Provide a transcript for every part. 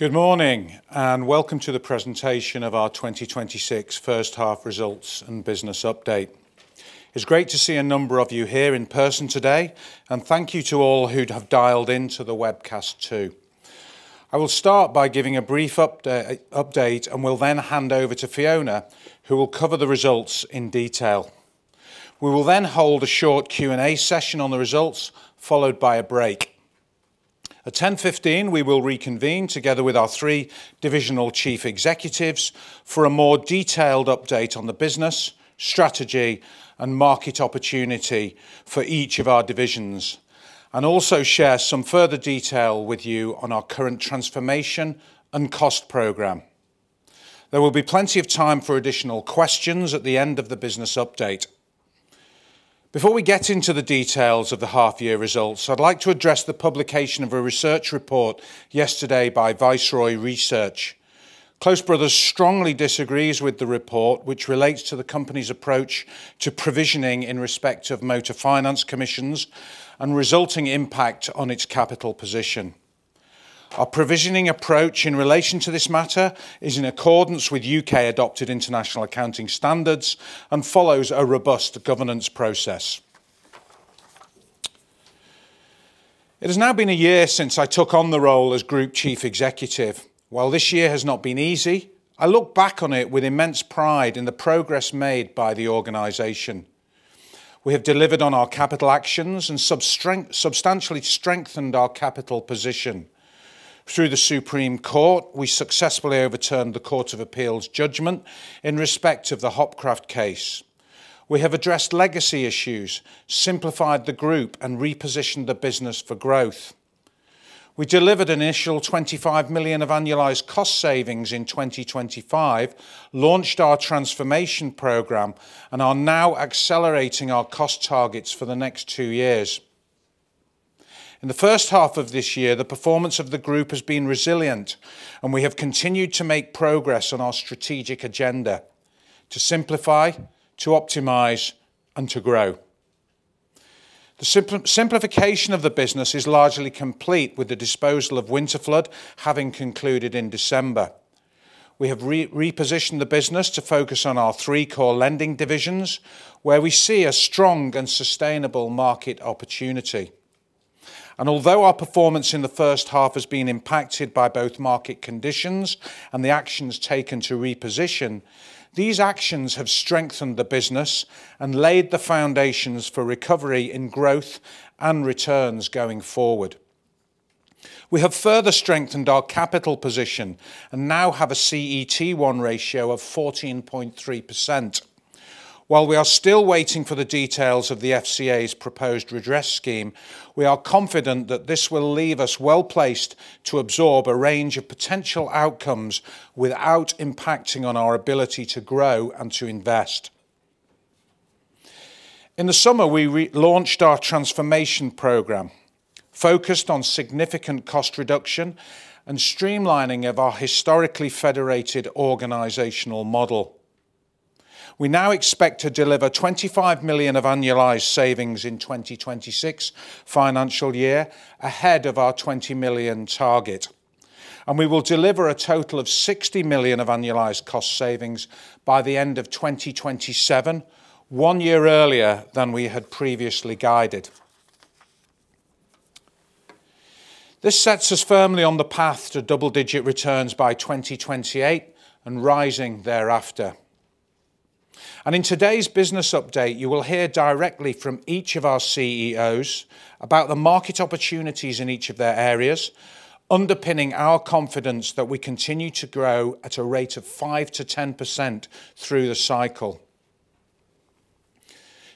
Good morning, and welcome to the presentation of our 2026 first half results and business update. It's great to see a number of you here in person today, and thank you to all who have dialed into the webcast too. I will start by giving a brief update, and will then hand over to Fiona, who will cover the results in detail. We will then hold a short Q&A session on the results, followed by a break. At 10:15 A.M., we will reconvene together with our three divisional chief executives for a more detailed update on the business, strategy and market opportunity for each of our divisions, and also share some further detail with you on our current transformation and cost program. There will be plenty of time for additional questions at the end of the business update. Before we get into the details of the half year results, I'd like to address the publication of a research report yesterday by Viceroy Research. Close Brothers strongly disagrees with the report, which relates to the company's approach to provisioning in respect of motor finance commissions and resulting impact on its capital position. Our provisioning approach in relation to this matter is in accordance with U.K. adopted international accounting standards and follows a robust governance process. It has now been a year since I took on the role as Group Chief Executive. While this year has not been easy, I look back on it with immense pride in the progress made by the organization. We have delivered on our capital actions and substantially strengthened our capital position. Through the Supreme Court, we successfully overturned the Court of Appeal's judgment in respect of the Hopcraft case. We have addressed legacy issues, simplified the Group, and repositioned the business for growth. We delivered initial 25 million of annualized cost savings in 2025, launched our transformation program, and are now accelerating our cost targets for the next two years. In the first half of this year, the performance of the Group has been resilient, and we have continued to make progress on our strategic agenda to simplify, to optimize and to grow. The simplification of the business is largely complete, with the disposal of Winterflood having concluded in December. We have repositioned the business to focus on our three core lending divisions, where we see a strong and sustainable market opportunity. Although our performance in the first half has been impacted by both market conditions and the actions taken to reposition, these actions have strengthened the business and laid the foundations for recovery in growth and returns going forward. We have further strengthened our capital position and now have a CET1 ratio of 14.3%. While we are still waiting for the details of the FCA's proposed redress scheme, we are confident that this will leave us well-placed to absorb a range of potential outcomes without impacting on our ability to grow and to invest. In the summer, we re-launched our transformation program, focused on significant cost reduction and streamlining of our historically federated organizational model. We now expect to deliver 25 million of annualized savings in 2026 financial year, ahead of our 20 million target. We will deliver a total of 60 million of annualized cost savings by the end of 2027, one year earlier than we had previously guided. This sets us firmly on the path to double-digit returns by 2028 and rising thereafter. In today's business update, you will hear directly from each of our CEOs about the market opportunities in each of their areas, underpinning our confidence that we continue to grow at a rate of 5%-10% through the cycle.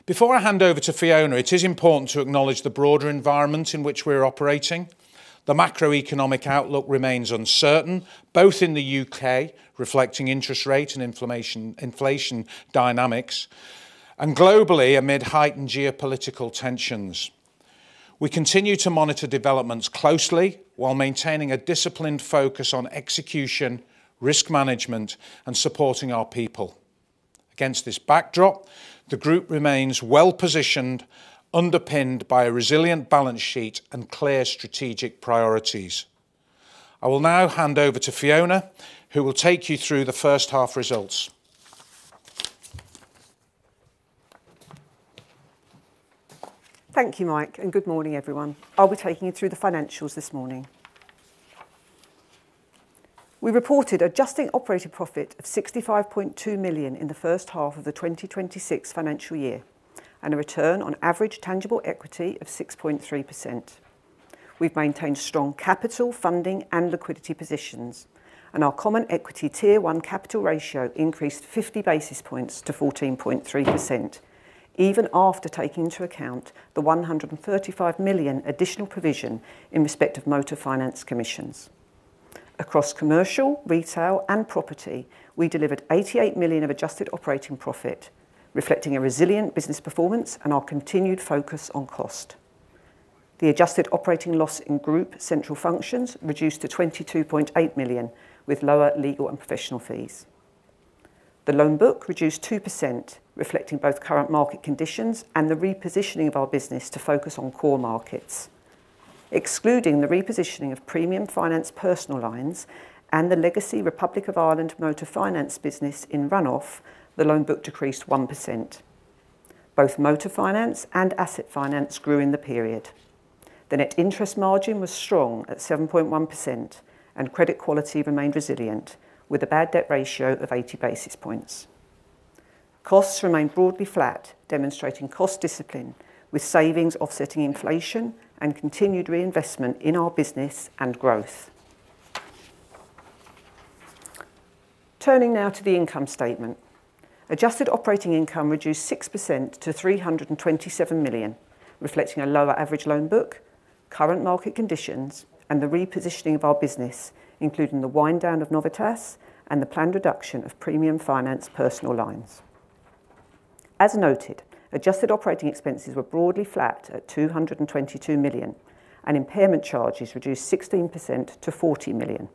Before I hand over to Fiona, it is important to acknowledge the broader environment in which we are operating. The macroeconomic outlook remains uncertain, both in the U.K., reflecting interest rate and inflation dynamics, and globally amid heightened geopolitical tensions. We continue to monitor developments closely while maintaining a disciplined focus on execution, risk management and supporting our people. Against this backdrop, the Group remains well-positioned, underpinned by a resilient balance sheet and clear strategic priorities. I will now hand over to Fiona, who will take you through the first half results. Thank you, Mike, and good morning, everyone. I'll be taking you through the financials this morning. We reported adjusting operating profit of 65.2 million in the first half of the 2026 financial year and a return on average tangible equity of 6.3%. We've maintained strong capital funding and liquidity positions, and our common equity tier one capital ratio increased 50 basis points to 14.3%, even after taking into account the 135 million additional provision in respect of motor finance commissions. Across Commercial, Retail and Property, we delivered 88 million of adjusted operating profit, reflecting a resilient business performance and our continued focus on cost. The adjusted operating loss in Group central functions reduced to 22.8 million, with lower legal and professional fees. The loan book reduced 2%, reflecting both current market conditions and the repositioning of our business to focus on core markets. Excluding the repositioning of Premium Finance personal lines and the legacy Republic of Ireland Motor Finance business in run-off, the loan book decreased 1%. Both Motor Finance and Asset Finance grew in the period. The net interest margin was strong at 7.1%, and credit quality remained resilient with a bad debt ratio of 80 basis points. Costs remained broadly flat, demonstrating cost discipline, with savings offsetting inflation and continued reinvestment in our business and growth. Turning now to the income statement. Adjusted operating income reduced 6% to 327 million, reflecting a lower average loan book, current market conditions, and the repositioning of our business, including the wind down of Novitas and the planned reduction of Premium Finance personal lines. As noted, adjusted operating expenses were broadly flat at 222 million, and impairment charges reduced 16% to 40 million.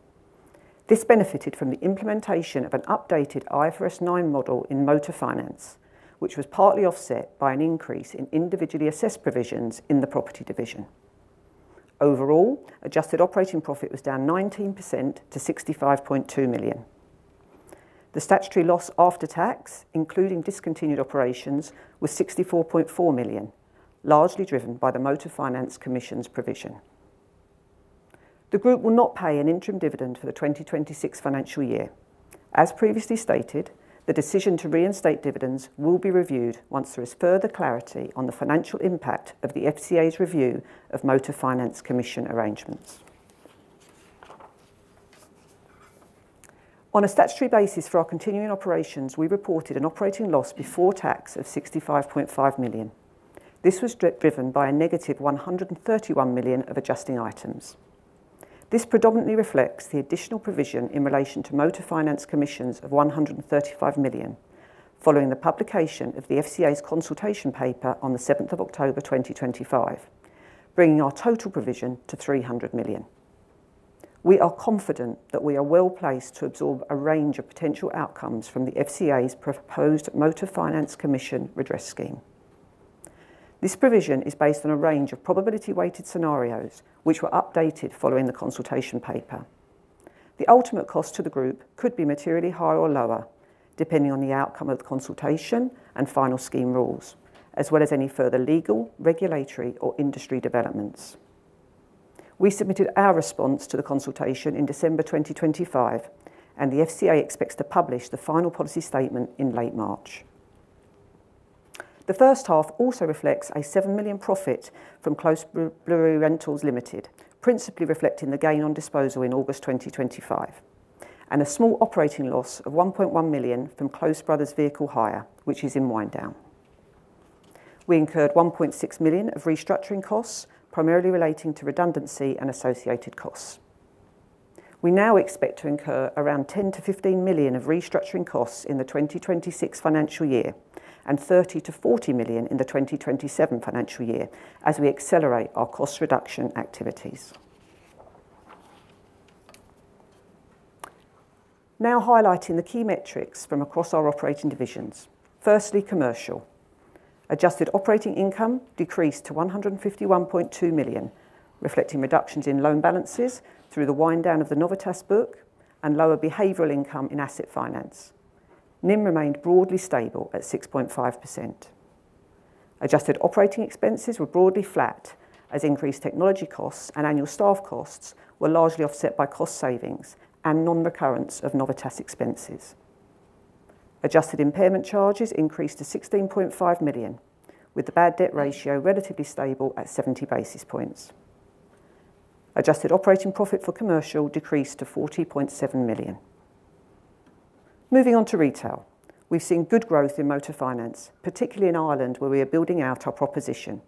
This benefited from the implementation of an updated IFRS 9 model in Motor Finance, which was partly offset by an increase in individually assessed provisions in the Property division. Overall, adjusted operating profit was down 19% to 65.2 million. The statutory loss after tax, including discontinued operations, was 64.4 million, largely driven by the motor finance commission's provision. The Group will not pay an interim dividend for the 2026 financial year. As previously stated, the decision to reinstate dividends will be reviewed once there is further clarity on the financial impact of the FCA's review of motor finance commission arrangements. On a statutory basis for our continuing operations, we reported an operating loss before tax of 65.5 million. This was driven by -131 million of adjusting items. This predominantly reflects the additional provision in relation to motor finance commissions of 135 million following the publication of the FCA's consultation paper on the October 7th, 2025, bringing our total provision to 300 million. We are confident that we are well-placed to absorb a range of potential outcomes from the FCA's proposed motor finance commission redress scheme. This provision is based on a range of probability weighted scenarios which were updated following the consultation paper. The ultimate cost to the Group could be materially higher or lower, depending on the outcome of the consultation and final scheme rules, as well as any further legal, regulatory, or industry developments. We submitted our response to the consultation in December 2025, and the FCA expects to publish the final policy statement in late March. The first half also reflects a 7 million profit from Close Brothers Brewery Rentals Limited, principally reflecting the gain on disposal in August 2025, and a small operating loss of 1.1 million from Close Brothers Vehicle Hire, which is in wind down. We incurred 1.6 million of restructuring costs, primarily relating to redundancy and associated costs. We now expect to incur around 10 million-15 million of restructuring costs in the 2026 financial year and 30 million- 40 million in the 2027 financial year as we accelerate our cost reduction activities. Now highlighting the key metrics from across our operating divisions. Firstly, Commercial. Adjusted operating income decreased to 151.2 million, reflecting reductions in loan balances through the wind down of the Novitas book and lower behavioral income in Asset Finance. NIM remained broadly stable at 6.5%. Adjusted operating expenses were broadly flat as increased technology costs and annual staff costs were largely offset by cost savings and non-recurrence of Novitas expenses. Adjusted impairment charges increased to 16.5 million, with the bad debt ratio relatively stable at 70 basis points. Adjusted operating profit for Commercial decreased to 40.7 million. Moving on to Retail. We've seen good growth in Motor Finance, particularly in Ireland, where we are building out our proposition.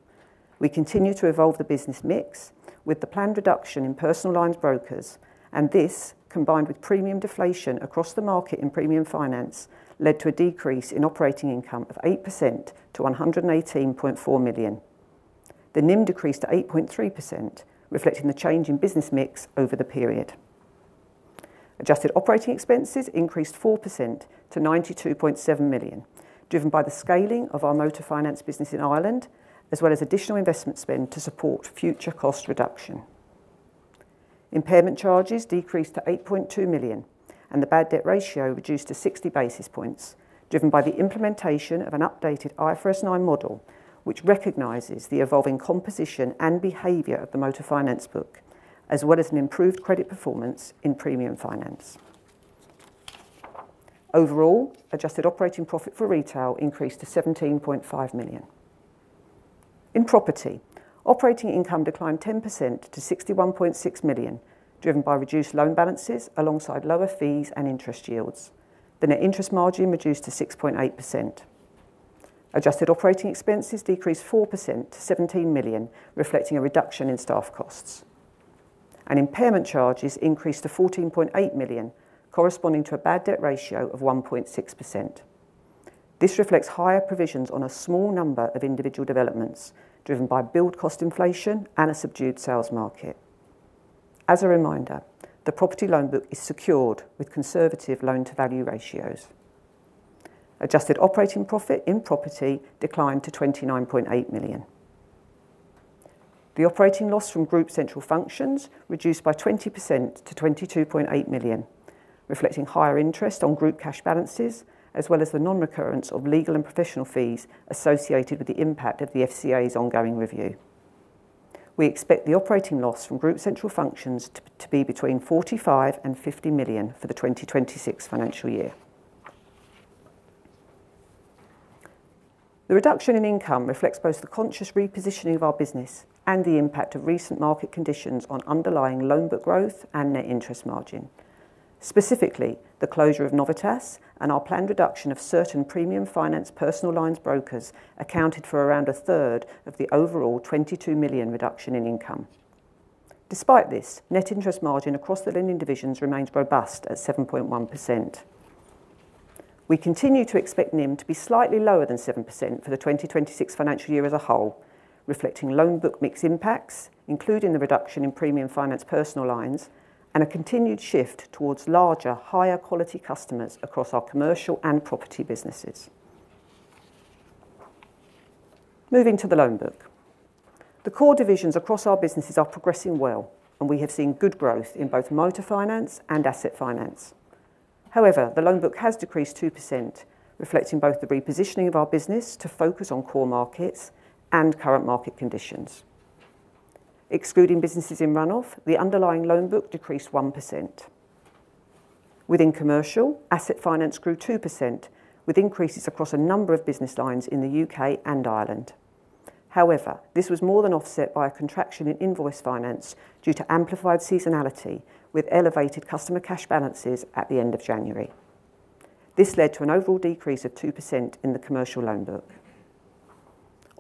We continue to evolve the business mix with the planned reduction in personal lines brokers, and this, combined with premium deflation across the market in Premium Finance, led to a decrease in operating income of 8% to 118.4 million. The NIM decreased to 8.3%, reflecting the change in business mix over the period. Adjusted operating expenses increased 4% to 92.7 million, driven by the scaling of our Motor Finance business in Ireland, as well as additional investment spend to support future cost reduction. Impairment charges decreased to 8.2 million, and the bad debt ratio reduced to 60 basis points, driven by the implementation of an updated IFRS 9 model, which recognizes the evolving composition and behavior of the Motor Finance book, as well as an improved credit performance in Premium Finance. Overall, adjusted operating profit for Retail increased to 17.5 million. In Property, operating income declined 10% to 61.6 million, driven by reduced loan balances alongside lower fees and interest yields. The net interest margin reduced to 6.8%. Adjusted operating expenses decreased 4% to 17 million, reflecting a reduction in staff costs. Impairment charges increased to 14.8 million, corresponding to a bad debt ratio of 1.6%. This reflects higher provisions on a small number of individual developments driven by build cost inflation and a subdued sales market. As a reminder, the Property loan book is secured with conservative loan-to-value ratios. Adjusted operating profit in Property declined to 29.8 million. The operating loss from Group central functions reduced by 20% to 22.8 million, reflecting higher interest on Group cash balances as well as the nonrecurrence of legal and professional fees associated with the impact of the FCA's ongoing review. We expect the operating loss from Group central functions to be between 40 million-50 million for the 2026 financial year. The reduction in income reflects both the conscious repositioning of our business and the impact of recent market conditions on underlying loan book growth and net interest margin. Specifically, the closure of Novitas and our planned reduction of certain Premium Finance personal loans brokers accounted for around a third of the overall 22 million reduction in income. Despite this, net interest margin across the lending divisions remains robust at 7.1%. We continue to expect NIM to be slightly lower than 7% for the 2026 financial year as a whole, reflecting loan book mix impacts, including the reduction in Premium Finance personal lines and a continued shift towards larger, higher quality customers across our Commercial and Property businesses. Moving to the loan book. The core divisions across our businesses are progressing well, and we have seen good growth in both Motor Finance and Asset Finance. However, the loan book has decreased 2%, reflecting both the repositioning of our business to focus on core markets and current market conditions. Excluding businesses in run-off, the underlying loan book decreased 1%. Within Commercial, Asset Finance grew 2%, with increases across a number of business lines in the U.K. and Ireland. However, this was more than offset by a contraction in Invoice Finance due to amplified seasonality with elevated customer cash balances at the end of January. This led to an overall decrease of 2% in the Commercial loan book.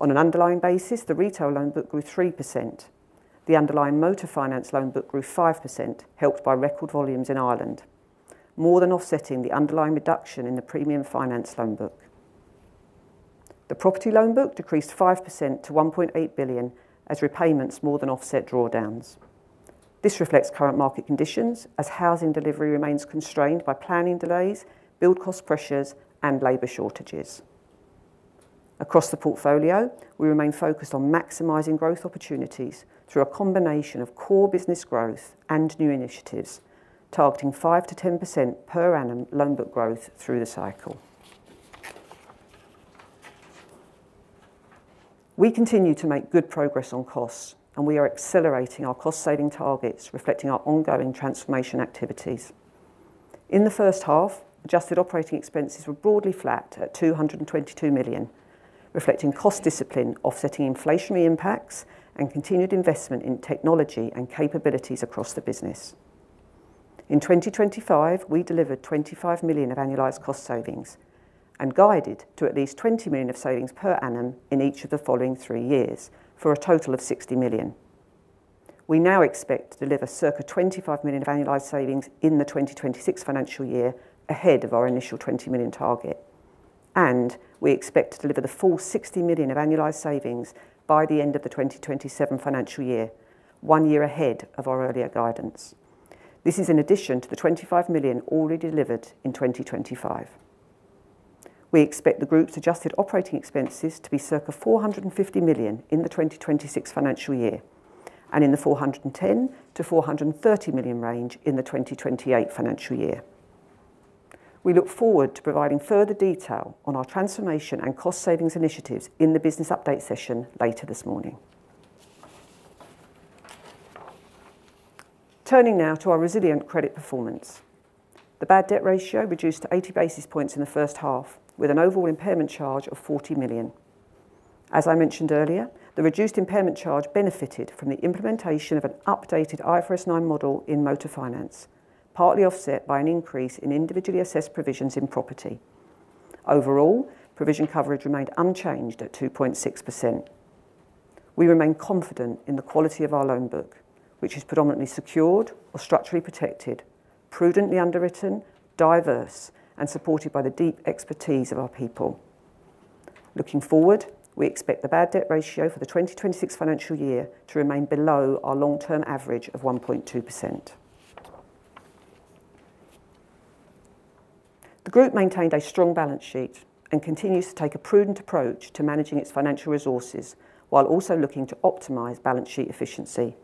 On an underlying basis, the Retail loan book grew 3%. The underlying Motor Finance loan book grew 5%, helped by record volumes in Ireland, more than offsetting the underlying reduction in the Premium Finance loan book. The Property loan book decreased 5% to 1.8 billion as repayments more than offset drawdowns. This reflects current market conditions as housing delivery remains constrained by planning delays, build cost pressures and labor shortages. Across the portfolio, we remain focused on maximizing growth opportunities through a combination of core business growth and new initiatives, targeting 5%-10% per annum loan book growth through the cycle. We continue to make good progress on costs, and we are accelerating our cost saving targets, reflecting our ongoing transformation activities. In the first half, adjusted operating expenses were broadly flat at 222 million, reflecting cost discipline offsetting inflationary impacts and continued investment in technology and capabilities across the business. In 2025, we delivered 25 million of annualized cost savings and guided to at least 20 million of savings per annum in each of the following three years for a total of 60 million. We now expect to deliver circa 25 million of annualized savings in the 2026 financial year ahead of our initial 20 million target, and we expect to deliver the full 60 million of annualized savings by the end of the 2027 financial year, one year ahead of our earlier guidance. This is in addition to the 25 million already delivered in 2025. We expect the Group's adjusted operating expenses to be circa 450 million in the 2026 financial year and in the 410 million-430 million range in the 2028 financial year. We look forward to providing further detail on our transformation and cost savings initiatives in the business update session later this morning. Turning now to our resilient credit performance. The bad debt ratio reduced to 80 basis points in the first half, with an overall impairment charge of 40 million. As I mentioned earlier, the reduced impairment charge benefited from the implementation of an updated IFRS 9 model in Motor Finance, partly offset by an increase in individually assessed provisions in Property. Overall, provision coverage remained unchanged at 2.6%. We remain confident in the quality of our loan book, which is predominantly secured or structurally protected, prudently underwritten, diverse and supported by the deep expertise of our people. Looking forward, we expect the bad debt ratio for the 2026 financial year to remain below our long-term average of 1.2%. The Group maintained a strong balance sheet and continues to take a prudent approach to managing its financial resources while also looking to optimize balance sheet efficiency.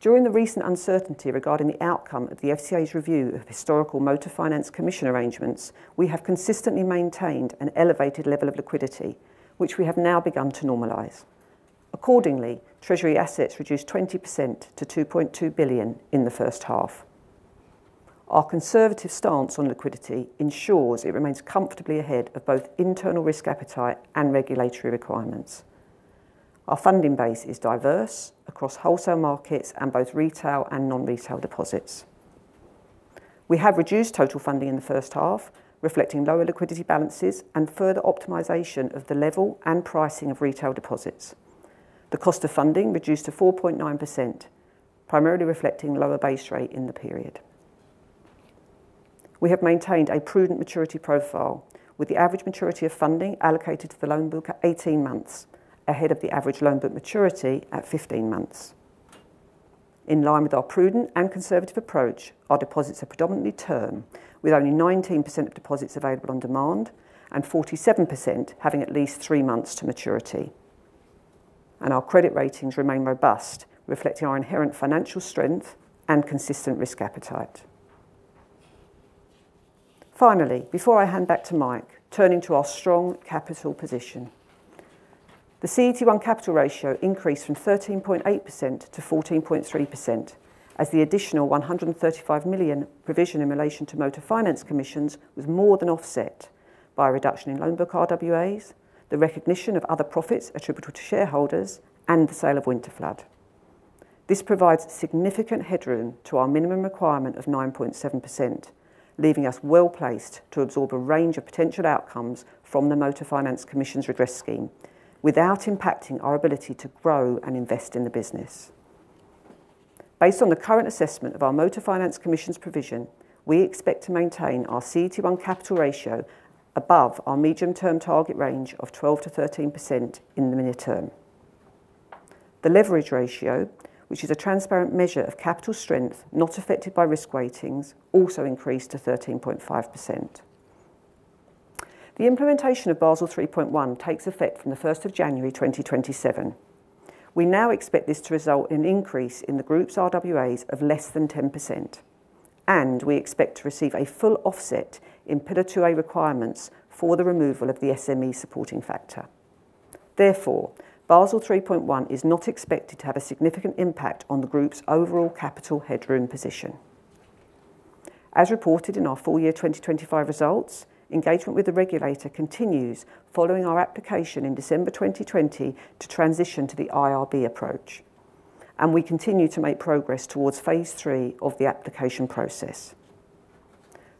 During the recent uncertainty regarding the outcome of the FCA's review of historical motor finance commission arrangements, we have consistently maintained an elevated level of liquidity, which we have now begun to normalize. Accordingly, treasury assets reduced 20% to 2.2 billion in the first half. Our conservative stance on liquidity ensures it remains comfortably ahead of both internal risk appetite and regulatory requirements. Our funding base is diverse across wholesale markets and both retail and non-retail deposits. We have reduced total funding in the first half, reflecting lower liquidity balances and further optimization of the level and pricing of retail deposits. The cost of funding reduced to 4.9%, primarily reflecting lower base rate in the period. We have maintained a prudent maturity profile with the average maturity of funding allocated to the loan book at 18 months ahead of the average loan book maturity at 15 months. In line with our prudent and conservative approach, our deposits are predominantly term, with only 19% of deposits available on demand and 47% having at least 3 months to maturity. Our credit ratings remain robust, reflecting our inherent financial strength and consistent risk appetite. Finally, before I hand back to Mike, turning to our strong capital position. The CET1 capital ratio increased from 13.8%-14.3% as the additional 135 million provision in relation to motor finance commission was more than offset by a reduction in loan book RWAs, the recognition of other profits attributable to shareholders, and the sale of Winterflood. This provides significant headroom to our minimum requirement of 9.7%, leaving us well-placed to absorb a range of potential outcomes from the motor finance commission's redress scheme without impacting our ability to grow and invest in the business. Based on the current assessment of our motor finance commission's provision, we expect to maintain our CET1 capital ratio above our medium-term target range of 12%-13% in the near term. The leverage ratio, which is a transparent measure of capital strength, not affected by risk ratings, also increased to 13.5%. The implementation of Basel 3.1 takes effect from January 1, 2027. We now expect this to result in an increase in the Group's RWAs of less than 10%, and we expect to receive a full offset in Pillar 2a requirements for the removal of the SME supporting factor. Therefore, Basel 3.1 is not expected to have a significant impact on the Group's overall capital headroom position. As reported in our full year 2025 results, engagement with the regulator continues following our application in December 2020 to transition to the IRB approach, and we continue to make progress towards phase three of the application process.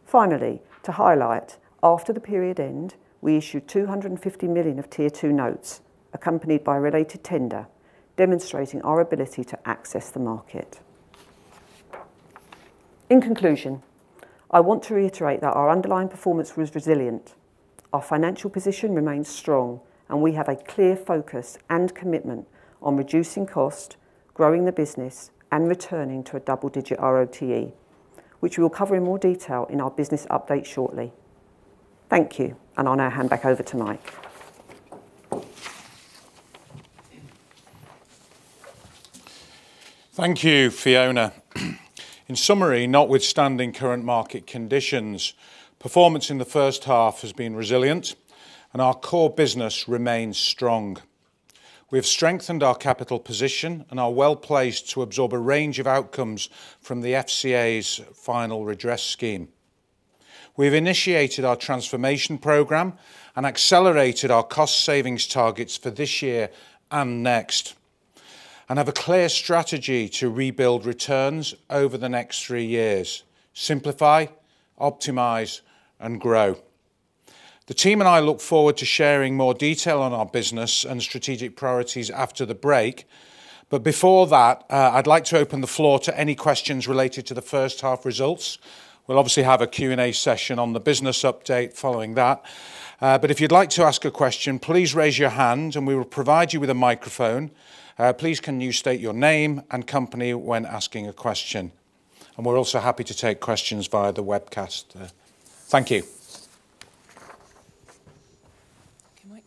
Finally, to highlight, after the period end, we issued 250 million of Tier 2 notes accompanied by a related tender, demonstrating our ability to access the market. In conclusion, I want to reiterate that our underlying performance was resilient, our financial position remains strong, and we have a clear focus and commitment on reducing cost, growing the business, and returning to a double-digit RoTE, which we will cover in more detail in our business update shortly. Thank you. I'll now hand back over to Mike. Thank you, Fiona. In summary, notwithstanding current market conditions, performance in the first half has been resilient and our core business remains strong. We have strengthened our capital position and are well-placed to absorb a range of outcomes from the FCA's final redress scheme. We've initiated our transformation program and accelerated our cost savings targets for this year and next, and have a clear strategy to rebuild returns over the next three years. Simplify, optimize, and grow. The team and I look forward to sharing more detail on our business and strategic priorities after the break. Before that, I'd like to open the floor to any questions related to the first half results. We'll obviously have a Q&A session on the business update following that. But if you'd like to ask a question, please raise your hand and we will provide you with a microphone. Please, can you state your name and company when asking a question? We're also happy to take questions via the webcast. Thank you. Okay, Mike.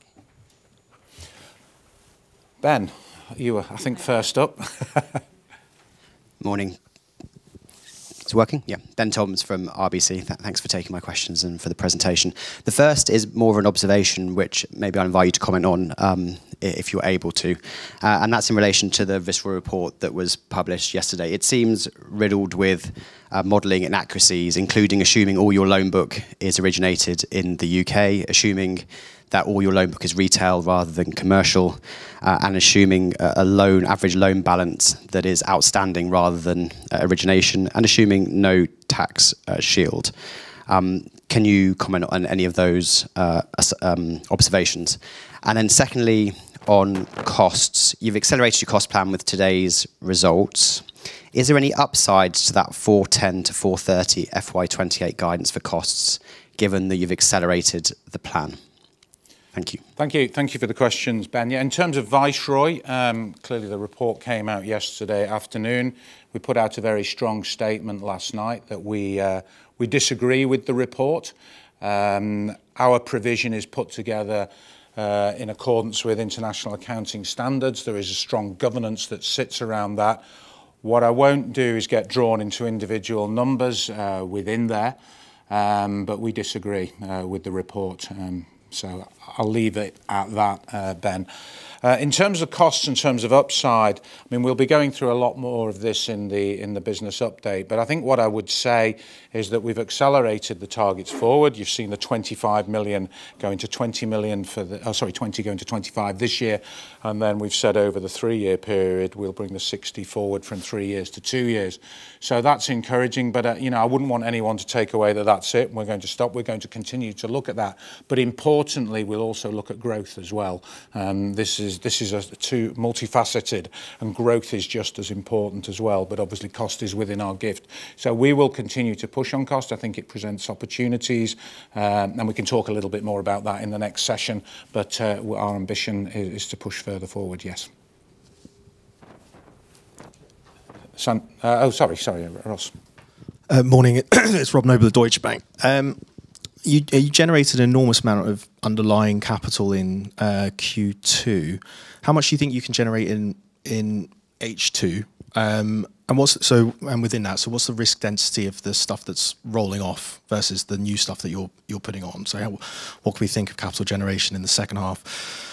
Ben, you are, I think, first up. Morning. It's working? Yeah. Ben Toms from RBC. Thanks for taking my questions and for the presentation. The first is more of an observation which maybe I invite you to comment on, if you're able to. That's in relation to the Viceroy report that was published yesterday. It seems riddled with modeling inaccuracies, including assuming all your loan book is originated in the U.K., assuming that all your loan book is Retail rather than Commercial, and assuming an average loan balance that is outstanding rather than origination, and assuming no tax shield. Can you comment on any of those observations? Secondly, on costs. You've accelerated your cost plan with today's results. Is there any upside to that 410 million-430 million FY 2028 guidance for costs given that you've accelerated the plan? Thank you. Thank you. Thank you for the questions, Ben. Yeah, in terms of Viceroy, clearly the report came out yesterday afternoon. We put out a very strong statement last night that we disagree with the report. Our provision is put together in accordance with international accounting standards. There is a strong governance that sits around that. What I won't do is get drawn into individual numbers within there, but we disagree with the report. I'll leave it at that, Ben. In terms of costs, in terms of upside, I mean, we'll be going through a lot more of this in the business update. I think what I would say is that we've accelerated the targets forward. You've seen the 20 million going to 25 million for this year, and then we've said over the three-year period, we'll bring the 60 forward from three years to two years. That's encouraging, but you know, I wouldn't want anyone to take away that that's it, and we're going to stop. We're going to continue to look at that. Importantly, we'll also look at growth as well. This is a two-faceted, and growth is just as important as well, but obviously cost is within our gift. We will continue to push on cost. I think it presents opportunities, and we can talk a little bit more about that in the next session. Our ambition is to push further forward, yes. Sorry. Rob Morning. It's Rob Noble at Deutsche Bank. You generated an enormous amount of underlying capital in Q2. How much do you think you can generate in H2? Within that, what's the risk density of the stuff that's rolling off versus the new stuff that you're putting on? What can we think of capital generation in the second half?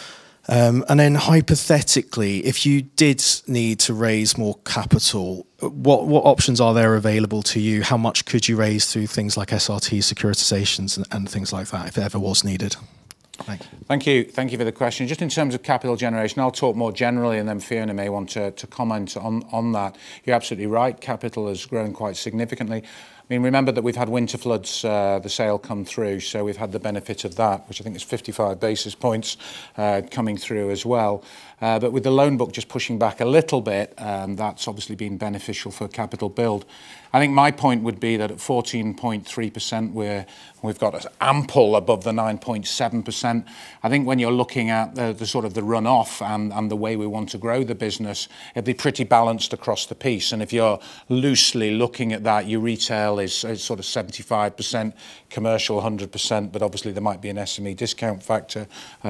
Hypothetically, if you did need to raise more capital, what options are there available to you? How much could you raise through things like SRT securitizations and things like that if it ever was needed? Thank you. Thank you. Thank you for the question. Just in terms of capital generation, I'll talk more generally, and then Fiona may want to comment on that. You're absolutely right. Capital has grown quite significantly. I mean, remember that we've had Winterflood's, the sale come through, so we've had the benefit of that, which I think is 55 basis points coming through as well. With the loan book just pushing back a little bit, that's obviously been beneficial for capital build. I think my point would be that at 14.3% we've got ample above the 9.7%. I think when you're looking at the sort of runoff and the way we want to grow the business, it'd be pretty balanced across the piece. If you're loosely looking at that, your Retail is sort of 75%, Commercial 100%, but obviously there might be an SME discount factor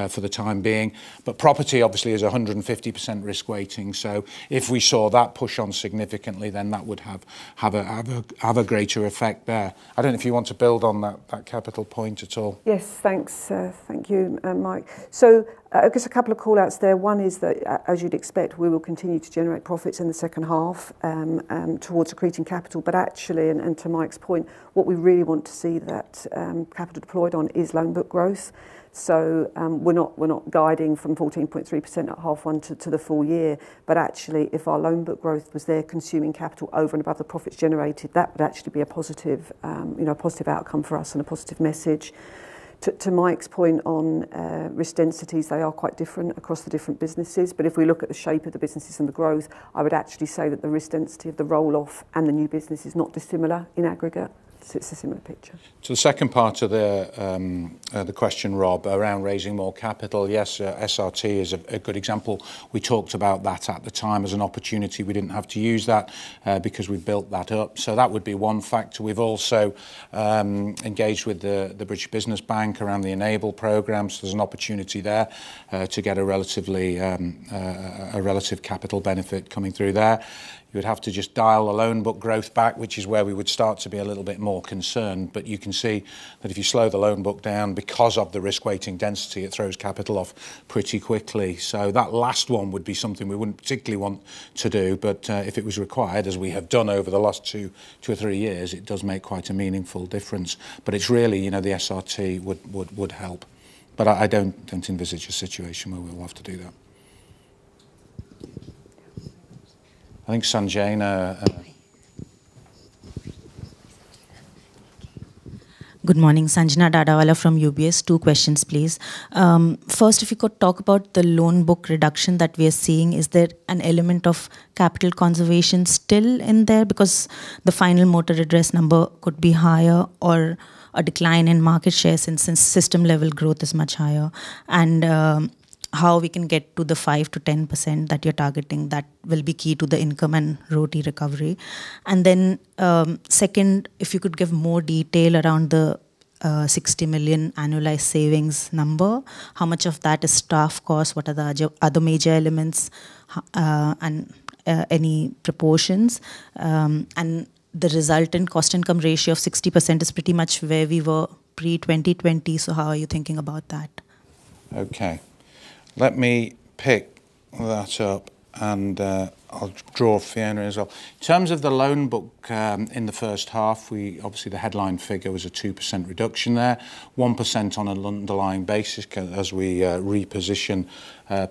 for the time being. Property obviously is 150% risk weighting. If we saw that push on significantly, then that would have a greater effect there. I don't know if you want to build on that capital point at all. Yes. Thanks, thank you, Mike. I guess a couple of call-outs there. One is that as you'd expect, we will continue to generate profits in the second half, towards accreting capital. Actually, and to Mike's point, what we really want to see that, capital deployed on is loan book growth. We're not guiding from 14.3% at half one to the full year. Actually, if our loan book growth was there consuming capital over and above the profits generated, that would actually be a positive, you know, a positive outcome for us and a positive message. To Mike's point on risk densities, they are quite different across the different businesses. If we look at the shape of the businesses and the growth, I would actually say that the risk density of the roll-off and the new business is not dissimilar in aggregate. It's a similar picture. To the second part of the question, Rob, around raising more capital, yes, SRT is a good example. We talked about that at the time as an opportunity. We didn't have to use that because we'd built that up. That would be one factor. We've also engaged with the British Business Bank around the ENABLE programmes. There's an opportunity there to get a relatively relative capital benefit coming through there. You would have to just dial the loan book growth back, which is where we would start to be a little bit more concerned. You can see that if you slow the loan book down because of the risk weighting density, it throws capital off pretty quickly. That last one would be something we wouldn't particularly want to do. If it was required, as we have done over the last two or three years, it does make quite a meaningful difference. It's really the SRT would help. I don't envisage a situation where we'll have to do that. Yes. I think Sanjena, Good morning. Sanjena Dadawala from UBS. Two questions, please. First, if you could talk about the loan book reduction that we are seeing. Is there an element of capital conservation still in there? Because the final motor assets number could be higher or a decline in market share since sector-level growth is much higher. How we can get to the 5%-10% that you're targeting will be key to the income and RoTE recovery. Second, if you could give more detail around the 60 million annualized savings number. How much of that is staff cost? What are the other major elements? And any proportions? The resultant cost income ratio of 60% is pretty much where we were pre-2020, so how are you thinking about that? Okay. Let me pick that up and I'll draw Fiona in as well. In terms of the loan book, in the first half, we obviously, the headline figure was a 2% reduction there. 1% on an underlying basis as we reposition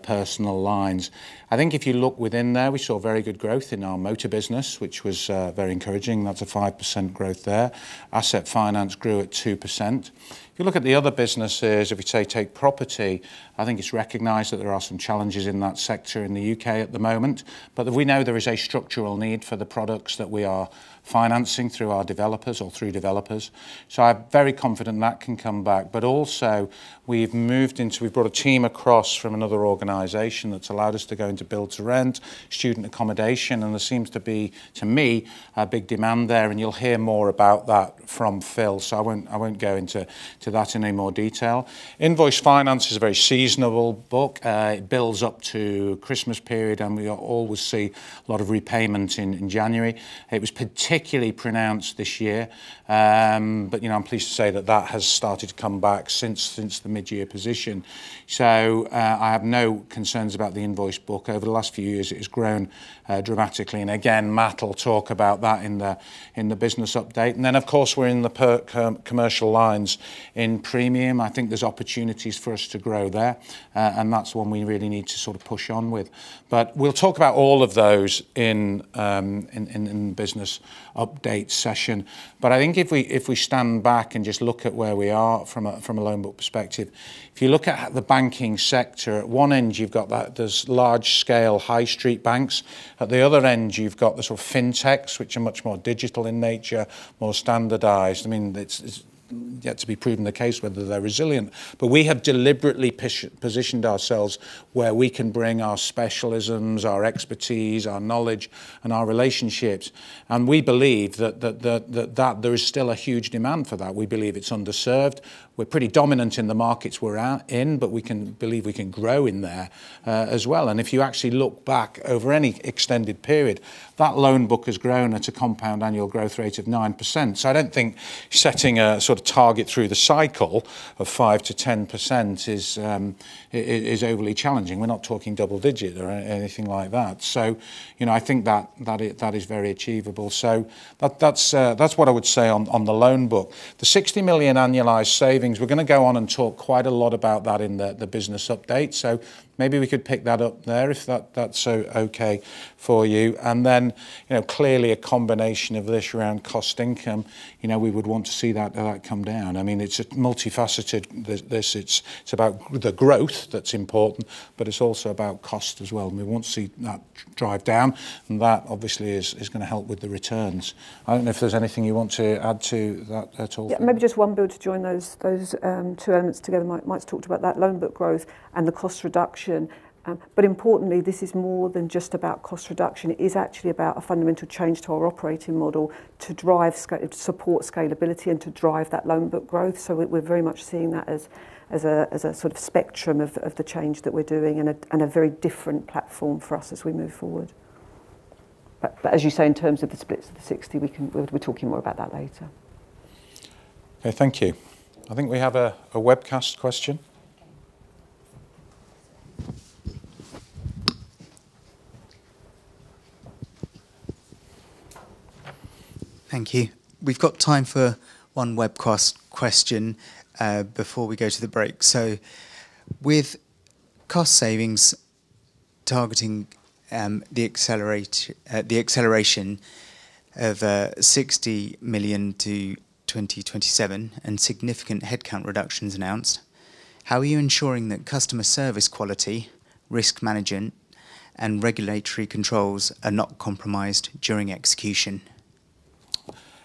personal lines. I think if you look within there, we saw very good growth in our motor business, which was very encouraging. That's a 5% growth there. Asset Finance grew at 2%. If you look at the other businesses, if you say take Property, I think it's recognized that there are some challenges in that sector in the U.K. at the moment. We know there is a structural need for the products that we are financing through our developers or through developers. I'm very confident that can come back. Also we've moved into. We've brought a team across from another organization that's allowed us to go into build to rent student accommodation, and there seems to be, to me, a big demand there. You'll hear more about that from Phil, so I won't go into that in any more detail. Invoice Finance is a very seasonal book. It builds up to Christmas period, and we always see a lot of repayment in January. It was particularly pronounced this year. But, you know, I'm pleased to say that has started to come back since the mid-year position. I have no concerns about the invoice book. Over the last few years, it has grown dramatically. Again, Matt will talk about that in the business update. Then, of course, we're in the Commercial lines. In Premium, I think there's opportunities for us to grow there, and that's one we really need to sort of push on with. We'll talk about all of those in the business update session. I think if we stand back and just look at where we are from a loan book perspective, if you look at the banking sector, at one end, you've got those large scale high street banks. At the other end, you've got the sort of fintechs, which are much more digital in nature, more standardized. I mean, it's yet to be proven the case whether they're resilient. We have deliberately positioned ourselves where we can bring our specialisms, our expertise, our knowledge, and our relationships, and we believe that there is still a huge demand for that. We believe it's underserved. We're pretty dominant in the markets we're at, but we believe we can grow in there as well. If you actually look back over any extended period, that loan book has grown at a compound annual growth rate of 9%. I don't think setting a sort of target through the cycle of 5%-10% is overly challenging. We're not talking double digit or anything like that. You know, I think that is very achievable. That is what I would say on the loan book. The 60 million annualized savings, we're gonna go on and talk quite a lot about that in the business update. Maybe we could pick that up there if that's okay for you. You know, clearly a combination of this around cost income. You know, we would want to see that come down. I mean, it's a multifaceted this. It's about the growth that's important, but it's also about cost as well, and we want to see that drive down. That obviously is gonna help with the returns. I don't know if there's anything you want to add to that at all. Yeah. Maybe just one build to join those two elements together. Mike's talked about that loan book growth and the cost reduction. Importantly, this is more than just about cost reduction. It is actually about a fundamental change to our operating model to drive support scalability and to drive that loan book growth. We're very much seeing that as a sort of spectrum of the change that we're doing and a very different platform for us as we move forward. As you say, in terms of the splits of the 60, we'll be talking more about that later. Okay, thank you. I think we have a webcast question. Thank you. We've got time for one webcast question before we go to the break. With cost savings targeting the acceleration of 60 million to 2027 and significant headcount reductions announced, how are you ensuring that customer service quality, risk management, and regulatory controls are not compromised during execution?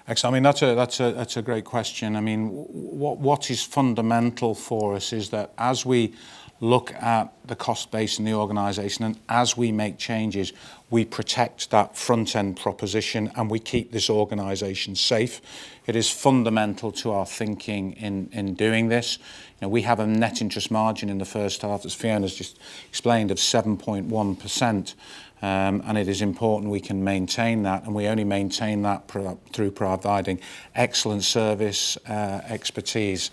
Actually, I mean, that's a great question. I mean, what is fundamental for us is that as we look at the cost base in the organization and as we make changes, we protect that front-end proposition, and we keep this organization safe. It is fundamental to our thinking in doing this. You know, we have a net interest margin in the first half, as Fiona's just explained, of 7.1%. It is important we can maintain that, and we only maintain that through providing excellent service, expertise.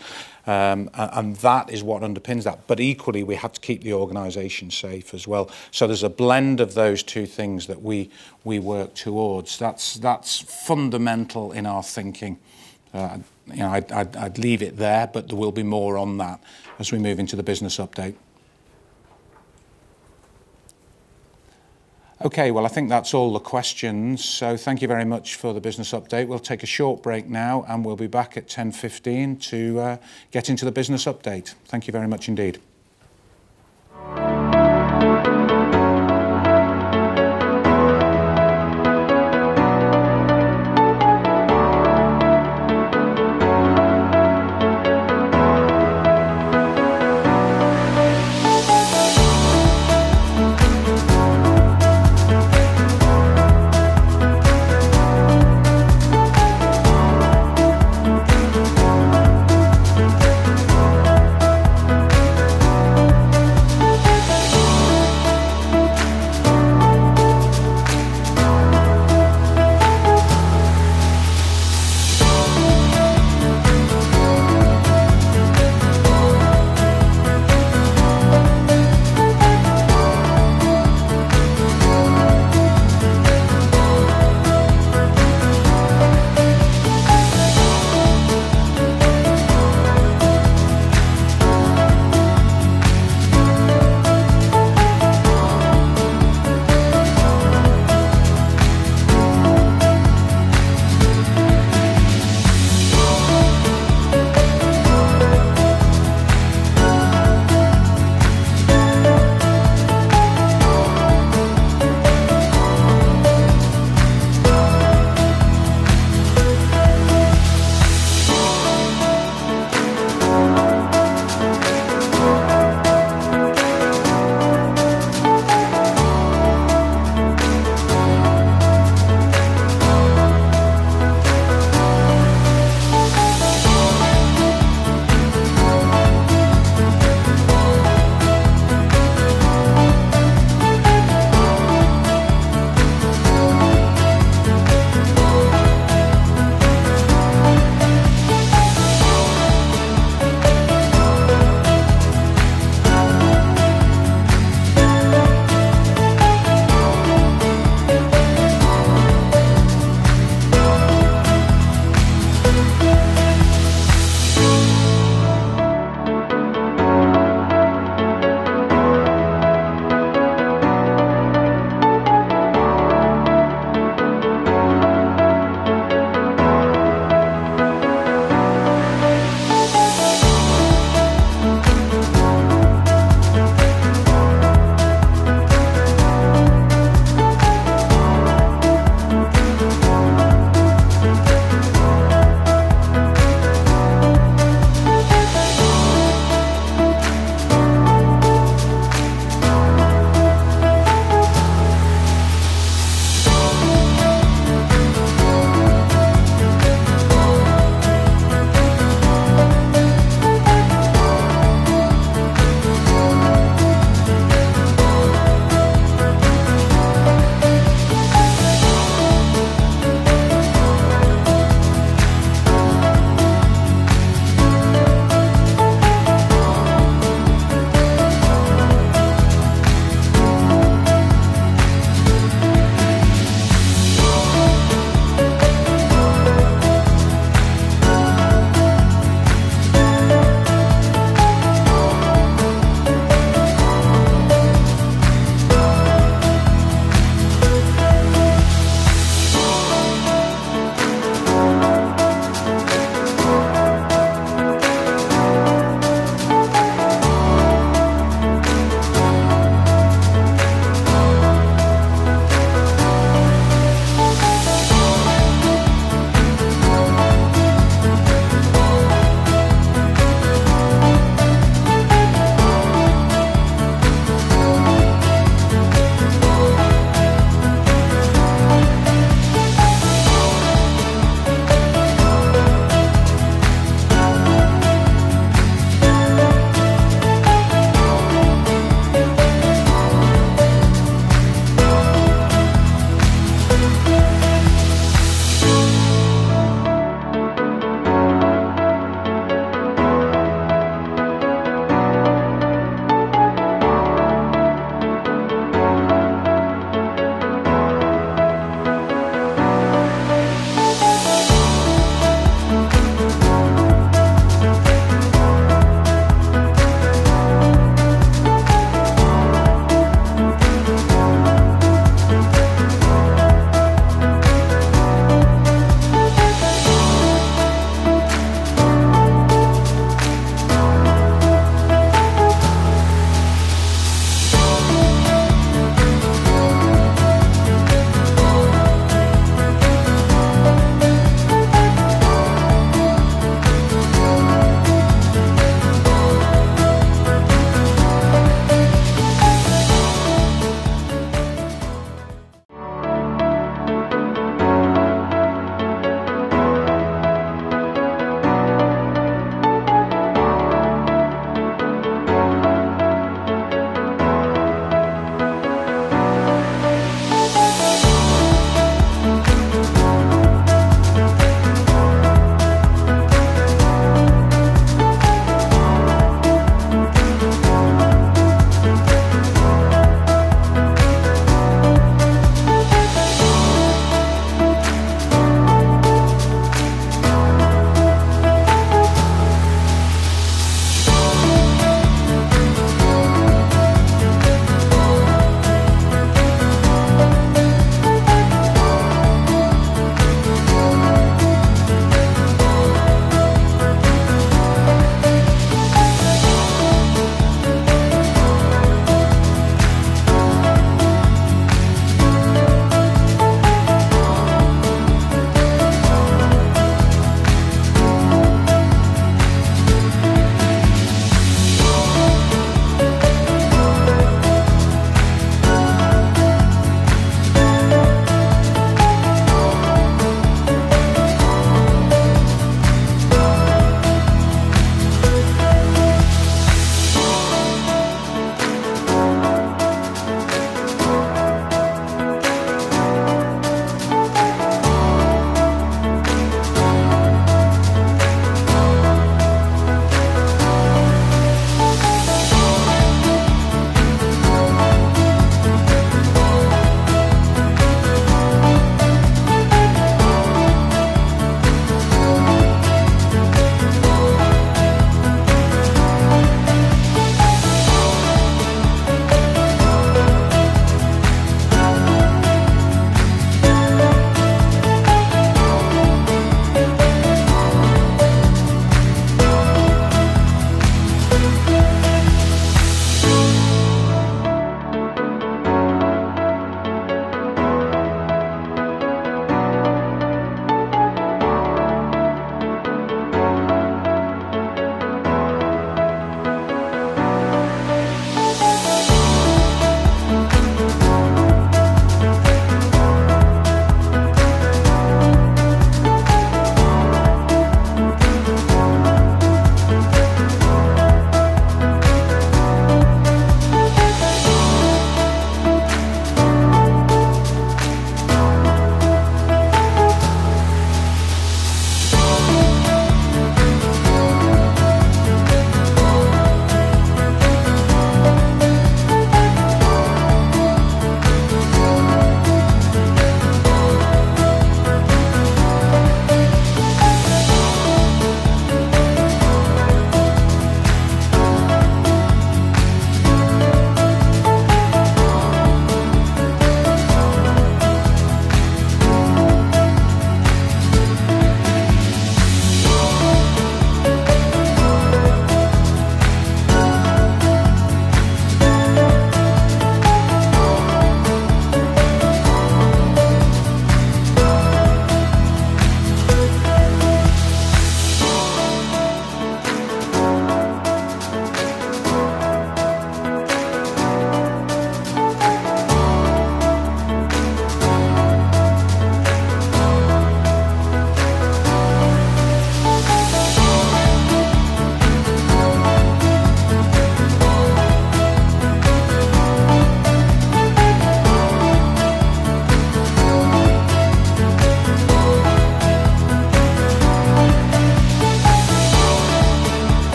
That is what underpins that. Equally, we have to keep the organization safe as well. There's a blend of those two things that we work towards. That's fundamental in our thinking. You know, I'd leave it there, but there will be more on that as we move into the business update. Okay. Well, I think that's all the questions. Thank you very much for the business update. We'll take a short break now, and we'll be back at 10:15 A.M. to get into the business update. Thank you very much indeed.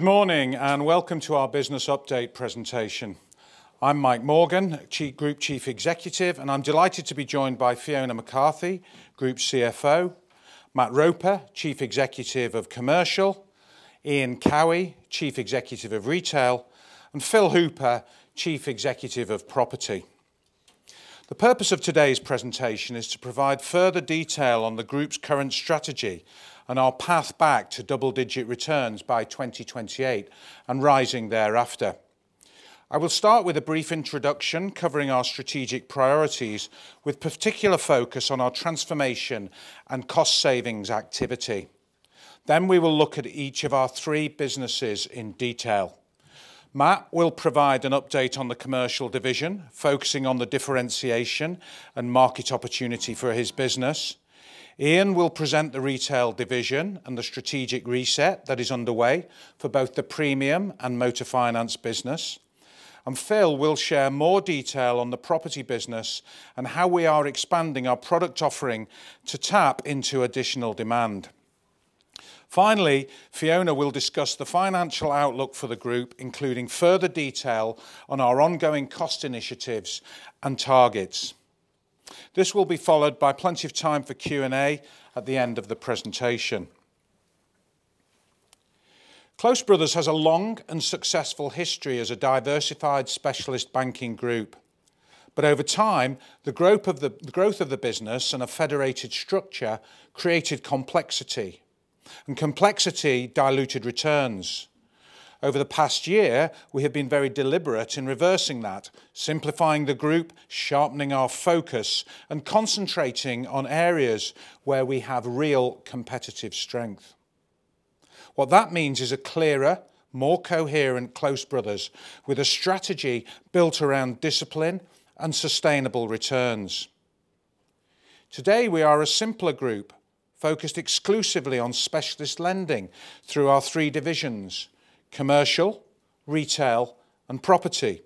Good morning, and welcome to our business update presentation. I'm Mike Morgan, Group Chief Executive, and I'm delighted to be joined by Fiona McCarthy, Group CFO, Matt Roper, Chief Executive of Commercial, Ian Cowie, Chief Executive of Retail, and Phil Hooper, Chief Executive of Property. The purpose of today's presentation is to provide further detail on the Group's current strategy and our path back to double-digit returns by 2028 and rising thereafter. I will start with a brief introduction covering our strategic priorities with particular focus on our transformation and cost savings activity. We will look at each of our three businesses in detail. Matt will provide an update on the Commercial division, focusing on the differentiation and market opportunity for his business. Ian will present the Retail division and the strategic reset that is underway for both the Premium and Motor Finance business. Phil will share more detail on the Property business and how we are expanding our product offering to tap into additional demand. Finally, Fiona will discuss the financial outlook for the Group, including further detail on our ongoing cost initiatives and targets. This will be followed by plenty of time for Q&A at the end of the presentation. Close Brothers has a long and successful history as a diversified specialist banking Group. Over time, the growth of the business and a federated structure created complexity, and complexity diluted returns. Over the past year, we have been very deliberate in reversing that, simplifying the Group, sharpening our focus, and concentrating on areas where we have real competitive strength. What that means is a clearer, more coherent Close Brothers with a strategy built around discipline and sustainable returns. Today, we are a simpler Group focused exclusively on specialist lending through our three divisions, Commercial, Retail, and Property.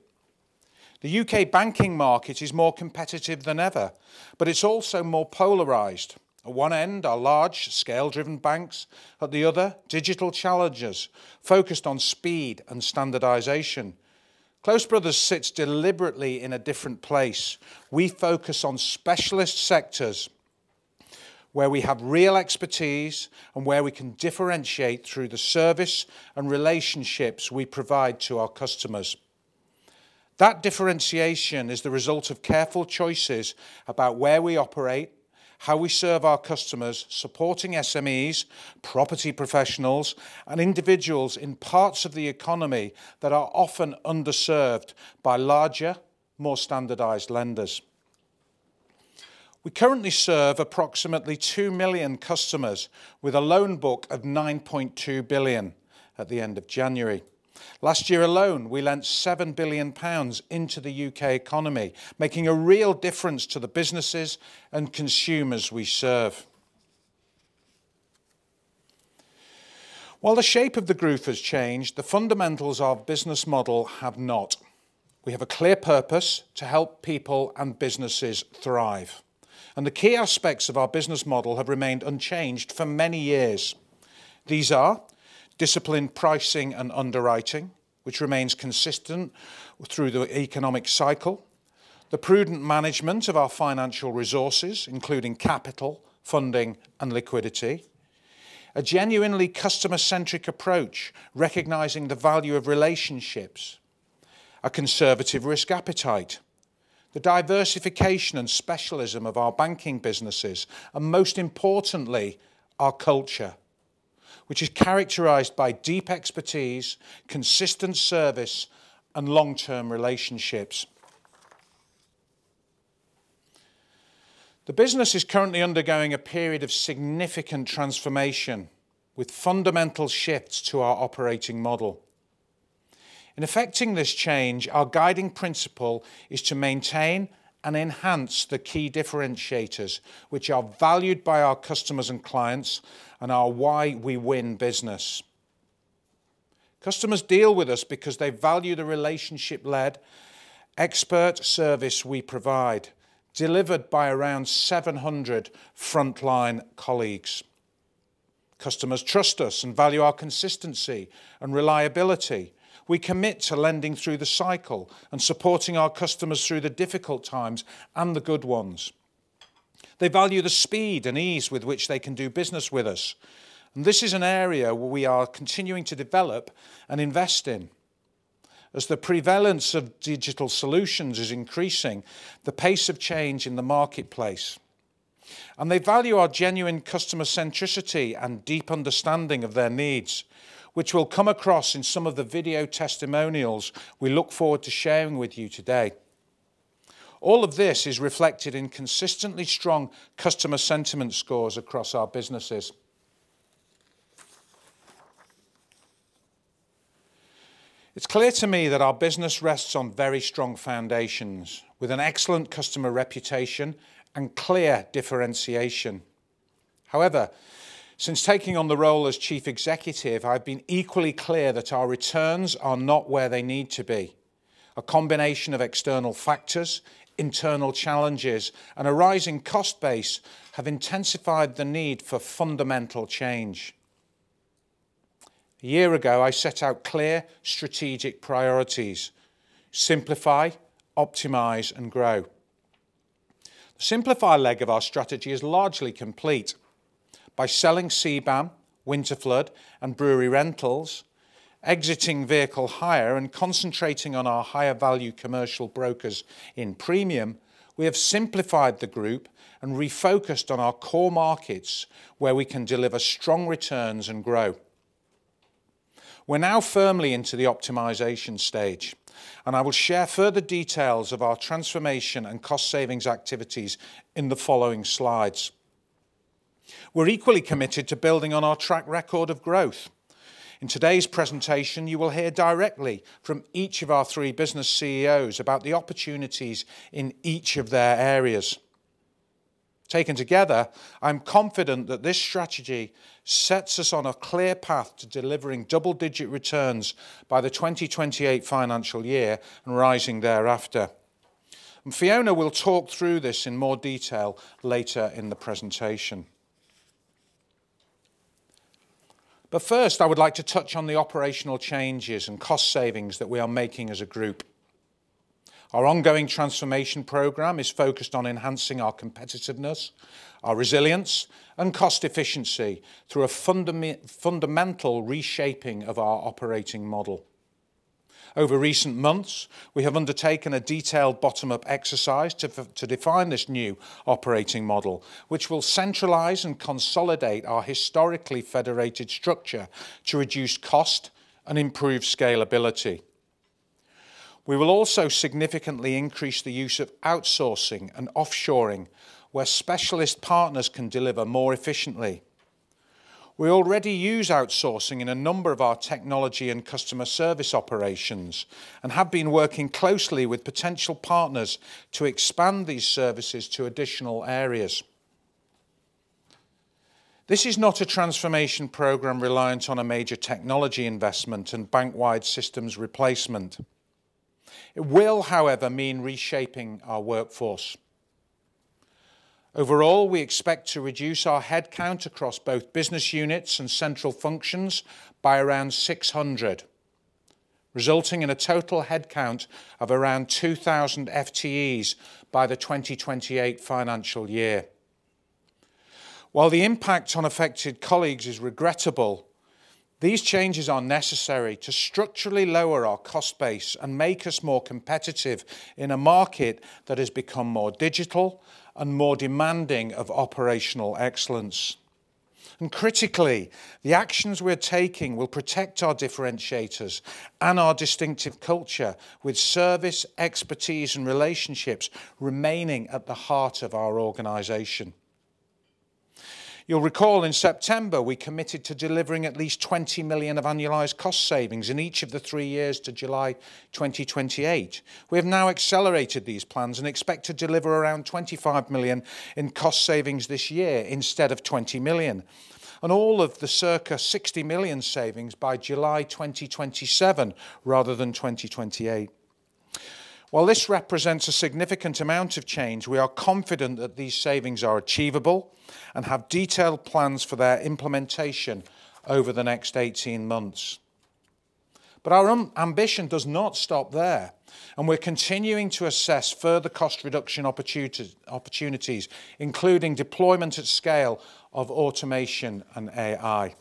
The U.K. banking market is more competitive than ever, but it's also more polarized. At one end are large scale driven banks. At the other, digital challengers focused on speed and standardization. Close Brothers sits deliberately in a different place. We focus on specialist sectors where we have real expertise and where we can differentiate through the service and relationships we provide to our customers. That differentiation is the result of careful choices about where we operate, how we serve our customers, supporting SMEs, property professionals, and individuals in parts of the economy that are often underserved by larger, more standardized lenders. We currently serve approximately 2 million customers with a loan book of 9.2 billion at the end of January. Last year alone, we lent 7 billion pounds into the U.K. economy, making a real difference to the businesses and consumers we serve. While the shape of the Group has changed, the fundamentals of the business model have not. We have a clear purpose to help people and businesses thrive, and the key aspects of our business model have remained unchanged for many years. These are disciplined pricing and underwriting, which remains consistent through the economic cycle. The prudent management of our financial resources, including capital, funding, and liquidity. A genuinely customer-centric approach, recognizing the value of relationships. A conservative risk appetite. The diversification and specialism of our banking businesses, and most importantly, our culture, which is characterized by deep expertise, consistent service, and long-term relationships. The business is currently undergoing a period of significant transformation with fundamental shifts to our operating model. In effecting this change, our guiding principle is to maintain and enhance the key differentiators, which are valued by our customers and clients and are why we win business. Customers deal with us because they value the relationship-led expert service we provide, delivered by around 700 frontline colleagues. Customers trust us and value our consistency and reliability. We commit to lending through the cycle and supporting our customers through the difficult times and the good ones. They value the speed and ease with which they can do business with us, and this is an area where we are continuing to develop and invest in. As the prevalence of digital solutions is increasing the pace of change in the marketplace. They value our genuine customer centricity and deep understanding of their needs, which we'll come across in some of the video testimonials we look forward to sharing with you today. All of this is reflected in consistently strong customer sentiment scores across our businesses. It's clear to me that our business rests on very strong foundations with an excellent customer reputation and clear differentiation. However, since taking on the role as chief executive, I've been equally clear that our returns are not where they need to be. A combination of external factors, internal challenges, and a rising cost base have intensified the need for fundamental change. A year ago, I set out clear strategic priorities. Simplify, optimize, and grow. The simplify leg of our strategy is largely complete. By selling CBAM, Winterflood, and Brewery Rentals, exiting vehicle hire, and concentrating on our higher value commercial brokers in Premium, we have simplified the Group and refocused on our core markets where we can deliver strong returns and grow. We're now firmly into the optimization stage, and I will share further details of our transformation and cost savings activities in the following slides. We're equally committed to building on our track record of growth. In today's presentation, you will hear directly from each of our three business CEOs about the opportunities in each of their areas. Taken together, I'm confident that this strategy sets us on a clear path to delivering double-digit returns by the 2028 financial year and rising thereafter. Fiona will talk through this in more detail later in the presentation. First, I would like to touch on the operational changes and cost savings that we are making as a Group. Our ongoing transformation program is focused on enhancing our competitiveness, our resilience, and cost efficiency through a fundamental reshaping of our operating model. Over recent months, we have undertaken a detailed bottom-up exercise to define this new operating model, which will centralize and consolidate our historically federated structure to reduce cost and improve scalability. We will also significantly increase the use of outsourcing and offshoring, where specialist partners can deliver more efficiently. We already use outsourcing in a number of our technology and customer service operations and have been working closely with potential partners to expand these services to additional areas. This is not a transformation program reliant on a major technology investment and bank-wide systems replacement. It will, however, mean reshaping our workforce. Overall, we expect to reduce our headcount across both business units and central functions by around 600, resulting in a total headcount of around 2,000 FTEs by the 2028 financial year. While the impact on affected colleagues is regrettable, these changes are necessary to structurally lower our cost base and make us more competitive in a market that has become more digital and more demanding of operational excellence. Critically, the actions we're taking will protect our differentiators and our distinctive culture with service, expertise, and relationships remaining at the heart of our organization. You'll recall in September, we committed to delivering at least 20 million of annualized cost savings in each of the three years to July 2028. We have now accelerated these plans and expect to deliver around 25 million in cost savings this year instead of 20 million. On all of the circa 60 million savings by July 2027 rather than 2028. While this represents a significant amount of change, we are confident that these savings are achievable and have detailed plans for their implementation over the next 18 months. Our ambition does not stop there, and we're continuing to assess further cost reduction opportunities, including deployment at scale of automation and AI.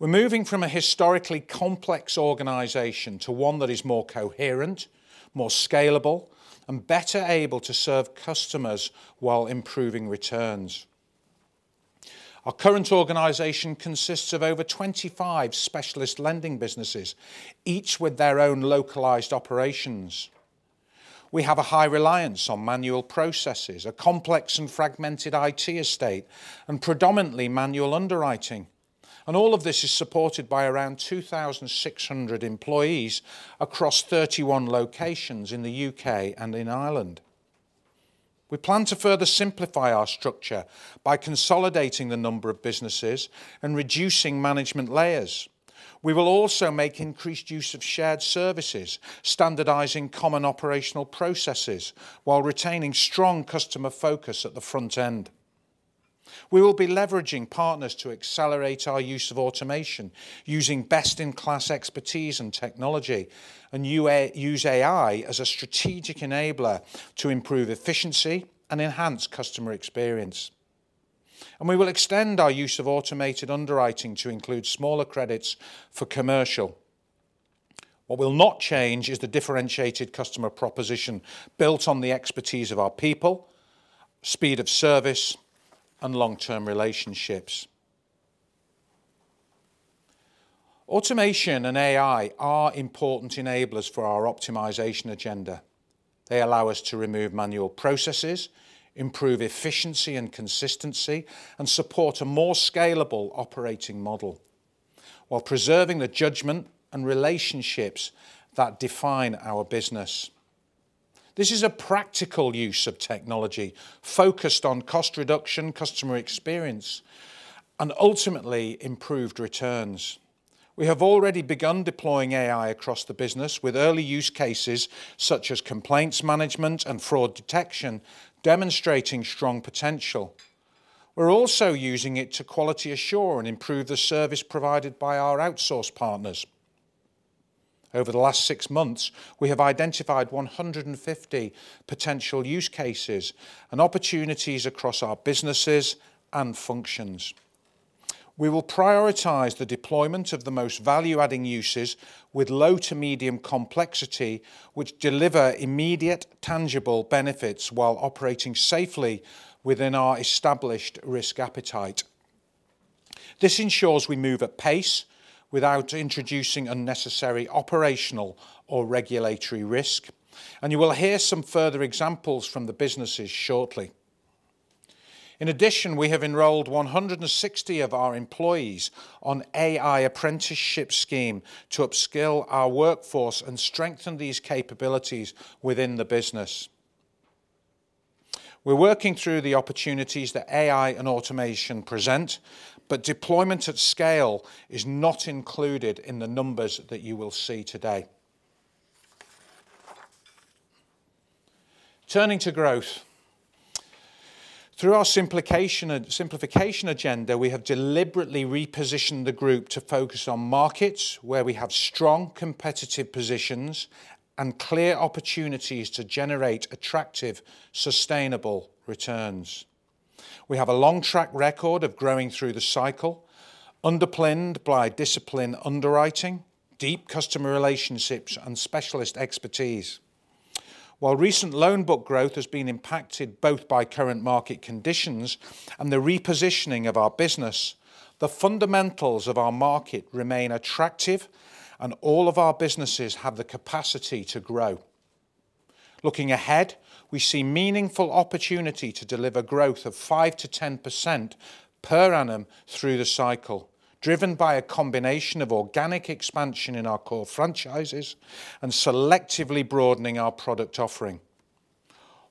We're moving from a historically complex organization to one that is more coherent, more scalable, and better able to serve customers while improving returns. Our current organization consists of over 25 specialist lending businesses, each with their own localized operations. We have a high reliance on manual processes, a complex and fragmented IT estate, and predominantly manual underwriting. All of this is supported by around 2,600 employees across 31 locations in the U.K. and in Ireland. We plan to further simplify our structure by consolidating the number of businesses and reducing management layers. We will also make increased use of shared services, standardizing common operational processes while retaining strong customer focus at the front end. We will be leveraging partners to accelerate our use of automation using best-in-class expertise and technology and use AI as a strategic enabler to improve efficiency and enhance customer experience. We will extend our use of automated underwriting to include smaller credits for Commercial. What will not change is the differentiated customer proposition built on the expertise of our people, speed of service, and long-term relationships. Automation and AI are important enablers for our optimization agenda. They allow us to remove manual processes, improve efficiency and consistency, and support a more scalable operating model while preserving the judgment and relationships that define our business. This is a practical use of technology focused on cost reduction, customer experience, and ultimately improved returns. We have already begun deploying AI across the business with early use cases such as complaints management and fraud detection, demonstrating strong potential. We're also using it to quality assure and improve the service provided by our outsource partners. Over the last six months, we have identified 150 potential use cases and opportunities across our businesses and functions. We will prioritize the deployment of the most value-adding uses with low to medium complexity, which deliver immediate tangible benefits while operating safely within our established risk appetite. This ensures we move at pace without introducing unnecessary operational or regulatory risk, and you will hear some further examples from the businesses shortly. In addition, we have enrolled 160 of our employees on AI apprenticeship scheme to upskill our workforce and strengthen these capabilities within the business. We're working through the opportunities that AI and automation present, but deployment at scale is not included in the numbers that you will see today. Turning to growth. Through our simplification agenda, we have deliberately repositioned the Group to focus on markets where we have strong competitive positions and clear opportunities to generate attractive, sustainable returns. We have a long track record of growing through the cycle, underpinned by disciplined underwriting, deep customer relationships, and specialist expertise. While recent loan book growth has been impacted both by current market conditions and the repositioning of our business, the fundamentals of our market remain attractive and all of our businesses have the capacity to grow. Looking ahead, we see meaningful opportunity to deliver growth of 5%-10% per annum through the cycle, driven by a combination of organic expansion in our core franchises and selectively broadening our product offering,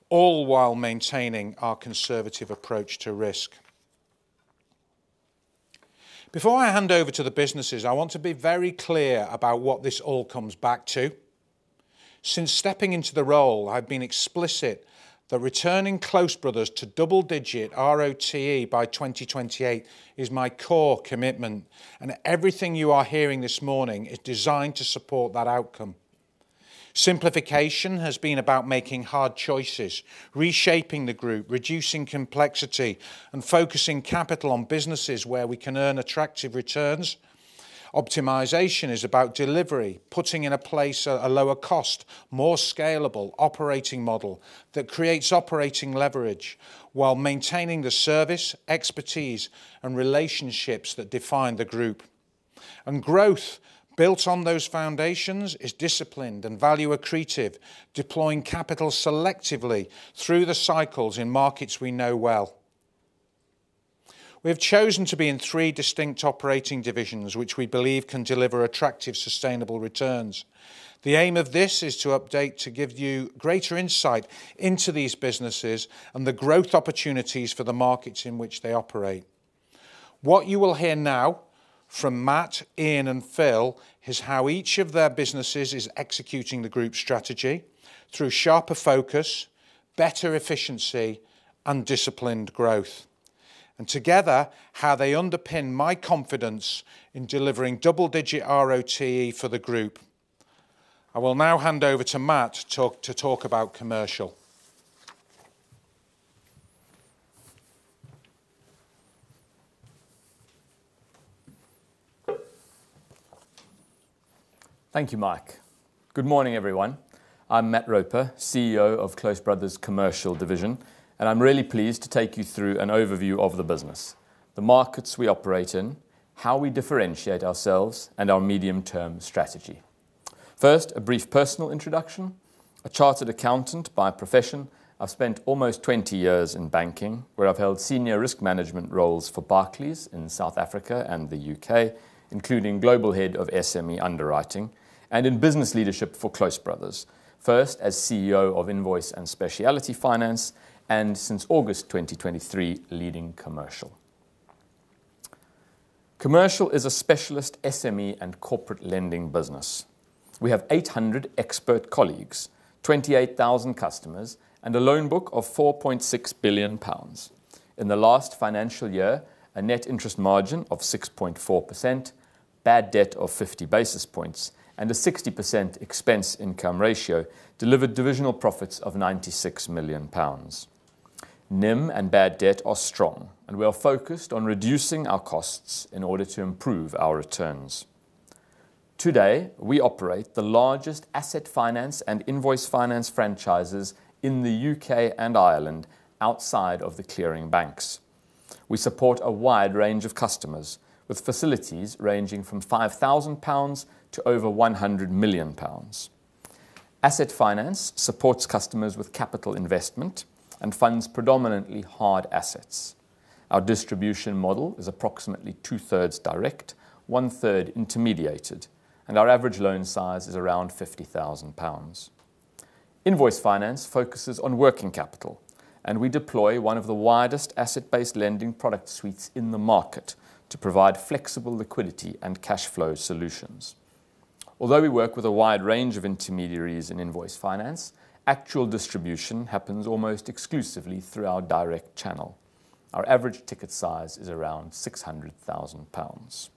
all while maintaining our conservative approach to risk. Before I hand over to the businesses, I want to be very clear about what this all comes back to. Since stepping into the role, I've been explicit that returning Close Brothers to double-digit RoTE by 2028 is my core commitment, and everything you are hearing this morning is designed to support that outcome. Simplification has been about making hard choices, reshaping the Group, reducing complexity, and focusing capital on businesses where we can earn attractive returns. Optimization is about delivery, putting in place a lower cost, more scalable operating model that creates operating leverage while maintaining the service, expertise, and relationships that define the Group. Growth built on those foundations is disciplined and value accretive, deploying capital selectively through the cycles in markets we know well. We have chosen to be in three distinct operating divisions, which we believe can deliver attractive, sustainable returns. The aim of this is to update to give you greater insight into these businesses and the growth opportunities for the markets in which they operate. What you will hear now from Matt, Ian, and Phil is how each of their businesses is executing the Group strategy through sharper focus, better efficiency, and disciplined growth, and together, how they underpin my confidence in delivering double-digit RoTE for the Group. I will now hand over to Matt to talk about Commercial. Thank you, Mike. Good morning, everyone. I'm Matt Roper, CEO of Close Brothers Commercial division, and I'm really pleased to take you through an overview of the business, the markets we operate in, how we differentiate ourselves, and our medium-term strategy. First, a brief personal introduction. A chartered accountant by profession, I've spent almost 20 years in banking, where I've held senior risk management roles for Barclays in South Africa and the U.K., including global head of SME underwriting and in business leadership for Close Brothers. First, as CEO of Invoice and Speciality Finance, and since August 2023, leading Commercial. Commercial is a specialist SME and corporate lending business. We have 800 expert colleagues, 28,000 customers, and a loan book of 4.6 billion pounds. In the last financial year, a net interest margin of 6.4%. Bad debt of 50 basis points and a 60% expense income ratio delivered divisional profits of 96 million pounds. NIM and bad debt are strong, and we are focused on reducing our costs in order to improve our returns. Today, we operate the largest Asset Finance and Invoice Finance franchises in the U.K. and Ireland outside of the clearing banks. We support a wide range of customers with facilities ranging from 5,000 pounds to over 100 million pounds. Asset Finance supports customers with capital investment and funds predominantly hard assets. Our distribution model is approximately 2/3 direct, one-third intermediated, and our average loan size is around 50,000 pounds. Invoice Finance focuses on working capital, and we deploy one of the widest asset-based lending product suites in the market to provide flexible liquidity and cash flow solutions. Although we work with a wide range of intermediaries in Invoice Finance, actual distribution happens almost exclusively through our direct channel. Our average ticket size is around 600 thousand pounds.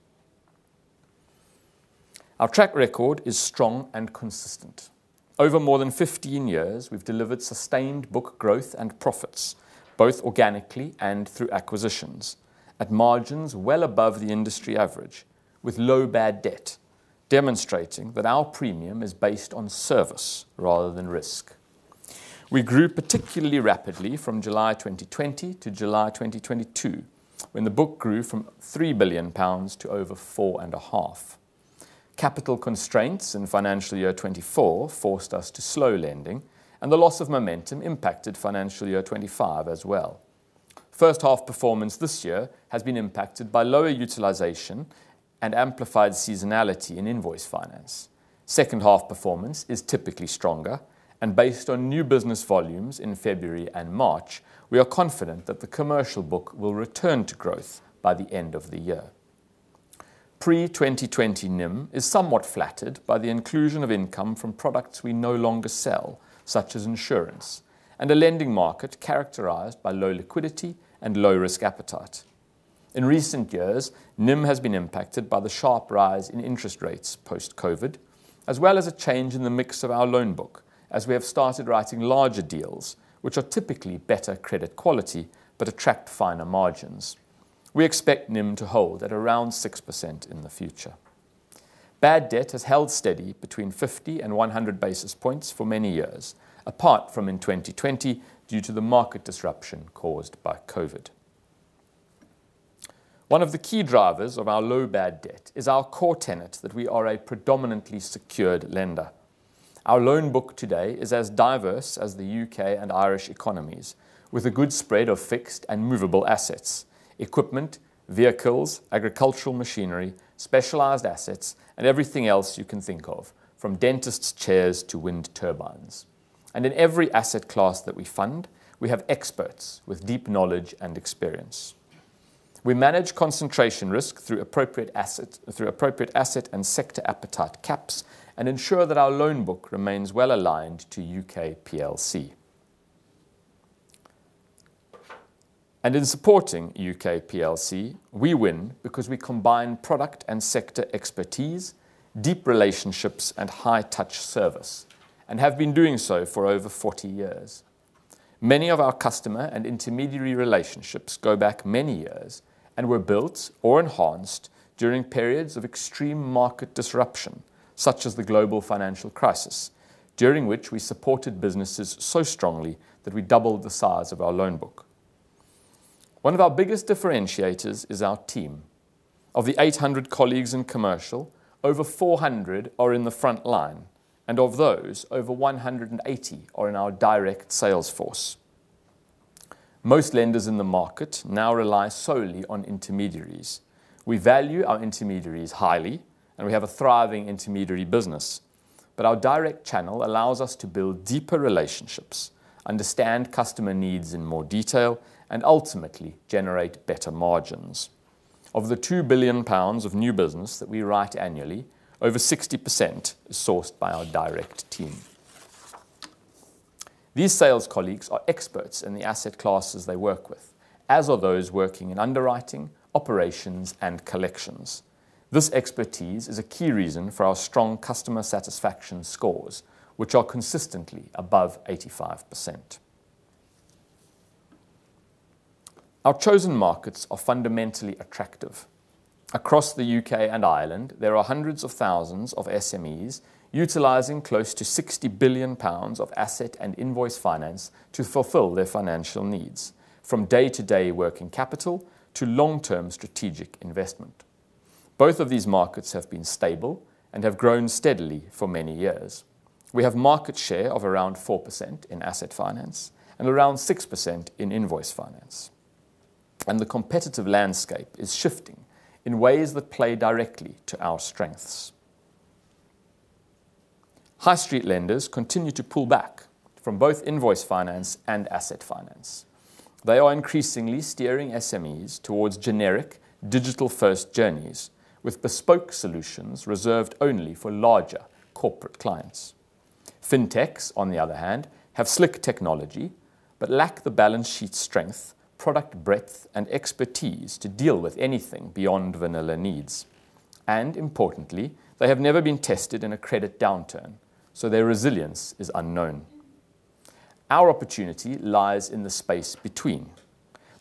Our track record is strong and consistent. Over more than 15 years, we've delivered sustained book growth and profits, both organically and through acquisitions, at margins well above the industry average with low bad debt, demonstrating that our Premium is based on service rather than risk. We grew particularly rapidly from July 2020 to July 2022, when the book grew from 3 billion-4.5+ billion pounds. Capital constraints in financial year 2024 forced us to slow lending, and the loss of momentum impacted financial year 2025 as well. First half performance this year has been impacted by lower utilization and amplified seasonality in Invoice Finance. Second half performance is typically stronger, and based on new business volumes in February and March, we are confident that the Commercial book will return to growth by the end of the year. Pre-2020 NIM is somewhat flattered by the inclusion of income from products we no longer sell, such as insurance, and a lending market characterized by low liquidity and low risk appetite. In recent years, NIM has been impacted by the sharp rise in interest rates post-COVID, as well as a change in the mix of our loan book, as we have started writing larger deals which are typically better credit quality but attract finer margins. We expect NIM to hold at around 6% in the future. Bad debt has held steady between 50 and 100 basis points for many years, apart from in 2020 due to the market disruption caused by COVID. One of the key drivers of our low bad debt is our core tenet that we are a predominantly secured lender. Our loan book today is as diverse as the U.K. and Irish economies, with a good spread of fixed and movable assets, equipment, vehicles, agricultural machinery, specialized assets, and everything else you can think of, from dentist's chairs to wind turbines. In every asset class that we fund, we have experts with deep knowledge and experience. We manage concentration risk through appropriate asset and sector appetite caps and ensure that our loan book remains well-aligned to U.K. PLC. In supporting U.K. PLC, we win because we combine product and sector expertise, deep relationships and high touch service, and have been doing so for over 40 years. Many of our customer and intermediary relationships go back many years and were built or enhanced during periods of extreme market disruption, such as the global financial crisis, during which we supported businesses so strongly that we doubled the size of our loan book. One of our biggest differentiators is our team. Of the 800 colleagues in Commercial, over 400 are in the front line, and of those, over 180 are in our direct sales force. Most lenders in the market now rely solely on intermediaries. We value our intermediaries highly, and we have a thriving intermediary business. Our direct channel allows us to build deeper relationships, understand customer needs in more detail, and ultimately generate better margins. Of the 2 billion pounds of new business that we write annually, over 60% is sourced by our direct team. These sales colleagues are experts in the asset classes they work with, as are those working in underwriting, operations, and collections. This expertise is a key reason for our strong customer satisfaction scores, which are consistently above 85%. Our chosen markets are fundamentally attractive. Across the U.K. and Ireland, there are hundreds of thousands of SMEs utilizing close to 60 billion pounds of Asset and Invoice Finance to fulfill their financial needs, from day-to-day working capital to long-term strategic investment. Both of these markets have been stable and have grown steadily for many years. We have market share of around 4% in Asset Finance and around 6% in Invoice Finance. The competitive landscape is shifting in ways that play directly to our strengths. High street lenders continue to pull back from both Invoice Finance and Asset Finance. They are increasingly steering SMEs towards generic digital-first journeys with bespoke solutions reserved only for larger corporate clients. Fintechs, on the other hand, have slick technology but lack the balance sheet strength, product breadth, and expertise to deal with anything beyond vanilla needs. Importantly, they have never been tested in a credit downturn, so their resilience is unknown. Our opportunity lies in the space between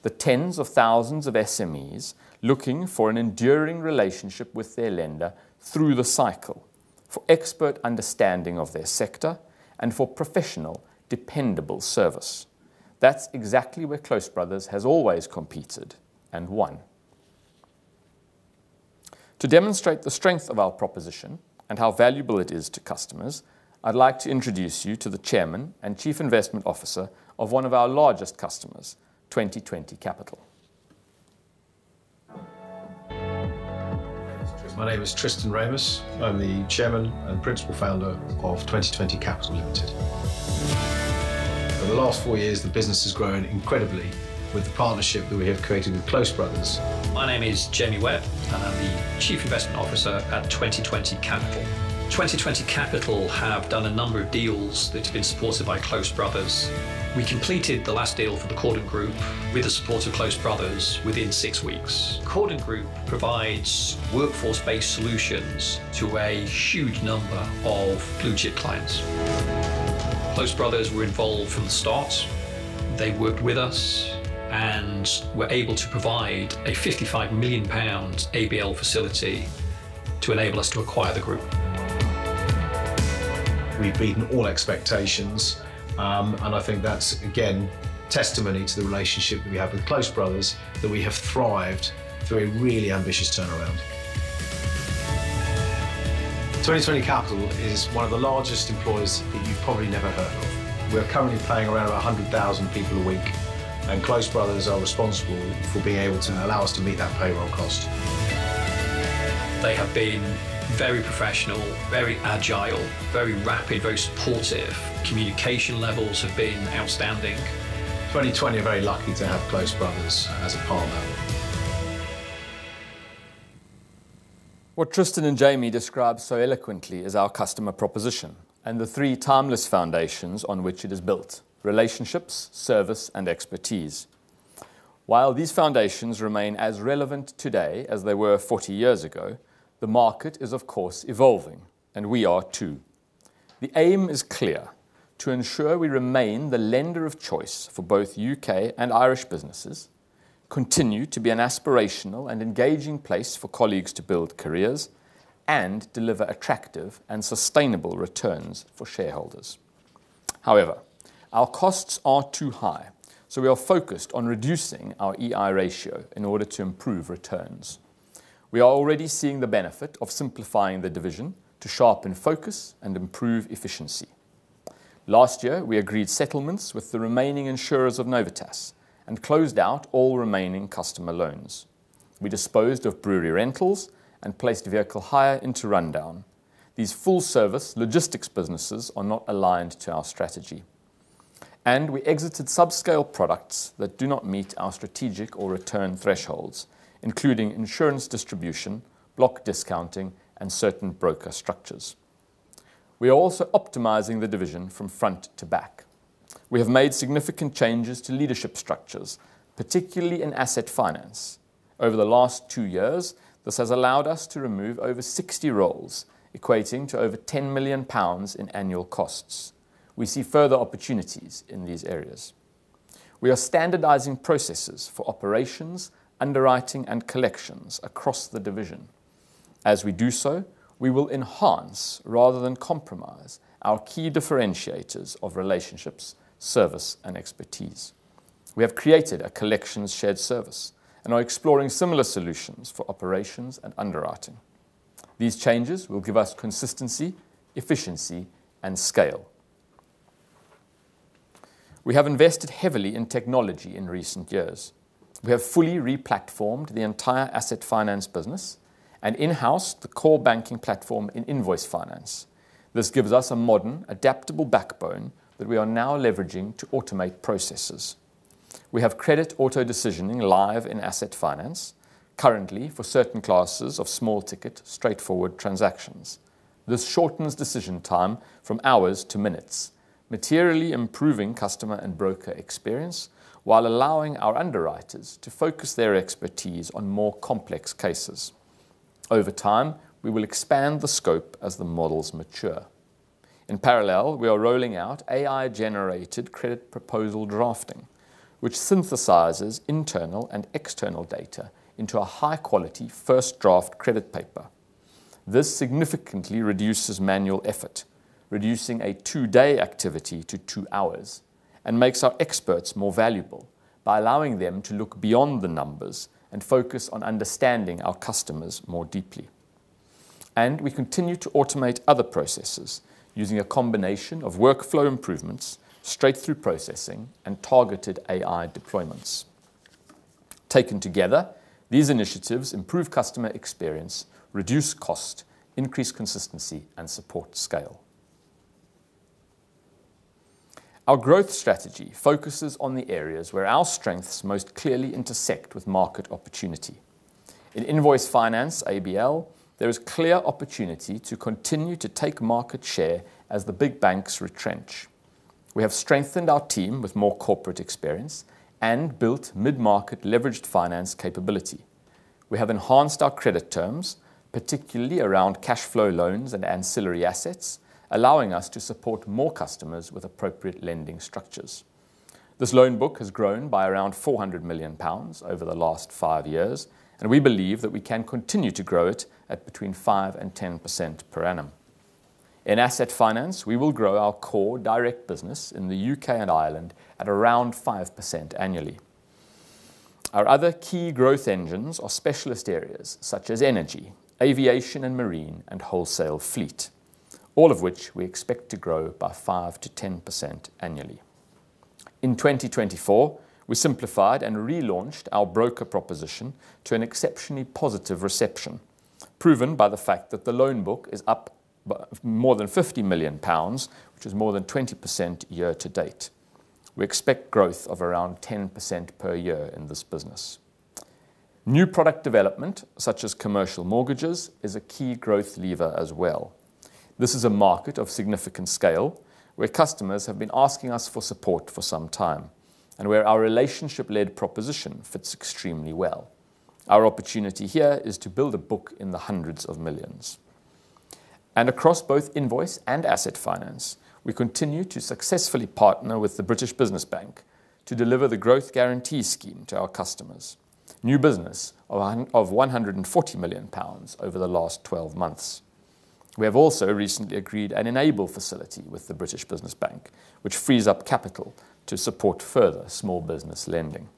the tens of thousands of SMEs looking for an enduring relationship with their lender through the cycle for expert understanding of their sector and for professional, dependable service. That's exactly where Close Brothers has always competed and won. To demonstrate the strength of our proposition and how valuable it is to customers, I'd like to introduce you to the chairman and chief investment officer of one of our largest customers, Twenty20 Capital. My name is Tristan Ramus. I'm the chairman and principal founder of Twenty20 Capital Limited. Over the last four years, the business has grown incredibly with the partnership that we have created with Close Brothers. My name is Jamie Webb, and I'm the Chief Investment Officer at Twenty20 Capital. Twenty20 Capital have done a number of deals that have been supported by Close Brothers. We completed the last deal for the Cordant Group with the support of Close Brothers within six weeks. Cordant Group provides workforce-based solutions to a huge number of blue chip clients. Close Brothers were involved from the start. They worked with us and were able to provide a 55 million pounds ABL facility to enable us to acquire the Group. We've beaten all expectations, and I think that's, again, testimony to the relationship we have with Close Brothers that we have thrived through a really ambitious turnaround. Twenty20 Capital is one of the largest employers that you've probably never heard of. We are currently paying around 100,000 people a week, and Close Brothers are responsible for being able to allow us to meet that payroll cost. They have been very professional, very agile, very rapid, very supportive. Communication levels have been outstanding. Twenty20 are very lucky to have Close Brothers as a partner. What Tristan and Jamie describe so eloquently is our customer proposition and the three timeless foundations on which it is built, relationships, service, and expertise. While these foundations remain as relevant today as they were 40 years ago, the market is, of course, evolving, and we are too. The aim is clear. To ensure we remain the lender of choice for both U.K. and Irish businesses, continue to be an aspirational and engaging place for colleagues to build careers, and deliver attractive and sustainable returns for shareholders. However, our costs are too high, so we are focused on reducing our Efficiency Ratio in order to improve returns. We are already seeing the benefit of simplifying the division to sharpen focus and improve efficiency. Last year, we agreed settlements with the remaining insurers of Novitas and closed out all remaining customer loans. We disposed of brewery rentals and placed vehicle hire into rundown. These full-service logistics businesses are not aligned to our strategy. We exited subscale products that do not meet our strategic or return thresholds, including insurance distribution, block discounting, and certain broker structures. We are also optimizing the division from front to back. We have made significant changes to leadership structures, particularly in Asset Finance. Over the last two years, this has allowed us to remove over 60 roles, equating to over 10 million pounds in annual costs. We see further opportunities in these areas. We are standardizing processes for operations, underwriting, and collections across the division. As we do so, we will enhance rather than compromise our key differentiators of relationships, service, and expertise. We have created a collections shared service and are exploring similar solutions for operations and underwriting. These changes will give us consistency, efficiency, and scale. We have invested heavily in technology in recent years. We have fully re-platformed the entire Asset Finance business and in-housed the core banking platform in Invoice Finance. This gives us a modern, adaptable backbone that we are now leveraging to automate processes. We have credit auto decisioning live in Asset Finance, currently for certain classes of small ticket, straightforward transactions. This shortens decision time from hours to minutes, materially improving customer and broker experience while allowing our underwriters to focus their expertise on more complex cases. Over time, we will expand the scope as the models mature. In parallel, we are rolling out AI-generated credit proposal drafting, which synthesizes internal and external data into a high-quality first draft credit paper. This significantly reduces manual effort, reducing a two-day activity to two hours, and makes our experts more valuable by allowing them to look beyond the numbers and focus on understanding our customers more deeply. We continue to automate other processes using a combination of workflow improvements, straight-through processing, and targeted AI deployments. Taken together, these initiatives improve customer experience, reduce cost, increase consistency, and support scale. Our growth strategy focuses on the areas where our strengths most clearly intersect with market opportunity. In Invoice Finance, ABL, there is clear opportunity to continue to take market share as the big banks retrench. We have strengthened our team with more corporate experience and built mid-market leveraged finance capability. We have enhanced our credit terms, particularly around cash flow loans and ancillary assets, allowing us to support more customers with appropriate lending structures. This loan book has grown by around 400 million pounds over the last five years, and we believe that we can continue to grow it at between 5% and 10% per annum. In Asset Finance, we will grow our core direct business in the U.K. and Ireland at around 5% annually. Our other key growth engines are specialist areas such as energy, aviation and marine, and wholesale fleet, all of which we expect to grow by 5%-10% annually. In 2024, we simplified and relaunched our broker proposition to an exceptionally positive reception, proven by the fact that the loan book is up by more than 50 million pounds, which is more than 20% year to date. We expect growth of around 10% per year in this business. New product development, such as Commercial mortgages, is a key growth lever as well. This is a market of significant scale where customers have been asking us for support for some time, and where our relationship-led proposition fits extremely well. Our opportunity here is to build a book in the hundreds of millions. Across both Invoice and Asset Finance, we continue to successfully partner with the British Business Bank to deliver the Growth Guarantee Scheme to our customers. New business of 140 million pounds over the last 12 months. We have also recently agreed an ENABLE facility with the British Business Bank, which frees up capital to support further small business lending.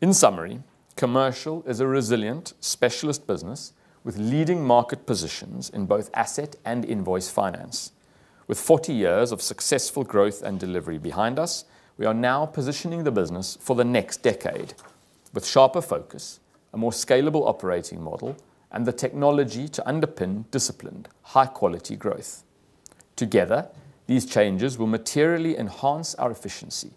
In summary, Commercial is a resilient specialist business with leading market positions in both Asset and Invoice Finance. With 40 years of successful growth and delivery behind us, we are now positioning the business for the next decade with sharper focus, a more scalable operating model, and the technology to underpin disciplined high-quality growth. Together, these changes will materially enhance our efficiency,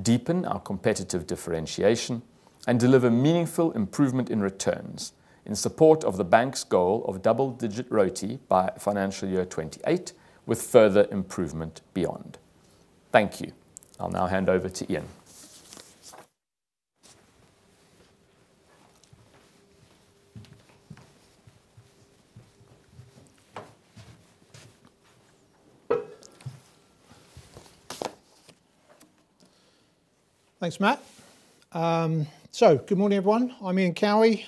deepen our competitive differentiation, and deliver meaningful improvement in returns in support of the bank's goal of double-digit RoTE by financial year 2028 with further improvement beyond. Thank you. I'll now hand over to Ian. Thanks, Matt. Good morning, everyone. I'm Ian Cowie,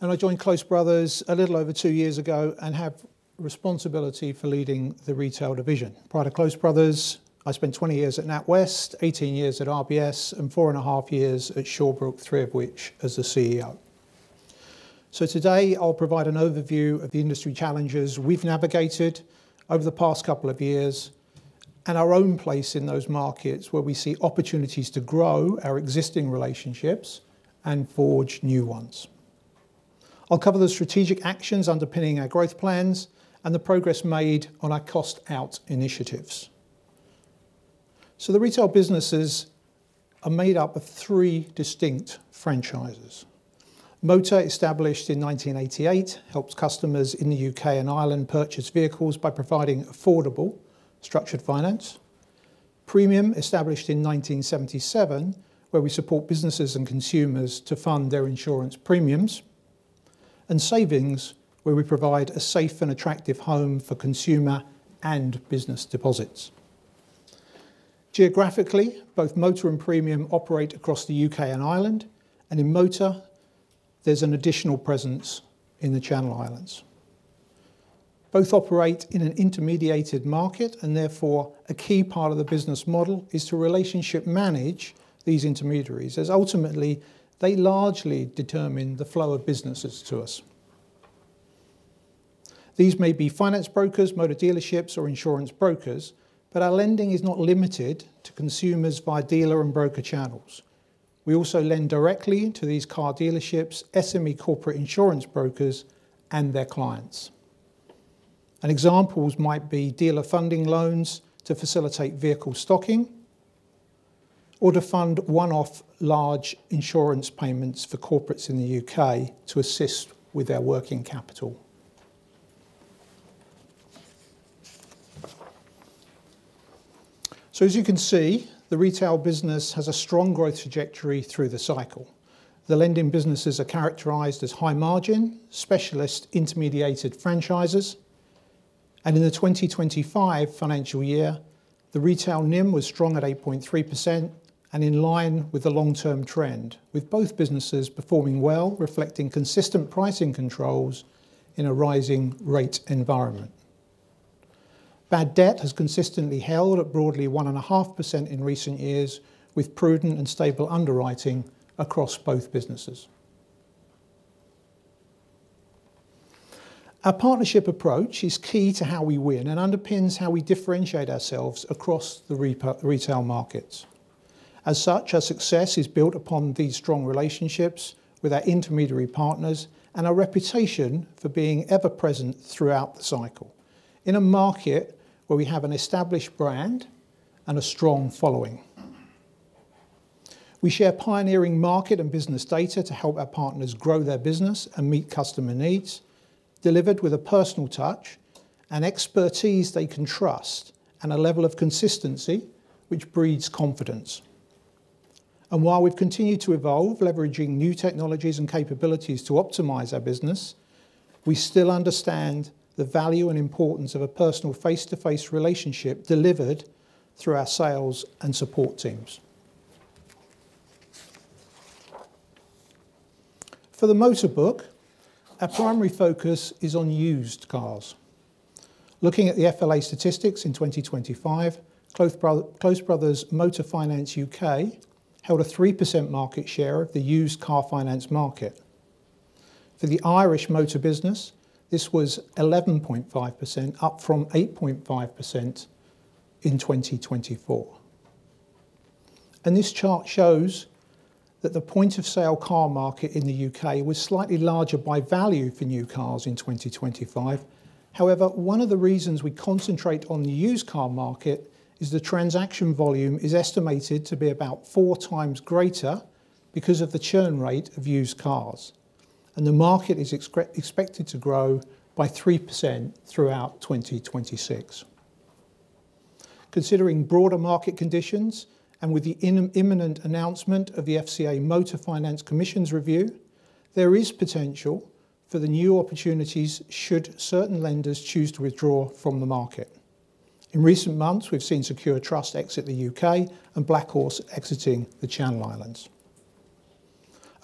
and I joined Close Brothers a little over two years ago and have responsibility for leading the Retail division. Prior to Close Brothers, I spent 20 years at NatWest, 18 years at RBS, and four and half years at Shawbrook, three of which as the CEO. Today, I'll provide an overview of the industry challenges we've navigated over the past couple of years and our own place in those markets where we see opportunities to grow our existing relationships and forge new ones. I'll cover the strategic actions underpinning our growth plans and the progress made on our cost out initiatives. The Retail businesses are made up of three distinct franchises. Motor, established in 1988, helps customers in the U.K. and Ireland purchase vehicles by providing affordable structured finance. Premium, established in 1977, where we support businesses and consumers to fund their insurance premiums, and Savings, where we provide a safe and attractive home for consumer and business deposits. Geographically, both Motor and Premium operate across the U.K. and Ireland, and in Motor, there's an additional presence in the Channel Islands. Both operate in an intermediated market and therefore a key part of the business model is to relationship manage these intermediaries, as ultimately they largely determine the flow of businesses to us. These may be finance brokers, motor dealerships, or insurance brokers, but our lending is not limited to consumers via dealer and broker channels. We also lend directly to these car dealerships, SME corporate insurance brokers, and their clients. Examples might be dealer funding loans to facilitate vehicle stocking or to fund one-off large insurance payments for corporates in the U.K. to assist with their working capital. As you can see, the Retail business has a strong growth trajectory through the cycle. The lending businesses are characterized as high margin, specialist intermediated franchises. In the 2025 financial year, the Retail NIM was strong at 8.3% and in line with the long-term trend, with both businesses performing well, reflecting consistent pricing controls in a rising rate environment. Bad debt has consistently held at broadly 1.5% in recent years, with prudent and stable underwriting across both businesses. Our partnership approach is key to how we win and underpins how we differentiate ourselves across the retail markets. As such, our success is built upon these strong relationships with our intermediary partners and our reputation for being ever present throughout the cycle in a market where we have an established brand and a strong following. We share pioneering market and business data to help our partners grow their business and meet customer needs, delivered with a personal touch and expertise they can trust and a level of consistency which breeds confidence. While we've continued to evolve, leveraging new technologies and capabilities to optimize our business, we still understand the value and importance of a personal face-to-face relationship delivered through our sales and support teams. For the motor book, our primary focus is on used cars. Looking at the FLA statistics in 2025, Close Brothers Motor Finance U.K. held a 3% market share of the used car finance market. For the Irish motor business, this was 11.5%, up from 8.5% in 2024. This chart shows that the point of sale car market in the U.K. was slightly larger by value for new cars in 2025. However, one of the reasons we concentrate on the used car market is the transaction volume is estimated to be about 4 times greater because of the churn rate of used cars, and the market is expected to grow by 3% throughout 2026. Considering broader market conditions, with the imminent announcement of the FCA motor finance commission Review, there is potential for new opportunities should certain lenders choose to withdraw from the market. In recent months, we've seen Secure Trust exit the U.K. and Black Horse exiting the Channel Islands.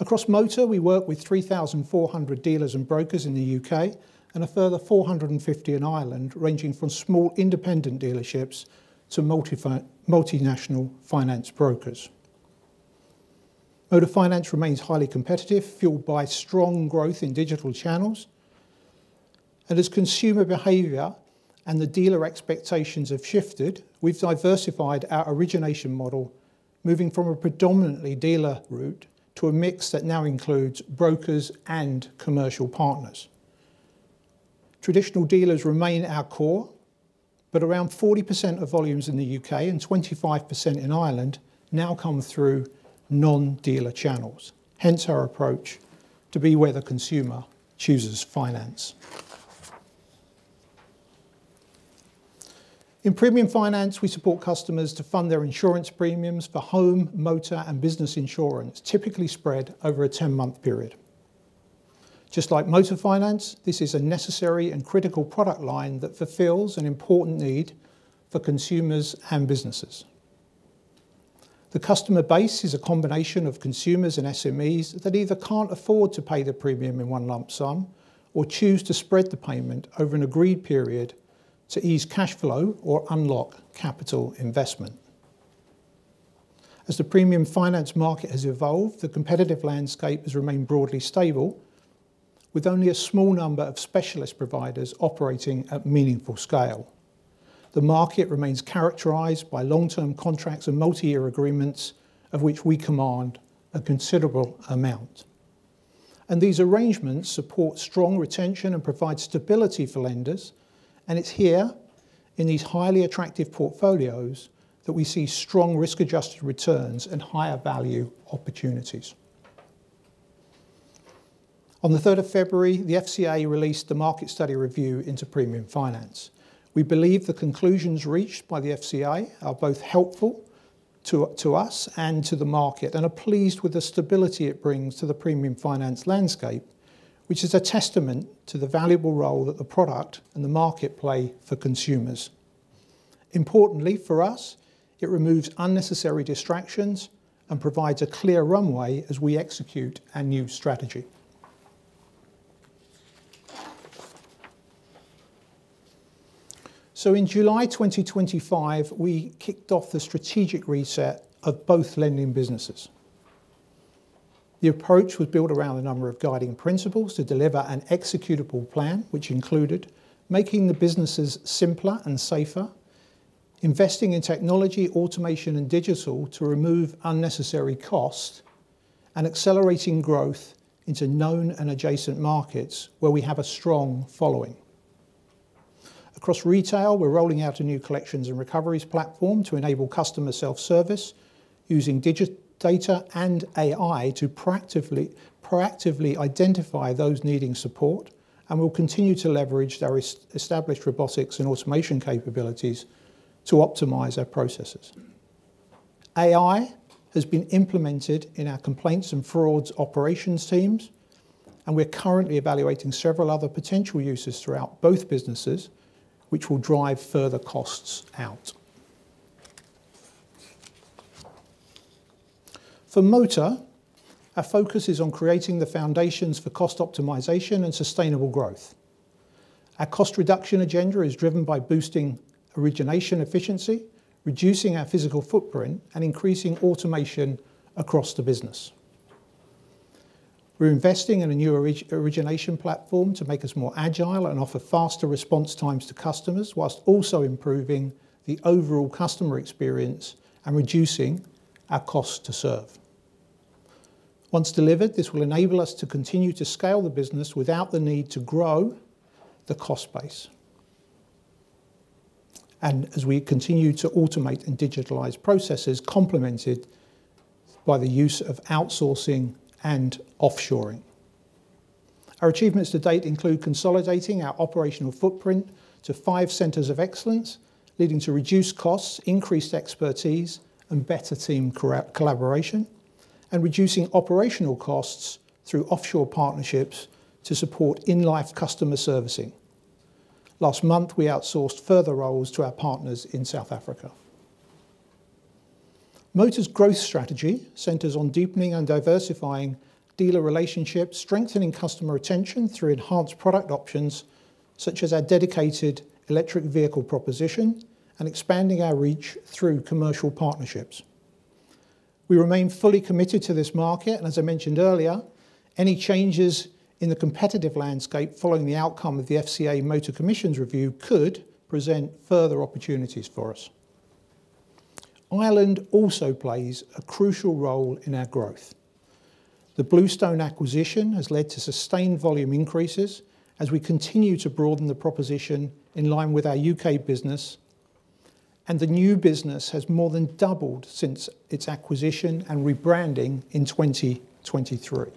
Across motor, we work with 3,400 dealers and brokers in the U.K. and a further 450 in Ireland, ranging from small independent dealerships to multinational finance brokers. Motor Finance remains highly competitive, fueled by strong growth in digital channels. As consumer behavior and the dealer expectations have shifted, we've diversified our origination model, moving from a predominantly dealer route to a mix that now includes brokers and commercial partners. Traditional dealers remain our core, but around 40% of volumes in the U.K. and 25% in Ireland now come through non-dealer channels. Hence our approach to be where the consumer chooses finance. In Premium Finance, we support customers to fund their insurance premiums for home, motor, and business insurance, typically spread over a 10-month period. Just like Motor Finance, this is a necessary and critical product line that fulfills an important need for consumers and businesses. The customer base is a combination of consumers and SMEs that either can't afford to pay the premium in one lump sum or choose to spread the payment over an agreed period to ease cash flow or unlock capital investment. As the Premium Finance market has evolved, the competitive landscape has remained broadly stable, with only a small number of specialist providers operating at meaningful scale. The market remains characterized by long-term contracts and multi-year agreements, of which we command a considerable amount. These arrangements support strong retention and provide stability for lenders, and it's here in these highly attractive portfolios that we see strong risk-adjusted returns and higher value opportunities. On the February 3rd, 2026 the FCA released the market study review into Premium Finance. We believe the conclusions reached by the FCA are both helpful to us and to the market and are pleased with the stability it brings to the Premium Finance landscape, which is a testament to the valuable role that the product and the market play for consumers. Importantly for us, it removes unnecessary distractions and provides a clear runway as we execute our new strategy. In July 2025, we kicked off the strategic reset of both lending businesses. The approach was built around a number of guiding principles to deliver an executable plan, which included making the businesses simpler and safer, investing in technology, automation, and digital to remove unnecessary cost, and accelerating growth into known and adjacent markets where we have a strong following. Across Retail, we're rolling out a new collections and recoveries platform to enable customer self-service using data and AI to proactively identify those needing support, and we'll continue to leverage our established robotics and automation capabilities to optimize our processes. AI has been implemented in our complaints and fraud operations teams, and we're currently evaluating several other potential uses throughout both businesses, which will drive further costs out. For motor, our focus is on creating the foundations for cost optimization and sustainable growth. Our cost reduction agenda is driven by boosting origination efficiency, reducing our physical footprint, and increasing automation across the business. We're investing in a new origination platform to make us more agile and offer faster response times to customers, while also improving the overall customer experience and reducing our cost to serve. Once delivered, this will enable us to continue to scale the business without the need to grow the cost base. As we continue to automate and digitalize processes complemented by the use of outsourcing and offshoring. Our achievements to date include consolidating our operational footprint to five centers of excellence, leading to reduced costs, increased expertise and better team collaboration, and reducing operational costs through offshore partnerships to support in-life customer servicing. Last month, we outsourced further roles to our partners in South Africa. Motor's growth strategy centers on deepening and diversifying dealer relationships, strengthening customer retention through enhanced product options such as our dedicated electric vehicle proposition, and expanding our reach through commercial partnerships. We remain fully committed to this market, and as I mentioned earlier, any changes in the competitive landscape following the outcome of the motor finance commission review could present further opportunities for us. Ireland also plays a crucial role in our growth. The Bluestone acquisition has led to sustained volume increases as we continue to broaden the proposition in line with our U.K. business, and the new business has more than doubled since its acquisition and rebranding in 2023.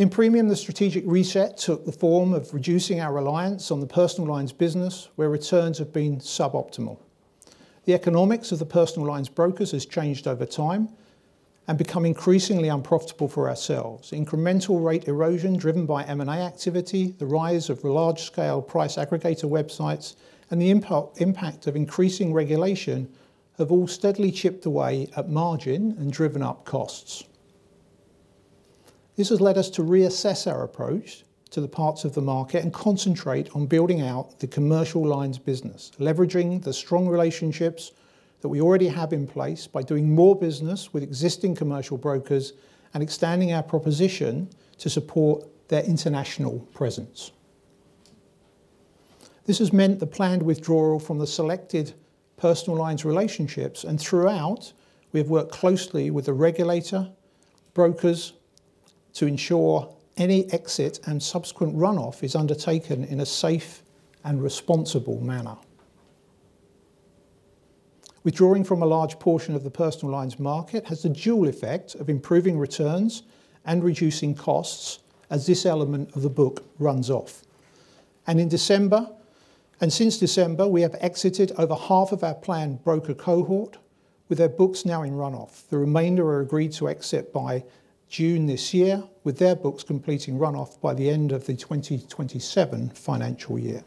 In Premium, the strategic reset took the form of reducing our reliance on the personal lines business, where returns have been suboptimal. The economics of the personal lines brokers has changed over time and become increasingly unprofitable for ourselves. Incremental rate erosion driven by M&A activity, the rise of large-scale price aggregator websites and the impact of increasing regulation have all steadily chipped away at margin and driven up costs. This has led us to reassess our approach to the parts of the market and concentrate on building out the Commercial lines business, leveraging the strong relationships that we already have in place by doing more business with existing commercial brokers and extending our proposition to support their international presence. This has meant the planned withdrawal from the selected personal lines relationships, and throughout we have worked closely with the regulator, brokers, to ensure any exit and subsequent runoff is undertaken in a safe and responsible manner. Withdrawing from a large portion of the personal lines market has the dual effect of improving returns and reducing costs as this element of the book runs off. Since December, we have exited over half of our planned broker cohort, with their books now in runoff. The remainder are agreed to exit by June this year, with their books completing runoff by the end of the 2027 financial year.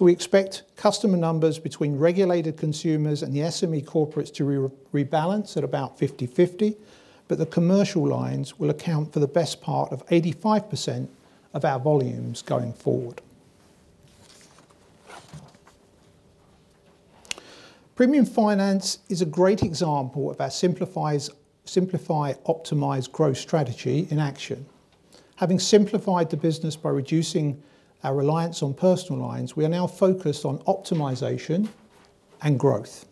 We expect customer numbers between regulated consumers and the SME corporates to rebalance at about 50/50, but the Commercial lines will account for the best part of 85% of our volumes going forward. Premium Finance is a great example of our simplify, optimize growth strategy in action. Having simplified the business by reducing our reliance on personal lines, we are now focused on optimization and growth.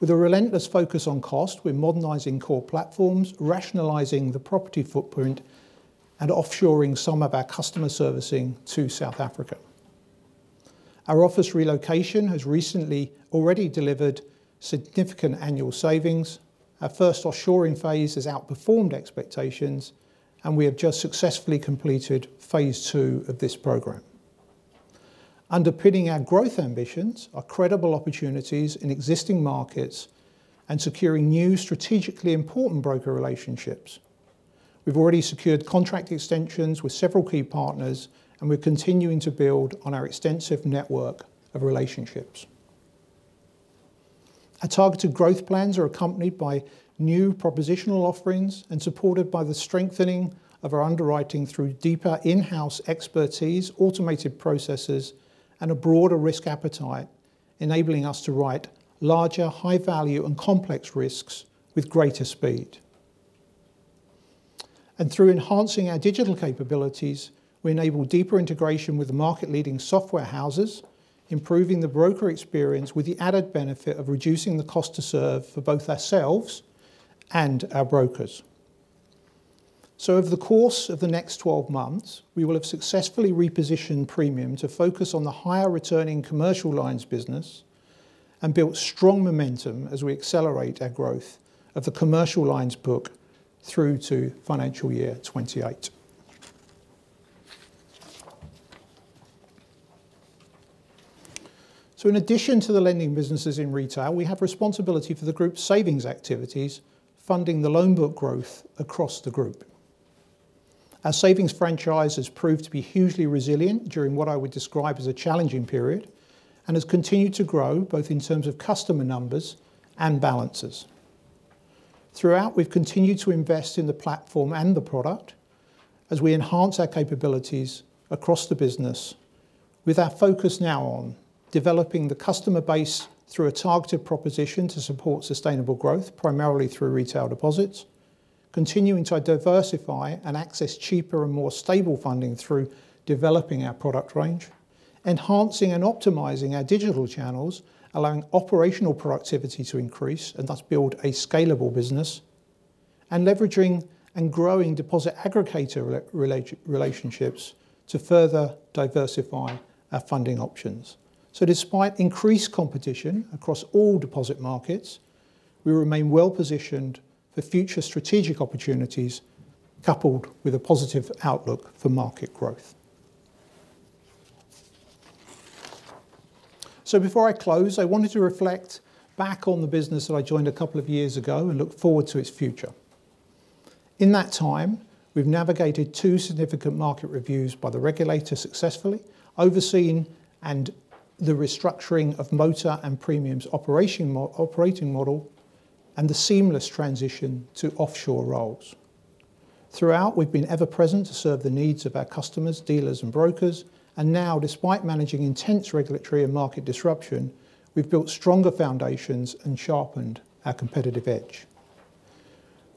With a relentless focus on cost, we are modernizing core platforms, rationalizing the property footprint and offshoring some of our customer servicing to South Africa. Our office relocation has recently already delivered significant annual savings. Our first offshoring phase has outperformed expectations, and we have just successfully completed phase II of this program. Underpinning our growth ambitions are credible opportunities in existing markets and securing new strategically important broker relationships. We've already secured contract extensions with several key partners, and we're continuing to build on our extensive network of relationships. Our targeted growth plans are accompanied by new propositional offerings and supported by the strengthening of our underwriting through deeper in-house expertise, automated processes and a broader risk appetite, enabling us to write larger, high value and complex risks with greater speed. Through enhancing our digital capabilities, we enable deeper integration with the market leading software houses, improving the broker experience with the added benefit of reducing the cost to serve for both ourselves and our brokers. Over the course of the next 12 months, we will have successfully repositioned Premium to focus on the higher returning Commercial lines business and built strong momentum as we accelerate our growth of the Commercial lines book through to financial year 2028. In addition to the lending businesses in Retail, we have responsibility for the Group savings activities, funding the loan book growth across the Group. Our savings franchise has proved to be hugely resilient during what I would describe as a challenging period, and has continued to grow both in terms of customer numbers and balances. Throughout, we've continued to invest in the platform and the product as we enhance our capabilities across the business with our focus now on developing the customer base through a targeted proposition to support sustainable growth, primarily through retail deposits, continuing to diversify and access cheaper and more stable funding through developing our product range, enhancing and optimizing our digital channels, allowing operational productivity to increase and thus build a scalable business, and leveraging and growing deposit aggregator relationships to further diversify our funding options. Despite increased competition across all deposit markets, we remain well-positioned for future strategic opportunities, coupled with a positive outlook for market growth. Before I close, I wanted to reflect back on the business that I joined a couple of years ago and look forward to its future. In that time, we've navigated two significant market reviews by the regulator successfully, overseen and the restructuring of Motor and Premium's operating model, and the seamless transition to offshore roles. Throughout, we've been ever present to serve the needs of our customers, dealers, and brokers, and now, despite managing intense regulatory and market disruption, we've built stronger foundations and sharpened our competitive edge.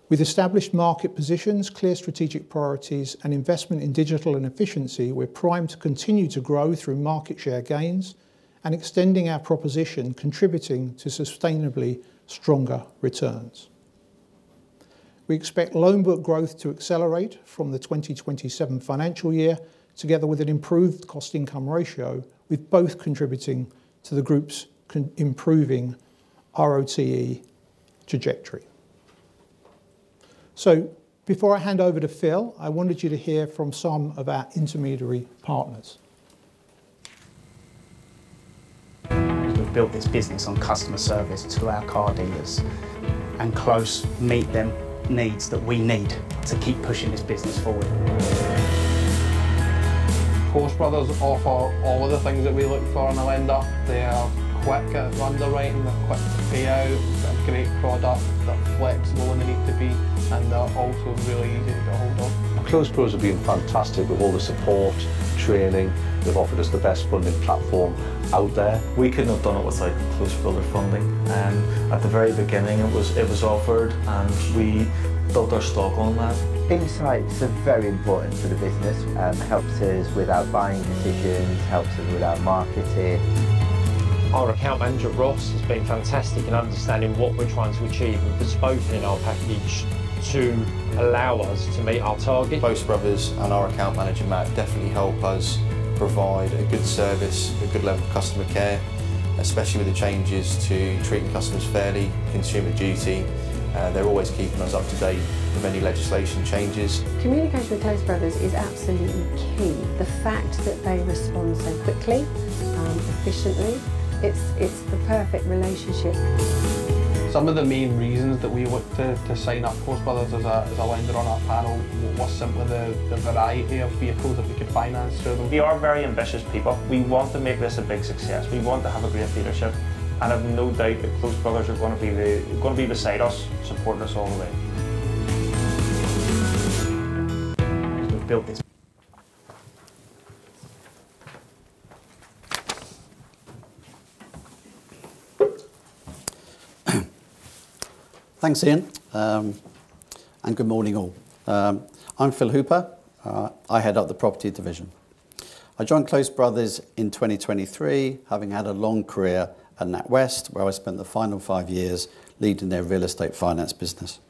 With established market positions, clear strategic priorities, and investment in digital and efficiency, we're primed to continue to grow through market share gains and extending our proposition, contributing to sustainably stronger returns. We expect loan book growth to accelerate from the 2027 financial year, together with an improved cost-income ratio, with both contributing to the Group's improving RoTE trajectory. Before I hand over to Phil, I wanted you to hear from some of our intermediary partners. We've built this business on customer service to our car dealers, and Close Brothers meet their needs that we need to keep pushing this business forward. Close Brothers offer all of the things that we look for in a lender. They are quick at underwriting, they're quick to pay out, they've got great product, they're flexible when they need to be, and they're also really easy to get a hold of. Close Bros have been fantastic with all the support, training. They've offered us the best funding platform out there. We couldn't have done it without Close Brothers funding. At the very beginning it was offered and we built our stock on that. Insights are very important for the business. Helps us with our buying decisions, helps us with our marketing. Our account manager, Ross, has been fantastic in understanding what we're trying to achieve and bespoking our package to allow us to meet our target. Close Brothers and our account manager, Matt, definitely help us provide a good service, a good level of customer care, especially with the changes to treating customers fairly, Consumer Duty. They're always keeping us up to date with any legislation changes. Communication with Close Brothers is absolutely key. The fact that they respond so quickly, efficiently, it's the perfect relationship. Some of the main reasons that we looked to sign up Close Brothers as a lender on our panel was simply the variety of vehicles that we could finance through them. We are very ambitious people. We want to make this a big success. We want to have a great leadership, and I've no doubt that Close Brothers are gonna be beside us, supporting us all the way. Thanks, Ian. Good morning, all. I'm Phil Hooper. I head up the Property division. I joined Close Brothers in 2023, having had a long career at NatWest, where I spent the final five years leading their real estate finance business.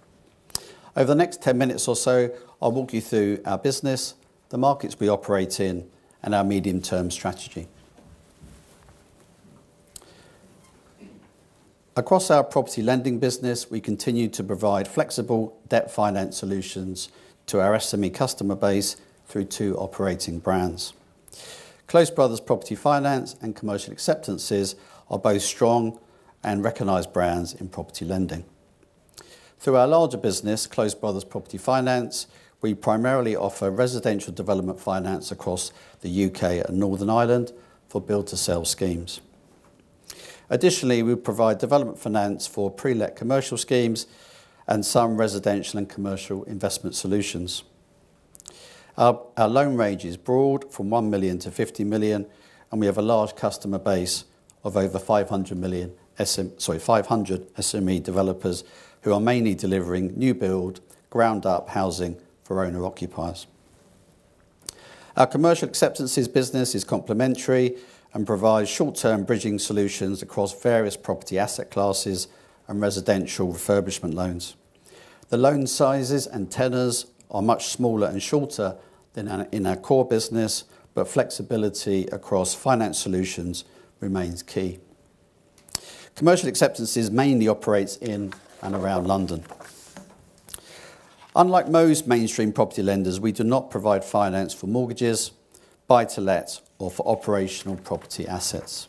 Over the next 10 minutes or so, I'll walk you through our business, the markets we operate in, and our medium-term strategy. Across our property lending business, we continue to provide flexible debt finance solutions to our SME customer base through two operating brands. Close Brothers Property Finance and Commercial Acceptances are both strong and recognized brands in property lending. Through our larger business, Close Brothers Property Finance, we primarily offer residential development finance across the U.K. and Northern Ireland for build to sell schemes. Additionally, we provide development finance for pre-let commercial schemes and some residential and commercial investment solutions. Our loan range is broad, from 1 million to 50 million, and we have a large customer base of over 500 SME developers who are mainly delivering new build, ground up housing for owner occupiers. Our Commercial Acceptances business is complementary and provides short-term bridging solutions across various property asset classes and residential refurbishment loans. The loan sizes and tenors are much smaller and shorter than in our core business, but flexibility across finance solutions remains key. Commercial Acceptances mainly operates in and around London. Unlike most mainstream property lenders, we do not provide finance for mortgages, buy to let, or for operational property assets.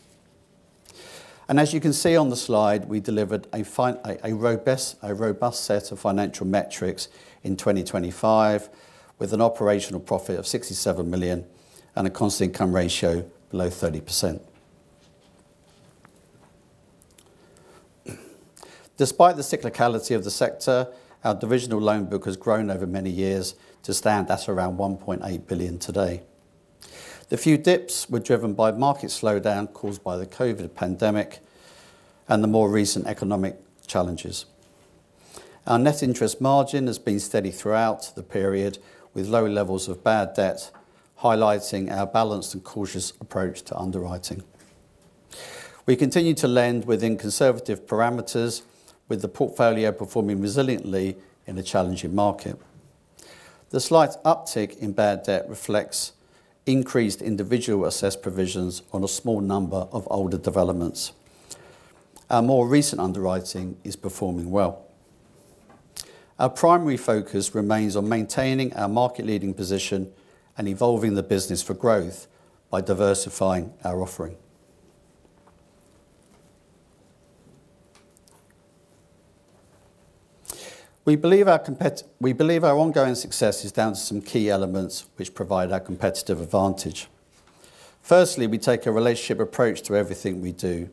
As you can see on the slide, we delivered a robust set of financial metrics in 2025, with an operational profit of 67 million and a cost income ratio below 30%. Despite the cyclicality of the sector, our divisional loan book has grown over many years to stand at around 1.8 billion today. The few dips were driven by market slowdown caused by the COVID pandemic and the more recent economic challenges. Our net interest margin has been steady throughout the period, with low levels of bad debt, highlighting our balanced and cautious approach to underwriting. We continue to lend within conservative parameters with the portfolio performing resiliently in a challenging market. The slight uptick in bad debt reflects increased individual assessed provisions on a small number of older developments. Our more recent underwriting is performing well. Our primary focus remains on maintaining our market-leading position and evolving the business for growth by diversifying our offering. We believe our ongoing success is down to some key elements which provide our competitive advantage. Firstly, we take a relationship approach to everything we do.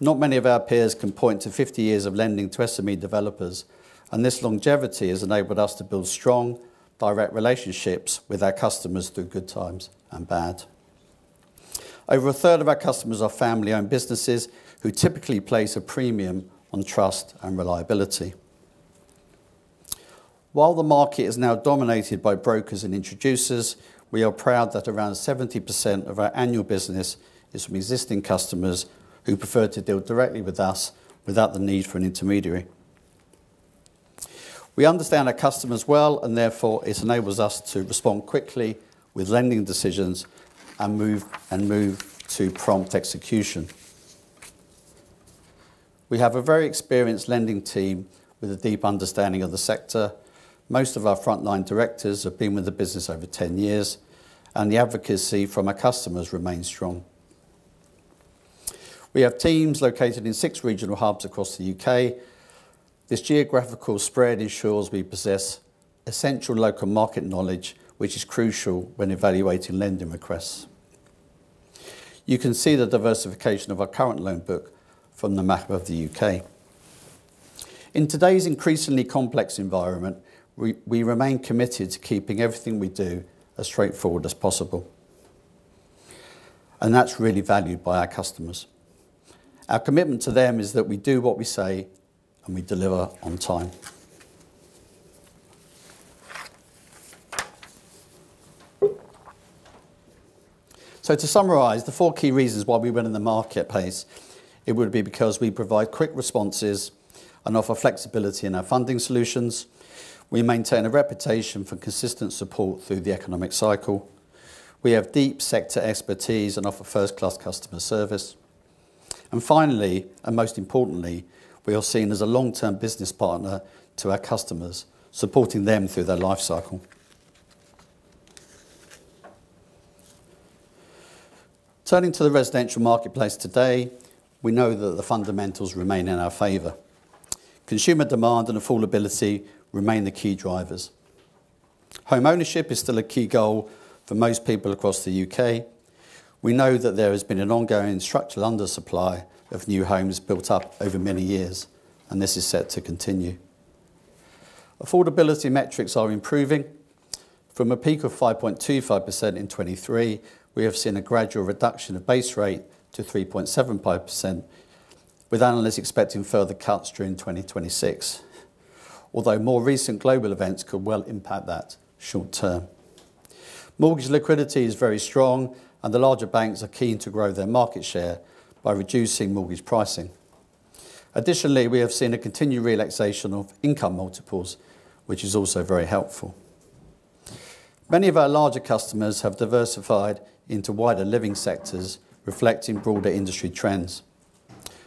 Not many of our peers can point to 50 years of lending to SME developers, and this longevity has enabled us to build strong, direct relationships with our customers through good times and bad. Over a third of our customers are family-owned businesses who typically place a premium on trust and reliability. While the market is now dominated by brokers and introducers, we are proud that around 70% of our annual business is from existing customers who prefer to deal directly with us without the need for an intermediary. We understand our customers well, and therefore it enables us to respond quickly with lending decisions and move to prompt execution. We have a very experienced lending team with a deep understanding of the sector. Most of our frontline directors have been with the business over 10 years, and the advocacy from our customers remains strong. We have teams located in six regional hubs across the U.K. This geographical spread ensures we possess essential local market knowledge, which is crucial when evaluating lending requests. You can see the diversification of our current loan book from the map of the U.K. In today's increasingly complex environment, we remain committed to keeping everything we do as straightforward as possible, and that's really valued by our customers. Our commitment to them is that we do what we say and we deliver on time. To summarize, the four key reasons why we win in the marketplace, it would be because we provide quick responses and offer flexibility in our funding solutions. We maintain a reputation for consistent support through the economic cycle. We have deep sector expertise and offer first-class customer service. Finally, and most importantly, we are seen as a long-term business partner to our customers, supporting them through their life cycle. Turning to the residential marketplace today, we know that the fundamentals remain in our favor. Consumer demand and affordability remain the key drivers. Home ownership is still a key goal for most people across the U.K. We know that there has been an ongoing structural undersupply of new homes built up over many years, and this is set to continue. Affordability metrics are improving. From a peak of 5.25% in 2023, we have seen a gradual reduction of base rate to 3.75%, with analysts expecting further cuts during 2026. Although more recent global events could well impact that short term. Mortgage liquidity is very strong and the larger banks are keen to grow their market share by reducing mortgage pricing. Additionally, we have seen a continued relaxation of income multiples, which is also very helpful. Many of our larger customers have diversified into wider living sectors, reflecting broader industry trends.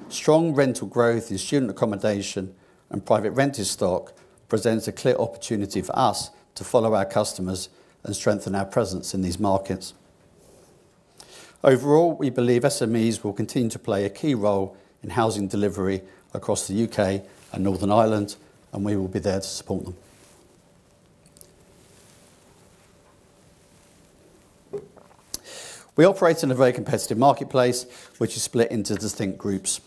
Strong rental growth in student accommodation and private rented stock presents a clear opportunity for us to follow our customers and strengthen our presence in these markets. Overall, we believe SMEs will continue to play a key role in housing delivery across the U.K. and Northern Ireland, and we will be there to support them. We operate in a very competitive marketplace, which is split into distinct Groups.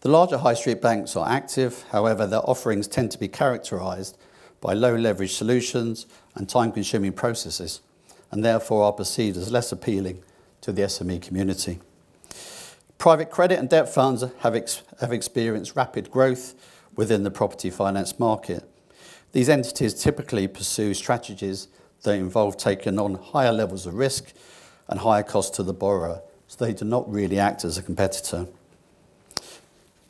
The larger high street banks are active. However, their offerings tend to be characterized by low leverage solutions and time-consuming processes, and therefore are perceived as less appealing to the SME community. Private credit and debt funds have experienced rapid growth within the Property Finance market. These entities typically pursue strategies that involve taking on higher levels of risk and higher cost to the borrower, so they do not really act as a competitor.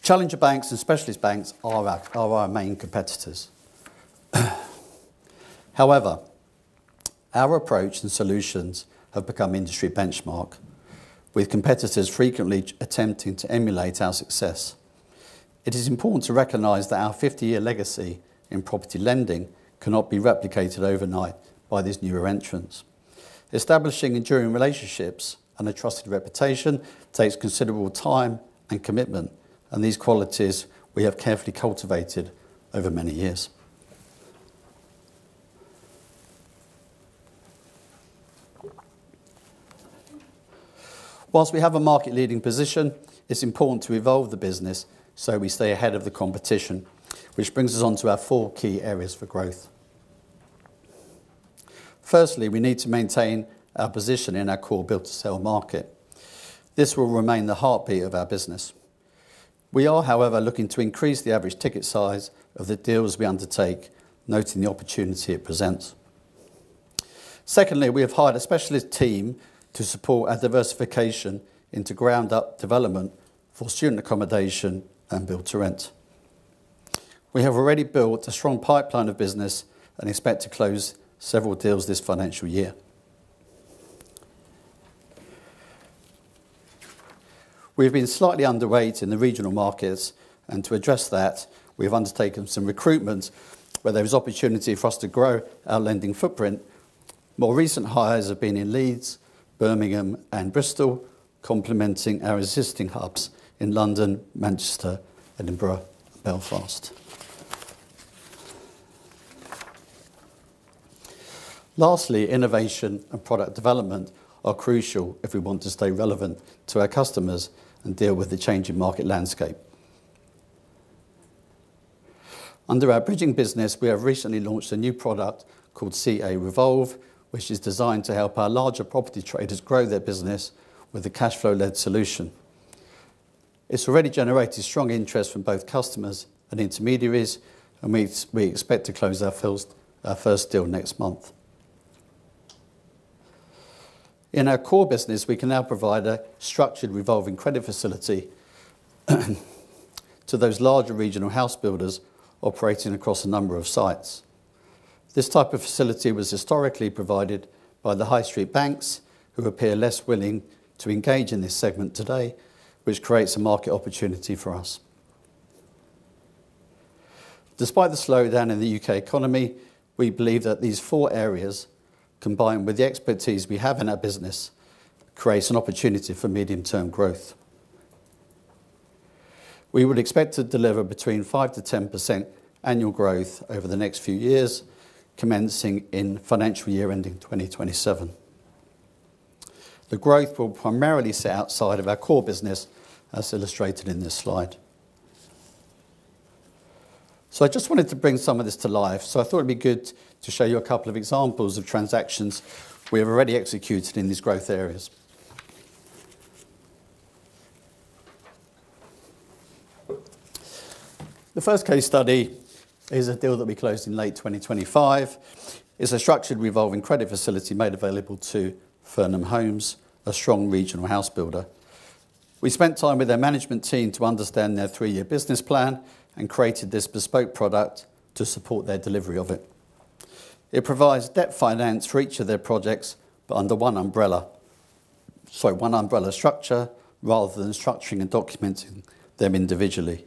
Challenger banks and specialist banks are our main competitors. However, our approach and solutions have become industry benchmark, with competitors frequently attempting to emulate our success. It is important to recognize that our 50-year legacy in property lending cannot be replicated overnight by these newer entrants. Establishing enduring relationships and a trusted reputation takes considerable time and commitment, and these qualities we have carefully cultivated over many years. While we have a market leading position, it's important to evolve the business so we stay ahead of the competition, which brings us onto our four key areas for growth. Firstly, we need to maintain our position in our core build to sell market. This will remain the heartbeat of our business. We are, however, looking to increase the average ticket size of the deals we undertake, noting the opportunity it presents. Secondly, we have hired a specialist team to support our diversification into ground up development for student accommodation and build to rent. We have already built a strong pipeline of business and expect to close several deals this financial year. We have been slightly underweight in the regional markets, and to address that, we have undertaken some recruitment where there is opportunity for us to grow our lending footprint. More recent hires have been in Leeds, Birmingham and Bristol, complementing our existing hubs in London, Manchester, Edinburgh and Belfast. Lastly, innovation and product development are crucial if we want to stay relevant to our customers and deal with the changing market landscape. Under our bridging business, we have recently launched a new product called CA Revolve, which is designed to help our larger property traders grow their business with a cash flow led solution. It's already generated strong interest from both customers and intermediaries, and we expect to close our first deal next month. In our core business, we can now provide a structured revolving credit facility to those larger regional house builders operating across a number of sites. This type of facility was historically provided by the High Street banks, who appear less willing to engage in this segment today, which creates a market opportunity for us. Despite the slowdown in the U.K. economy, we believe that these four areas, combined with the expertise we have in our business, creates an opportunity for medium term growth. We would expect to deliver between 5%-10% annual growth over the next few years, commencing in financial year ending 2027. The growth will primarily sit outside of our core business as illustrated in this slide. I just wanted to bring some of this to life, so I thought it'd be good to show you a couple of examples of transactions we have already executed in these growth areas. The first case study is a deal that we closed in late 2025. It's a structured revolving credit facility made available to Fernham Homes, a strong regional house builder. We spent time with their management team to understand their three-year business plan and created this bespoke product to support their delivery of it. It provides debt finance for each of their projects, but under one umbrella. Sorry, one umbrella structure rather than structuring and documenting them individually.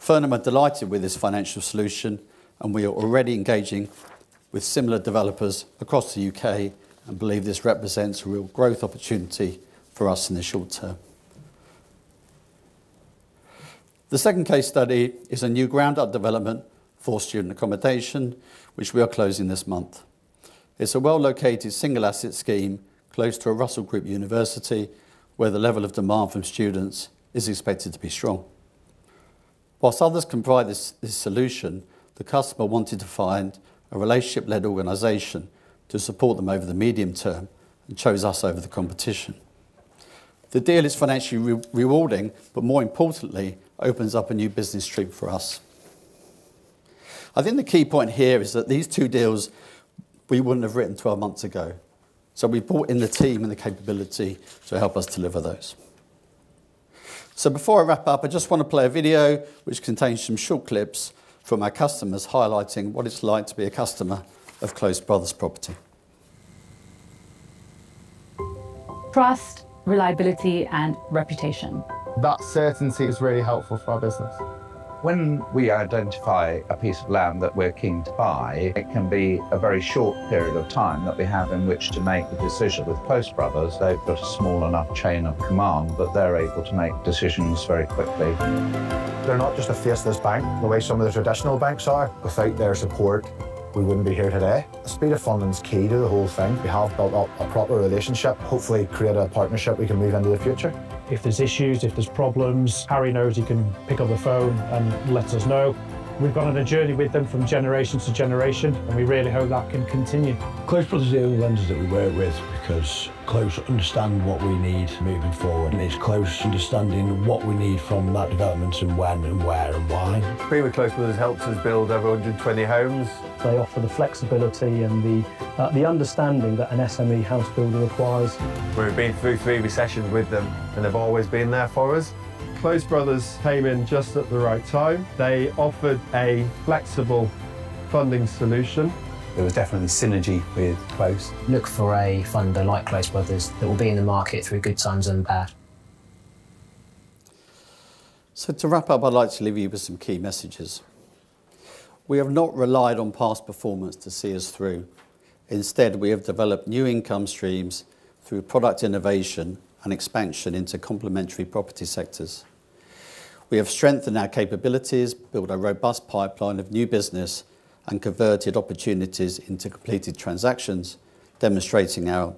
Fernham are delighted with this financial solution, and we are already engaging with similar developers across the U.K. and believe this represents a real growth opportunity for us in the short term. The second case study is a new ground-up development for student accommodation, which we are closing this month. It's a well-located single asset scheme close to a Russell Group university, where the level of demand from students is expected to be strong. While others can provide this solution, the customer wanted to find a relationship led organization to support them over the medium term and chose us over the competition. The deal is financially rewarding, but more importantly opens up a new business stream for us. I think the key point here is that these two deals we wouldn't have written 12 months ago, so we've brought in the team and the capability to help us deliver those. Before I wrap up, I just wanna play a video which contains some short clips from our customers highlighting what it's like to be a customer of Close Brothers Property. Trust, reliability and reputation. That certainty is really helpful for our business. When we identify a piece of land that we're keen to buy, it can be a very short period of time that we have in which to make a decision. With Close Brothers, they've got a small enough chain of command that they're able to make decisions very quickly. They're not just a faceless bank the way some of the traditional banks are. Without their support, we wouldn't be here today. The speed of funding's key to the whole thing. We have built up a proper relationship, hopefully create a partnership we can move into the future. If there's issues, if there's problems, Harry knows he can pick up the phone and let us know. We've gone on a journey with them from generation to generation, and we really hope that can continue. Close Brothers are the only lenders that we work with because Close understand what we need moving forward, and it's Close understanding what we need from that development and when and where and why. Being with Close Brothers has helped us build over 100 homes. They offer the flexibility and the understanding that an SME house builder requires. We've been through three recessions with them, and they've always been there for us. Close Brothers came in just at the right time. They offered a flexible funding solution. There was definitely synergy with Close. Look for a funder like Close Brothers that will be in the market through good times and bad. To wrap up, I'd like to leave you with some key messages. We have not relied on past performance to see us through. Instead, we have developed new income streams through product innovation and expansion into complementary property sectors. We have strengthened our capabilities, built a robust pipeline of new business, and converted opportunities into completed transactions, demonstrating our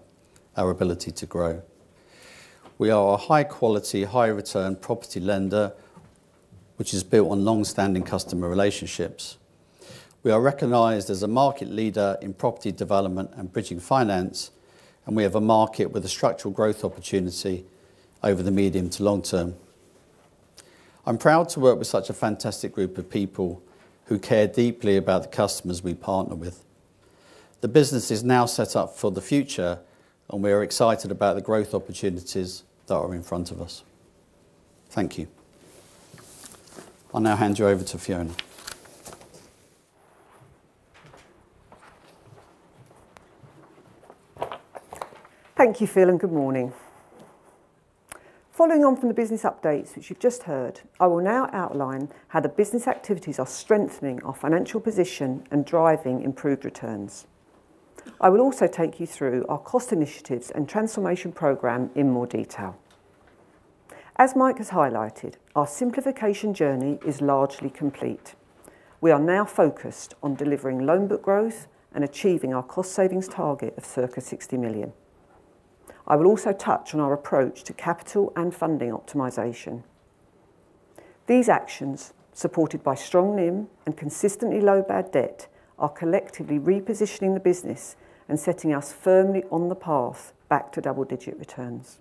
ability to grow. We are a high-quality, high-return property lender which is built on long-standing customer relationships. We are recognized as a market leader in property development and bridging finance, and we have a market with a structural growth opportunity over the medium to long term. I'm proud to work with such a fantastic Group of people who care deeply about the customers we partner with. The business is now set up for the future, and we are excited about the growth opportunities that are in front of us. Thank you. I'll now hand you over to Fiona. Thank you, Phil, and good morning. Following on from the business updates which you've just heard, I will now outline how the business activities are strengthening our financial position and driving improved returns. I will also take you through our cost initiatives and transformation program in more detail. As Mike has highlighted, our simplification journey is largely complete. We are now focused on delivering loan book growth and achieving our cost savings target of circa 60 million. I will also touch on our approach to capital and funding optimization. These actions, supported by strong NIM and consistently low bad debt, are collectively repositioning the business and setting us firmly on the path back to double-digit returns.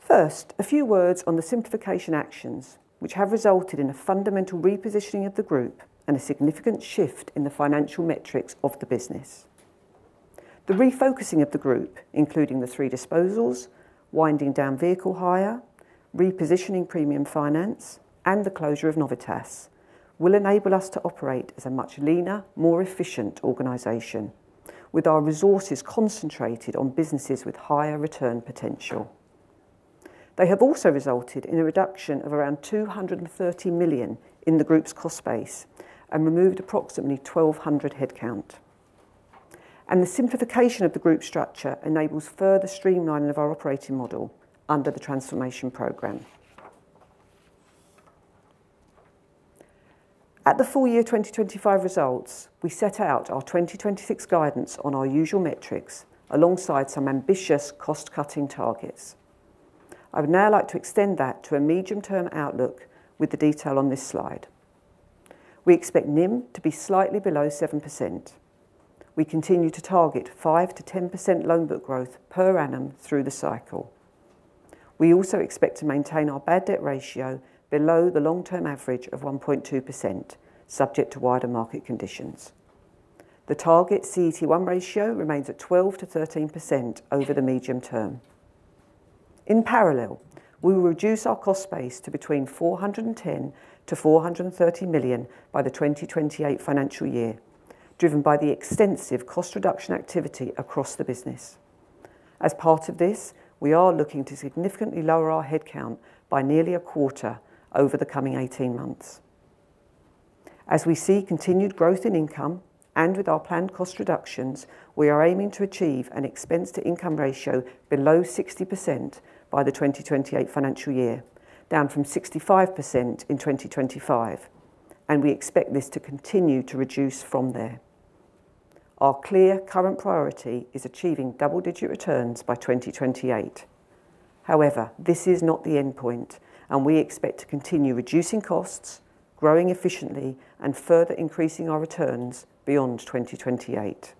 First, a few words on the simplification actions, which have resulted in a fundamental repositioning of the Group and a significant shift in the financial metrics of the business. The refocusing of the Group, including the three disposals, winding down vehicle hire, repositioning Premium Finance, and the closure of Novitas, will enable us to operate as a much leaner, more efficient organization with our resources concentrated on businesses with higher return potential. They have also resulted in a reduction of around 230 million in the Group's cost base and removed approximately 1,200 headcount. The simplification of the Group structure enables further streamlining of our operating model under the transformation program. At the full year 2025 results, we set out our 2026 guidance on our usual metrics alongside some ambitious cost-cutting targets. I would now like to extend that to a medium-term outlook with the detail on this slide. We expect NIM to be slightly below 7%. We continue to target 5%-10% loan book growth per annum through the cycle. We also expect to maintain our bad debt ratio below the long-term average of 1.2%, subject to wider market conditions. The target CET1 ratio remains at 12%-13% over the medium term. In parallel, we will reduce our cost base to between 410 million-430 million by the 2028 financial year, driven by the extensive cost reduction activity across the business. As part of this, we are looking to significantly lower our headcount by nearly a quarter over the coming 18 months. As we see continued growth in income, and with our planned cost reductions, we are aiming to achieve an expense-to-income ratio below 60% by the 2028 financial year, down from 65% in 2025, and we expect this to continue to reduce from there. Our clear current priority is achieving double-digit returns by 2028. However, this is not the endpoint, and we expect to continue reducing costs, growing efficiently, and further increasing our returns beyond 2028.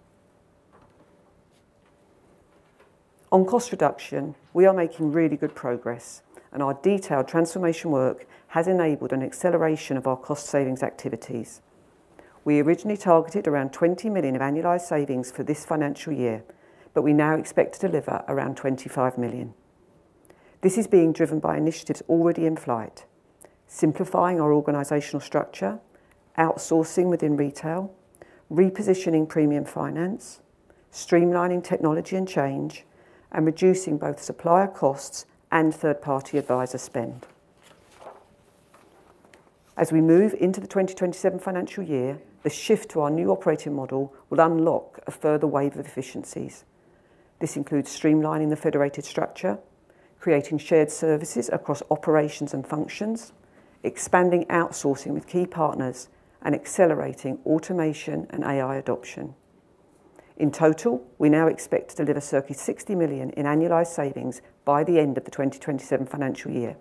On cost reduction, we are making really good progress, and our detailed transformation work has enabled an acceleration of our cost savings activities. We originally targeted around 20 million of annualized savings for this financial year, but we now expect to deliver around 25 million. This is being driven by initiatives already in flight, simplifying our organizational structure, outsourcing within Retail, repositioning Premium Finance, streamlining technology and change, and reducing both supplier costs and third-party advisor spend. As we move into the 2027 financial year, the shift to our new operating model will unlock a further wave of efficiencies. This includes streamlining the federated structure, creating shared services across operations and functions, expanding outsourcing with key partners, and accelerating automation and AI adoption. In total, we now expect to deliver circa 60 million in annualized savings by the end of the 2027 financial year,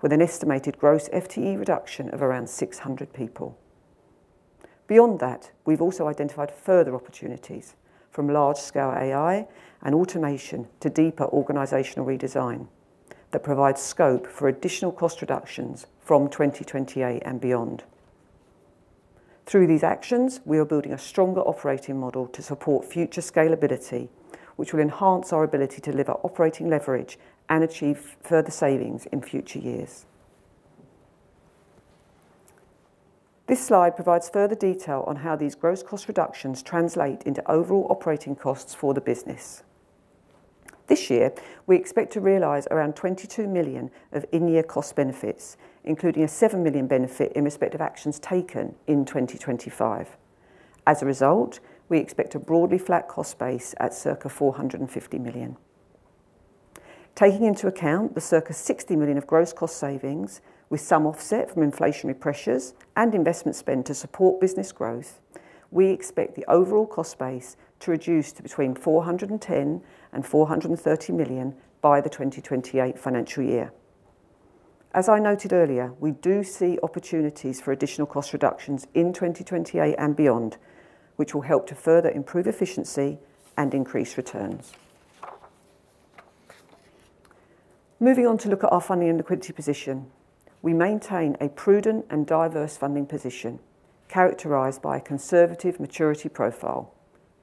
with an estimated gross FTE reduction of around 600 people. Beyond that, we've also identified further opportunities from large-scale AI and automation to deeper organizational redesign that provides scope for additional cost reductions from 2028 and beyond. Through these actions, we are building a stronger operating model to support future scalability, which will enhance our ability to deliver operating leverage and achieve further savings in future years. This slide provides further detail on how these gross cost reductions translate into overall operating costs for the business. This year, we expect to realize around 22 million of in-year cost benefits, including a 7 million benefit in respect of actions taken in 2025. As a result, we expect a broadly flat cost base at circa 450 million. Taking into account the circa 60 million of gross cost savings with some offset from inflationary pressures and investment spend to support business growth, we expect the overall cost base to reduce to between 410 million and 430 million by the 2028 financial year. As I noted earlier, we do see opportunities for additional cost reductions in 2028 and beyond, which will help to further improve efficiency and increase returns. Moving on to look at our funding and liquidity position. We maintain a prudent and diverse funding position characterized by a conservative maturity profile,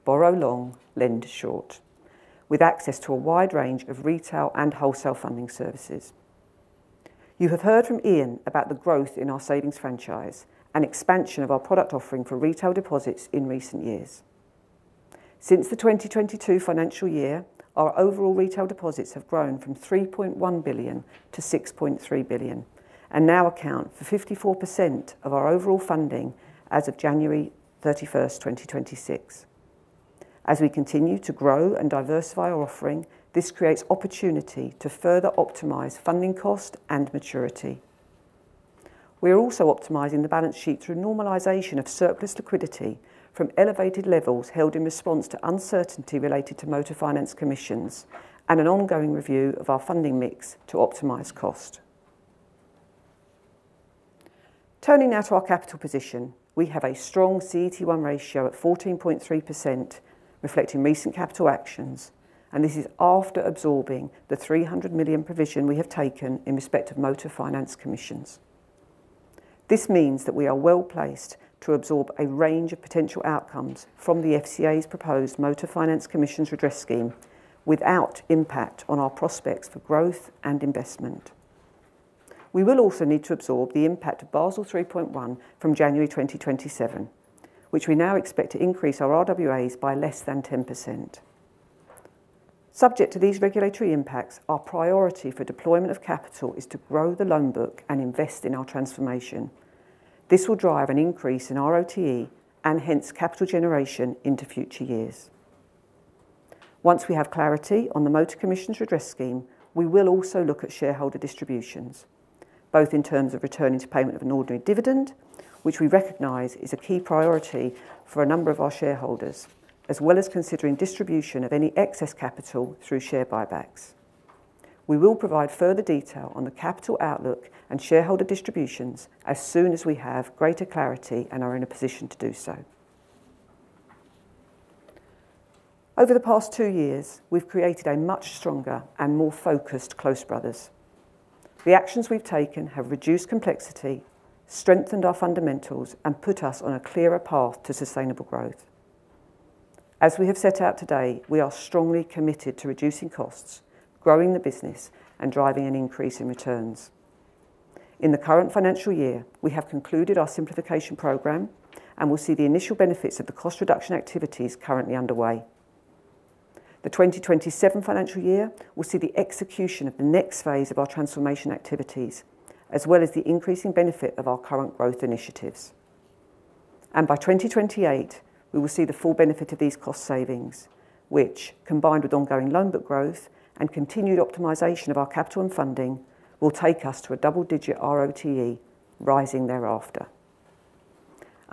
borrow long, lend short, with access to a wide range of retail and wholesale funding services. You have heard from Ian about the growth in our savings franchise and expansion of our product offering for retail deposits in recent years. Since the 2022 financial year, our overall retail deposits have grown from 3.1 billion-6.3 billion and now account for 54% of our overall funding as of January 31st, 2026. As we continue to grow and diversify our offering, this creates opportunity to further optimize funding cost and maturity. We are also optimizing the balance sheet through normalization of surplus liquidity from elevated levels held in response to uncertainty related to motor finance commissions and an ongoing review of our funding mix to optimize cost. Turning now to our capital position, we have a strong CET1 ratio at 14.3%, reflecting recent capital actions, and this is after absorbing the 300 million provision we have taken in respect of motor finance commissions. This means that we are well-placed to absorb a range of potential outcomes from the FCA's proposed motor finance commissions redress scheme without impact on our prospects for growth and investment. We will also need to absorb the impact of Basel 3.1 from January 2027, which we now expect to increase our RWAs by less than 10%. Subject to these regulatory impacts, our priority for deployment of capital is to grow the loan book and invest in our transformation. This will drive an increase in RoTE and hence capital generation into future years. Once we have clarity on the Motor Commissions redress scheme, we will also look at shareholder distributions, both in terms of returning to payment of an ordinary dividend, which we recognize is a key priority for a number of our shareholders, as well as considering distribution of any excess capital through share buybacks. We will provide further detail on the capital outlook and shareholder distributions as soon as we have greater clarity and are in a position to do so. Over the past two years, we've created a much stronger and more focused Close Brothers. The actions we've taken have reduced complexity, strengthened our fundamentals, and put us on a clearer path to sustainable growth. As we have set out today, we are strongly committed to reducing costs, growing the business, and driving an increase in returns. In the current financial year, we have concluded our simplification program and will see the initial benefits of the cost reduction activities currently underway. The 2027 financial year will see the execution of the next phase of our transformation activities, as well as the increasing benefit of our current growth initiatives. By 2028, we will see the full benefit of these cost savings, which, combined with ongoing loan book growth and continued optimization of our capital and funding, will take us to a double-digit RoTE rising thereafter.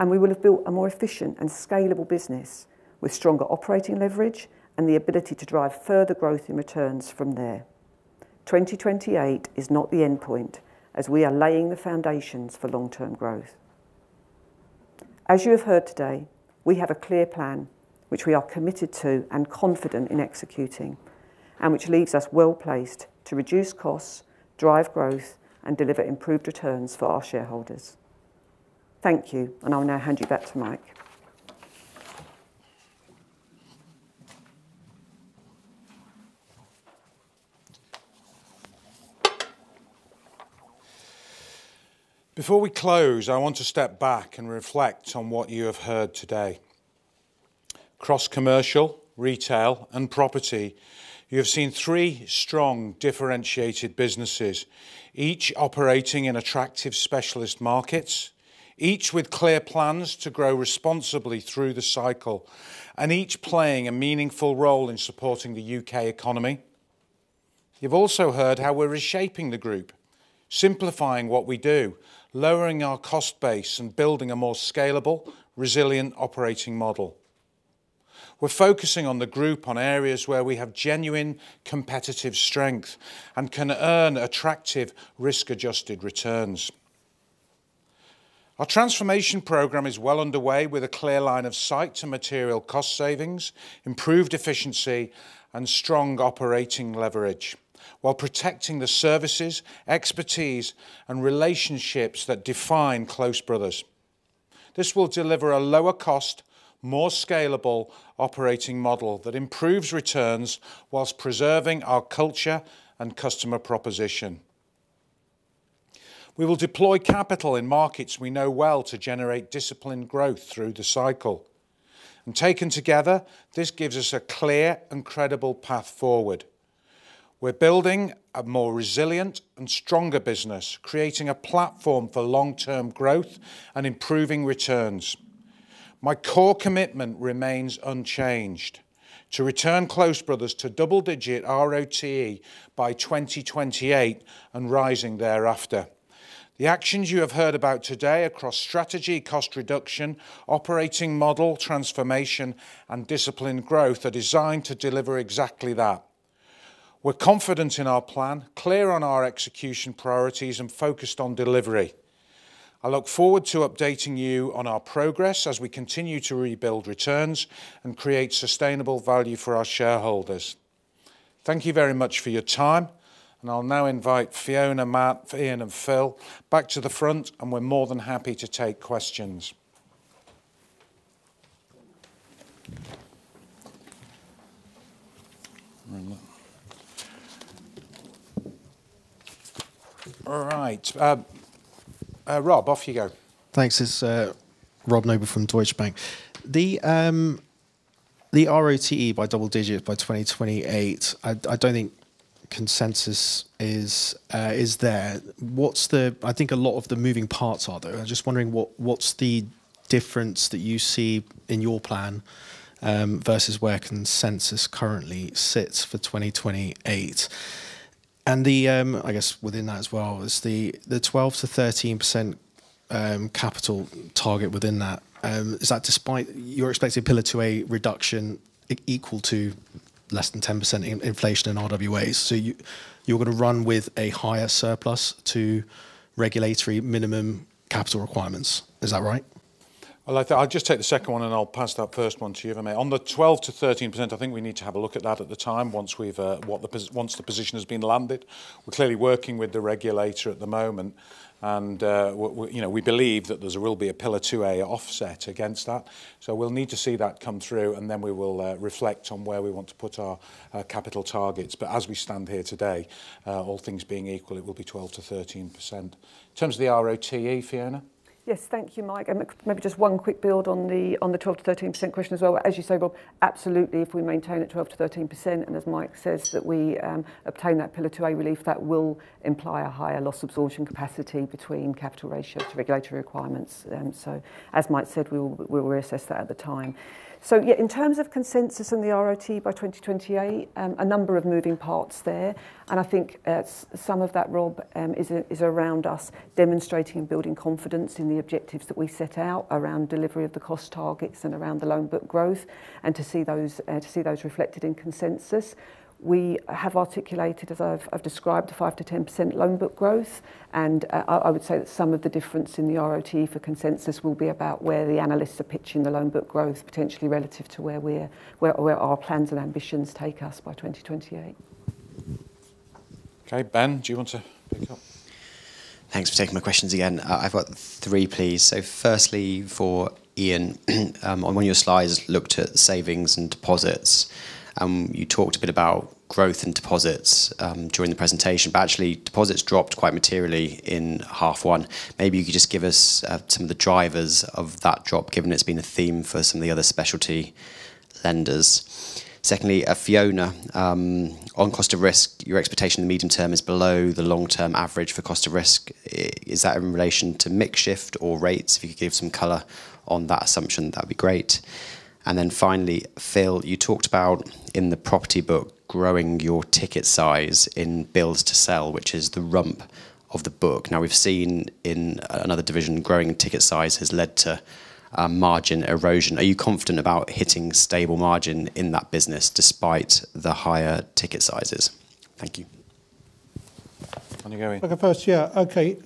We will have built a more efficient and scalable business with stronger operating leverage and the ability to drive further growth in returns from there. 2028 is not the endpoint as we are laying the foundations for long-term growth. As you have heard today, we have a clear plan which we are committed to and confident in executing and which leaves us well-placed to reduce costs, drive growth, and deliver improved returns for our shareholders. Thank you, and I'll now hand you back to Mike. Before we close, I want to step back and reflect on what you have heard today. Across Commercial, Retail, and Property, you have seen three strong, differentiated businesses, each operating in attractive specialist markets, each with clear plans to grow responsibly through the cycle, and each playing a meaningful role in supporting the U.K. economy. You've also heard how we're reshaping the Group, simplifying what we do, lowering our cost base, and building a more scalable, resilient operating model. We're focusing on the Group on areas where we have genuine competitive strength and can earn attractive risk-adjusted returns. Our transformation program is well underway with a clear line of sight to material cost savings, improved efficiency, and strong operating leverage, while protecting the services, expertise, and relationships that define Close Brothers. This will deliver a lower cost, more scalable operating model that improves returns while preserving our culture and customer proposition. We will deploy capital in markets we know well to generate disciplined growth through the cycle. Taken together, this gives us a clear and credible path forward. We're building a more resilient and stronger business, creating a platform for long-term growth and improving returns. My core commitment remains unchanged to return Close Brothers to double-digit RoTE by 2028 and rising thereafter. The actions you have heard about today across strategy, cost reduction, operating model transformation, and disciplined growth are designed to deliver exactly that. We're confident in our plan, clear on our execution priorities, and focused on delivery. I look forward to updating you on our progress as we continue to rebuild returns and create sustainable value for our shareholders. Thank you very much for your time, and I'll now invite Fiona, Matt, Ian, and Phil back to the front, and we're more than happy to take questions. All right. Rob, off you go. Thanks. It's Robert Noble from Deutsche Bank. The RoTE by double digit by 2028, I don't think consensus is there. What's the difference that you see in your plan versus where consensus currently sits for 2028? I guess within that as well is the 12%-13% capital target within that, is that despite your expected Pillar 2a reduction equal to less than 10% in inflation in RWAs, so you're gonna run with a higher surplus to regulatory minimum capital requirements. Is that right? Well, I'll just take the second one, and I'll pass that first one to you if I may. On the 12%-13%, I think we need to have a look at that at the time once the position has been landed. We're clearly working with the regulator at the moment, and we, you know, we believe that there will be a Pillar 2a offset against that. We'll need to see that come through, and then we will reflect on where we want to put our capital targets. As we stand here today, all things being equal, it will be 12%-13%. In terms of the RoTE, Fiona. Yes. Thank you, Mike. Maybe just one quick build on the twelve to thirteen percent question as well. As you say, Rob, absolutely, if we maintain at 12%-13%, and as Mike says, that we obtain that Pillar 2a relief, that will imply a higher loss absorption capacity between capital ratios to regulatory requirements. As Mike said, we will reassess that at the time. Yeah, in terms of consensus on the RoTE by 2028, a number of moving parts there, and I think, some of that, Rob, is around us demonstrating and building confidence in the objectives that we set out around delivery of the cost targets and around the loan book growth, and to see those reflected in consensus. We have articulated, as I've described, 5%-10% loan book growth, and I would say that some of the difference in the RoTE for consensus will be about where the analysts are pitching the loan book growth potentially relative to where our plans and ambitions take us by 2028. Okay. Ben, do you want to pick up? Thanks for taking my questions again. I've got three, please. Firstly, for Ian, on one of your slides, you looked at savings and deposits. You talked a bit about growth in deposits during the presentation, but actually deposits dropped quite materially in half one. Maybe you could just give us some of the drivers of that drop, given it's been a theme for some of the other specialty lenders. Secondly, Fiona, on cost of risk, your expectation in the medium term is below the long-term average for cost of risk. Is that in relation to mix shift or rates? If you could give some color on that assumption, that'd be great. Then finally, Phil, you talked about in the Property book, growing your ticket size in builds to sell, which is the rump of the book. Now we've seen in another division, growing ticket size has led to margin erosion. Are you confident about hitting stable margin in that business despite the higher ticket sizes? Thank you. Want to go, Ian? I'll go first. Yeah. Okay.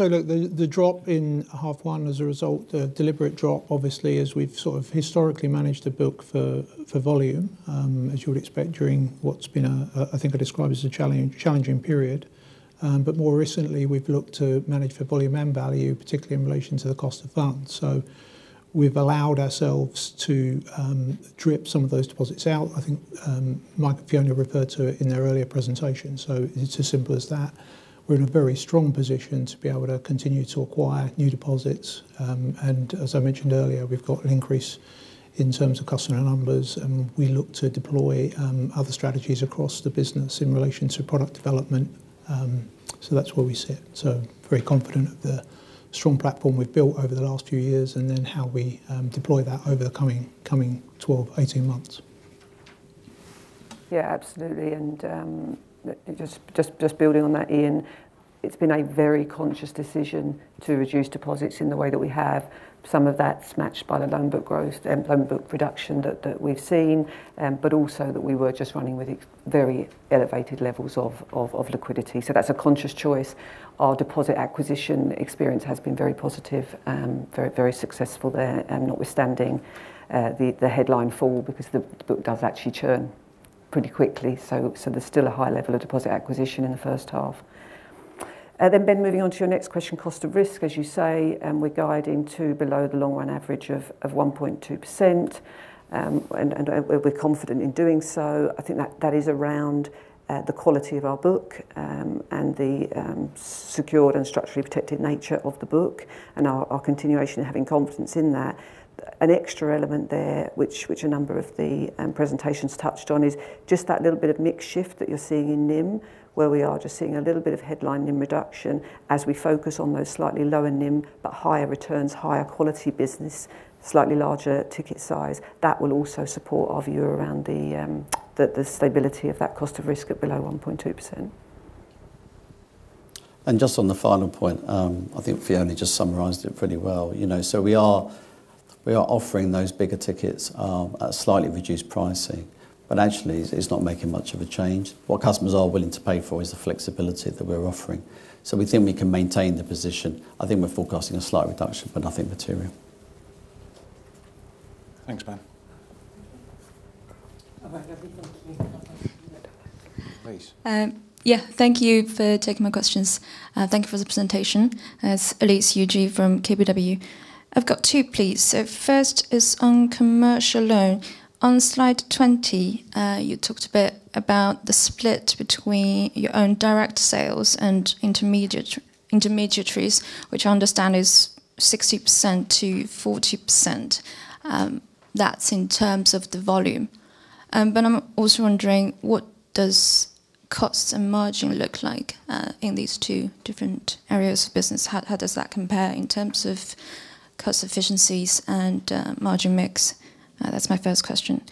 Look, the drop in half one as a result, a deliberate drop, obviously, as we've sort of historically managed to book for volume, as you would expect during what's been a, I think I described as a challenging period. More recently, we've looked to manage for volume and value, particularly in relation to the cost of funds. We've allowed ourselves to drip some of those deposits out. I think Mike and Fiona referred to it in their earlier presentation. It's as simple as that. We're in a very strong position to be able to continue to acquire new deposits, and as I mentioned earlier, we've got an increase in terms of customer numbers, and we look to deploy other strategies across the business in relation to product development. That's where we sit. Very confident of the strong platform we've built over the last few years and then how we deploy that over the coming 12-18 months. Yeah, absolutely. Just building on that, Ian, it's been a very conscious decision to reduce deposits in the way that we have. Some of that's matched by the loan book growth and loan book reduction that we've seen, but also that we were just running with very elevated levels of liquidity. That's a conscious choice. Our deposit acquisition experience has been very positive, very successful there, notwithstanding the headline fall because the book does actually churn pretty quickly. There's still a high level of deposit acquisition in the first half. Then, Ben, moving on to your next question, cost of risk. As you say, we're guiding to below the long-run average of 1.2%, and we're confident in doing so. I think that is around the quality of our book, and the secured and structurally protected nature of the book and our continuation of having confidence in that. An extra element there, which a number of the presentations touched on, is just that little bit of mix shift that you're seeing in NIM, where we are just seeing a little bit of headline NIM reduction as we focus on those slightly lower NIM but higher returns, higher quality business, slightly larger ticket size. That will also support our view around the stability of that cost of risk at below 1.2%. Just on the final point, I think Fiona just summarized it pretty well. You know, so we are offering those bigger tickets at slightly reduced pricing. Actually it's not making much of a change. What customers are willing to pay for is the flexibility that we're offering. We think we can maintain the position. I think we're forecasting a slight reduction, but nothing material. Thanks, Ben. Please. Yeah. Thank you for taking my questions. Thank you for the presentation. It's Elise Yu Ge from KBW. I've got two, please. First is on commercial loan. On slide 20, you talked a bit about the split between your own direct sales and intermediaries, which I understand is 60%-40%. That's in terms of the volume. But I'm also wondering, what does costs and margin look like in these two different areas of business? How does that compare in terms of cost efficiencies and margin mix? That's my first question.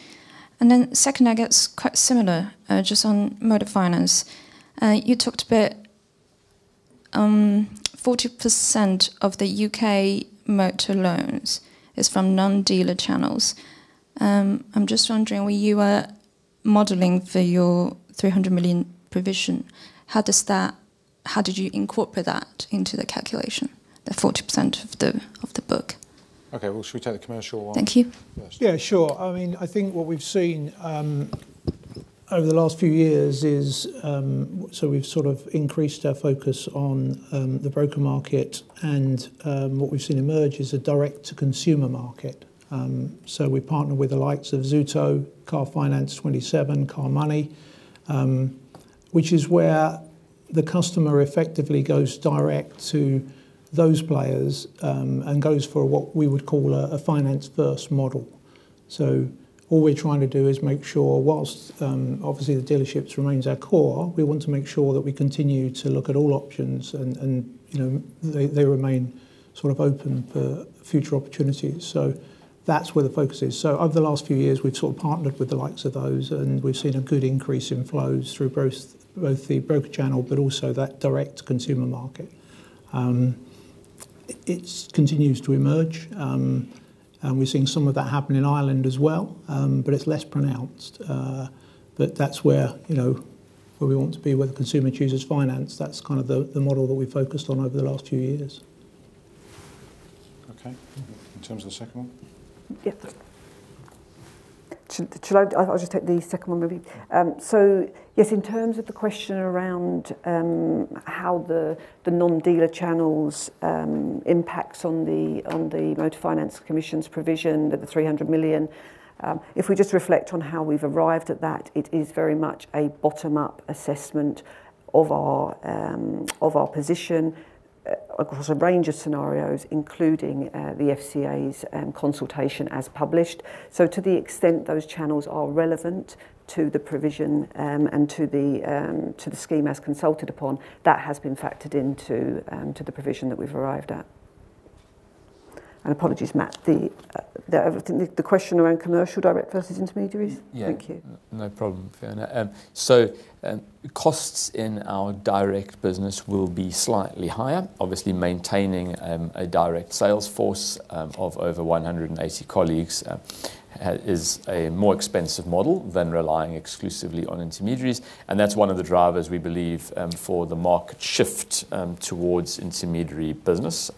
Second, I guess, quite similar, just on Motor Finance. You talked a bit, 40% of the U.K. motor loans is from non-dealer channels. I'm just wondering, when you were modeling for your 300 million provision, how does that... How did you incorporate that into the calculation, the 40% of the book? Okay. Well, shall we take the commercial one? Thank you. ...first? Yeah, sure. I mean, I think what we've seen over the last few years is we've sort of increased our focus on the broker market, and what we've seen emerge is a direct-to-consumer market. We partner with the likes of Zuto, Car Finance 247, CarMoney, which is where the customer effectively goes direct to those players, and goes for what we would call a finance first model. All we're trying to do is make sure, while obviously the dealerships remains our core, we want to make sure that we continue to look at all options and, you know, they remain sort of open for future opportunities. That's where the focus is. Over the last few years, we've sort of partnered with the likes of those, and we've seen a good increase in flows through both the broker channel but also that direct consumer market. It continues to emerge. We've seen some of that happen in Ireland as well, but it's less pronounced. That's where, you know, where we want to be, where the consumer chooses finance. That's kind of the model that we've focused on over the last few years. Okay. In terms of the second one. Shall I. I'll just take the second one maybe. So yes, in terms of the question around how the non-dealer channels impacts on the motor finance commission's provision, the 300 million. If we just reflect on how we've arrived at that, it is very much a bottom-up assessment of our position across a range of scenarios, including the FCA's consultation as published. So to the extent those channels are relevant to the provision, and to the scheme as consulted upon, that has been factored into the provision that we've arrived at. Apologies, Matt. I think the question around commercial direct versus intermediaries. Yeah. Thank you. No problem, Fiona. Costs in our direct business will be slightly higher. Obviously, maintaining a direct sales force of over 180 colleagues is a more expensive model than relying exclusively on intermediaries. That's one of the drivers we believe for the market shift towards intermediary business.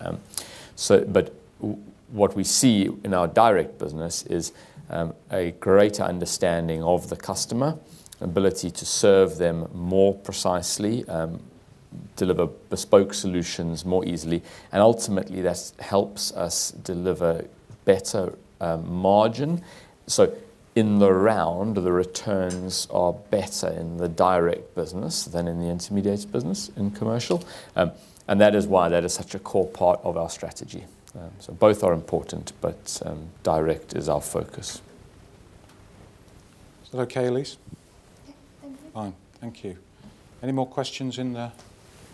What we see in our direct business is a greater understanding of the customer, ability to serve them more precisely, deliver bespoke solutions more easily, and ultimately that's helps us deliver better margin. In the round, the returns are better in the direct business than in the intermediated business in Commercial. That is why that is such a core part of our strategy. Both are important, but direct is our focus. Is that okay, Elise? Yeah. Thank you. Fine. Thank you. Any more questions in the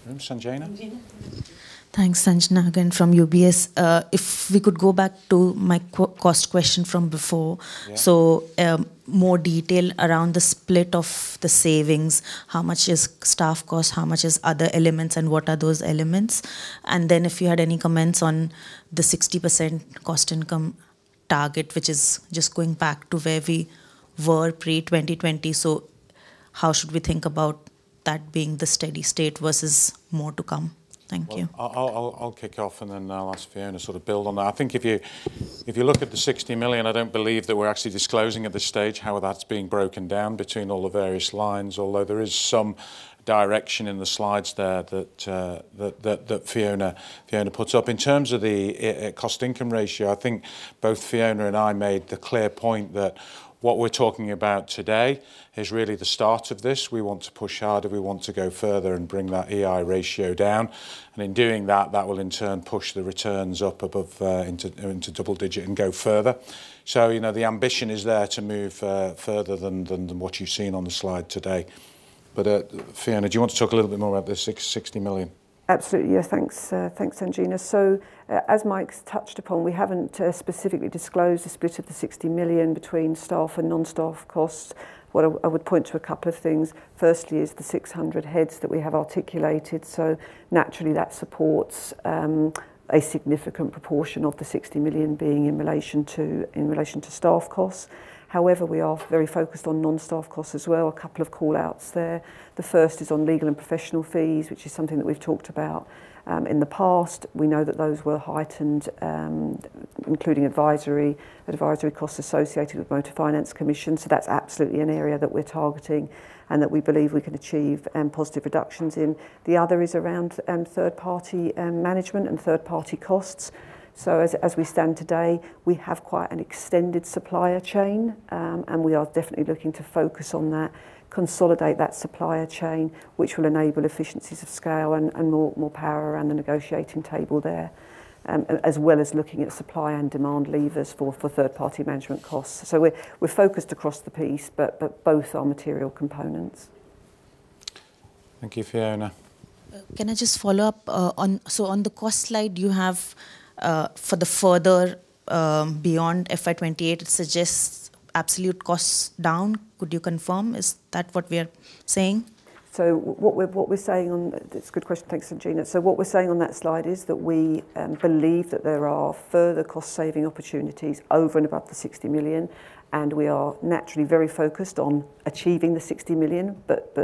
room? Sanjena. Sanjena. Thanks. Sanjena again from UBS. If we could go back to my cost question from before. Yeah. More detail around the split of the savings. How much is staff cost? How much is other elements, and what are those elements? Then if you had any comments on the 60% cost income target, which is just going back to where we were pre-2020. How should we think about that being the steady state versus more to come? Thank you. Well, I'll kick off, and then I'll ask Fiona to sort of build on that. I think if you look at the 60 million, I don't believe that we're actually disclosing at this stage how that's being broken down between all the various lines. Although there is some direction in the slides there that Fiona put up. In terms of the cost-income ratio, I think both Fiona and I made the clear point that what we're talking about today is really the start of this. We want to push harder, we want to go further and bring that Efficiency Ratio down. In doing that will in turn push the returns up above into double digit and go further. You know, the ambition is there to move further than what you've seen on the slide today. Fiona, do you want to talk a little bit more about the 60 million? Absolutely. Yeah, thanks, Sanjena. Mike's touched upon, we haven't specifically disclosed the split of the 60 million between staff and non-staff costs. What I would point to a couple of things. First, is the 600 heads that we have articulated, so naturally, that supports a significant proportion of the 60 million being in relation to staff costs. However, we are very focused on non-staff costs as well. A couple of call-outs there. The first is on legal and professional fees, which is something that we've talked about in the past. We know that those were heightened, including the advisory costs associated with motor finance commission. That's absolutely an area that we're targeting and that we believe we can achieve positive reductions in. The other is around third-party management and third-party costs. As we stand today, we have quite an extended supplier chain, and we are definitely looking to focus on that, consolidate that supplier chain, which will enable economies of scale and more power around the negotiating table there. As well as looking at supply and demand levers for third-party management costs. We're focused across the piece, but both are material components. Thank you, Fiona. Can I just follow up on the cost slide? You have, for the future beyond FY 2028, it suggests absolute costs down. Could you confirm? Is that what we are saying? That's a good question. Thanks, Sanjena. What we're saying on that slide is that we believe that there are further cost saving opportunities over and above the 60 million, and we are naturally very focused on achieving the 60 million, but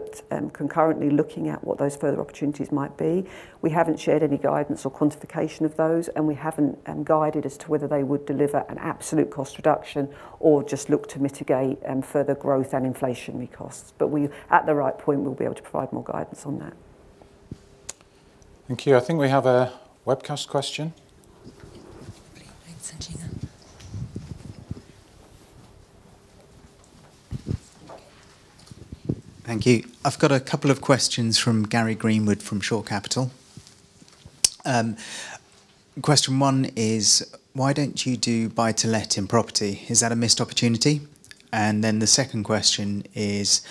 concurrently looking at what those further opportunities might be. We haven't shared any guidance or quantification of those, and we haven't guided as to whether they would deliver an absolute cost reduction or just look to mitigate further growth and inflationary costs. We, at the right point, we'll be able to provide more guidance on that. Thank you. I think we have a webcast question. Thanks, Sanjena. Thank you. I've got a couple of questions from Gary Greenwood from Shore Capital. Question one is: Why don't you do buy-to-let in Property? Is that a missed opportunity? The second question is: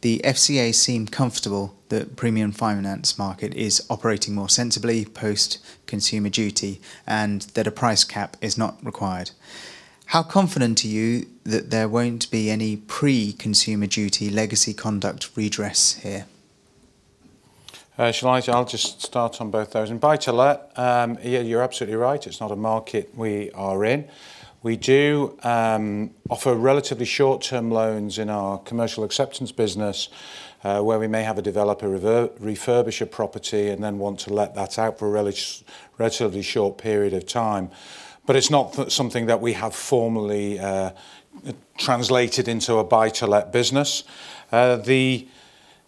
The FCA seemed comfortable the Premium Finance market is operating more sensibly post-Consumer Duty and that a price cap is not required. How confident are you that there won't be any pre-Consumer Duty legacy conduct redress here? Shall I? I'll just start on both those. Buy-to-let, yeah, you're absolutely right, it's not a market we are in. We do offer relatively short-term loans in our Commercial Acceptances business, where we may have a developer refurbish a property and then want to let that out for a relatively short period of time. It's not something that we have formally translated into a buy-to-let business. The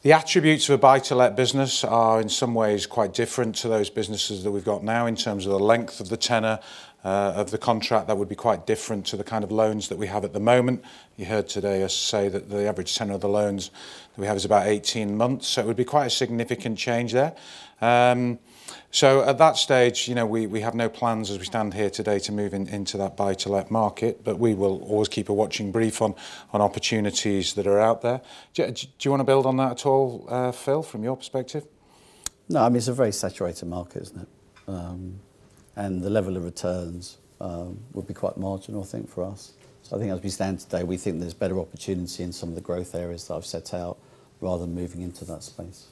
attributes of a buy-to-let business are in some ways quite different to those businesses that we've got now in terms of the length of the tenor of the contract. That would be quite different to the kind of loans that we have at the moment. You heard today us say that the average tenor of the loans that we have is about 18 months, so it would be quite a significant change there. At that stage, you know, we have no plans as we stand here today to move into that buy-to-let market, but we will always keep a watching brief on opportunities that are out there. Do you wanna build on that at all, Phil, from your perspective? No, I mean, it's a very saturated market, isn't it? The level of returns would be quite marginal, I think, for us. I think as we stand today, we think there's better opportunity in some of the growth areas that I've set out rather than moving into that space.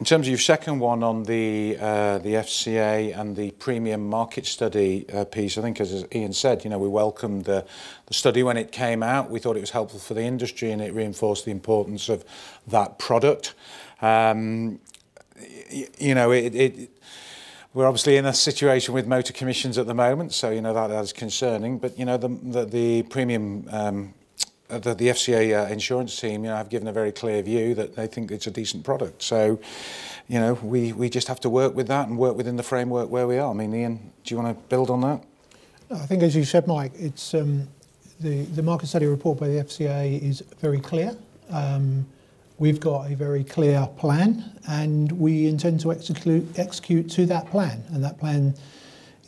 In terms of your second one on the FCA and the premium market study piece, I think as Ian said, you know, we welcomed the study when it came out. We thought it was helpful for the industry, and it reinforced the importance of that product. You know, we're obviously in a situation with motor commissions at the moment, so you know, that is concerning. You know, the premium, the FCA insurance team you know have given a very clear view that they think it's a decent product. You know, we just have to work with that and work within the framework where we are. I mean, Ian, do you wanna build on that? No, I think as you said, Mike, it's the market study report by the FCA is very clear. We've got a very clear plan, and we intend to execute to that plan, and that plan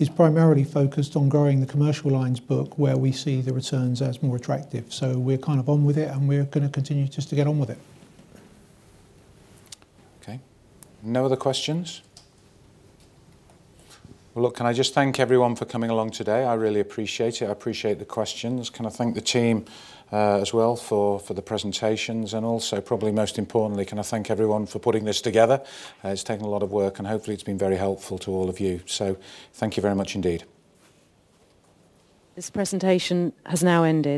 is primarily focused on growing the Commercial lines book, where we see the returns as more attractive. We're kind of on with it, and we're gonna continue just to get on with it. Okay. No other questions? Well, look, can I just thank everyone for coming along today? I really appreciate it. I appreciate the questions. Can I thank the team, as well for the presentations? Also, probably most importantly, can I thank everyone for putting this together? It's taken a lot of work, and hopefully it's been very helpful to all of you. Thank you very much indeed. This presentation has now ended.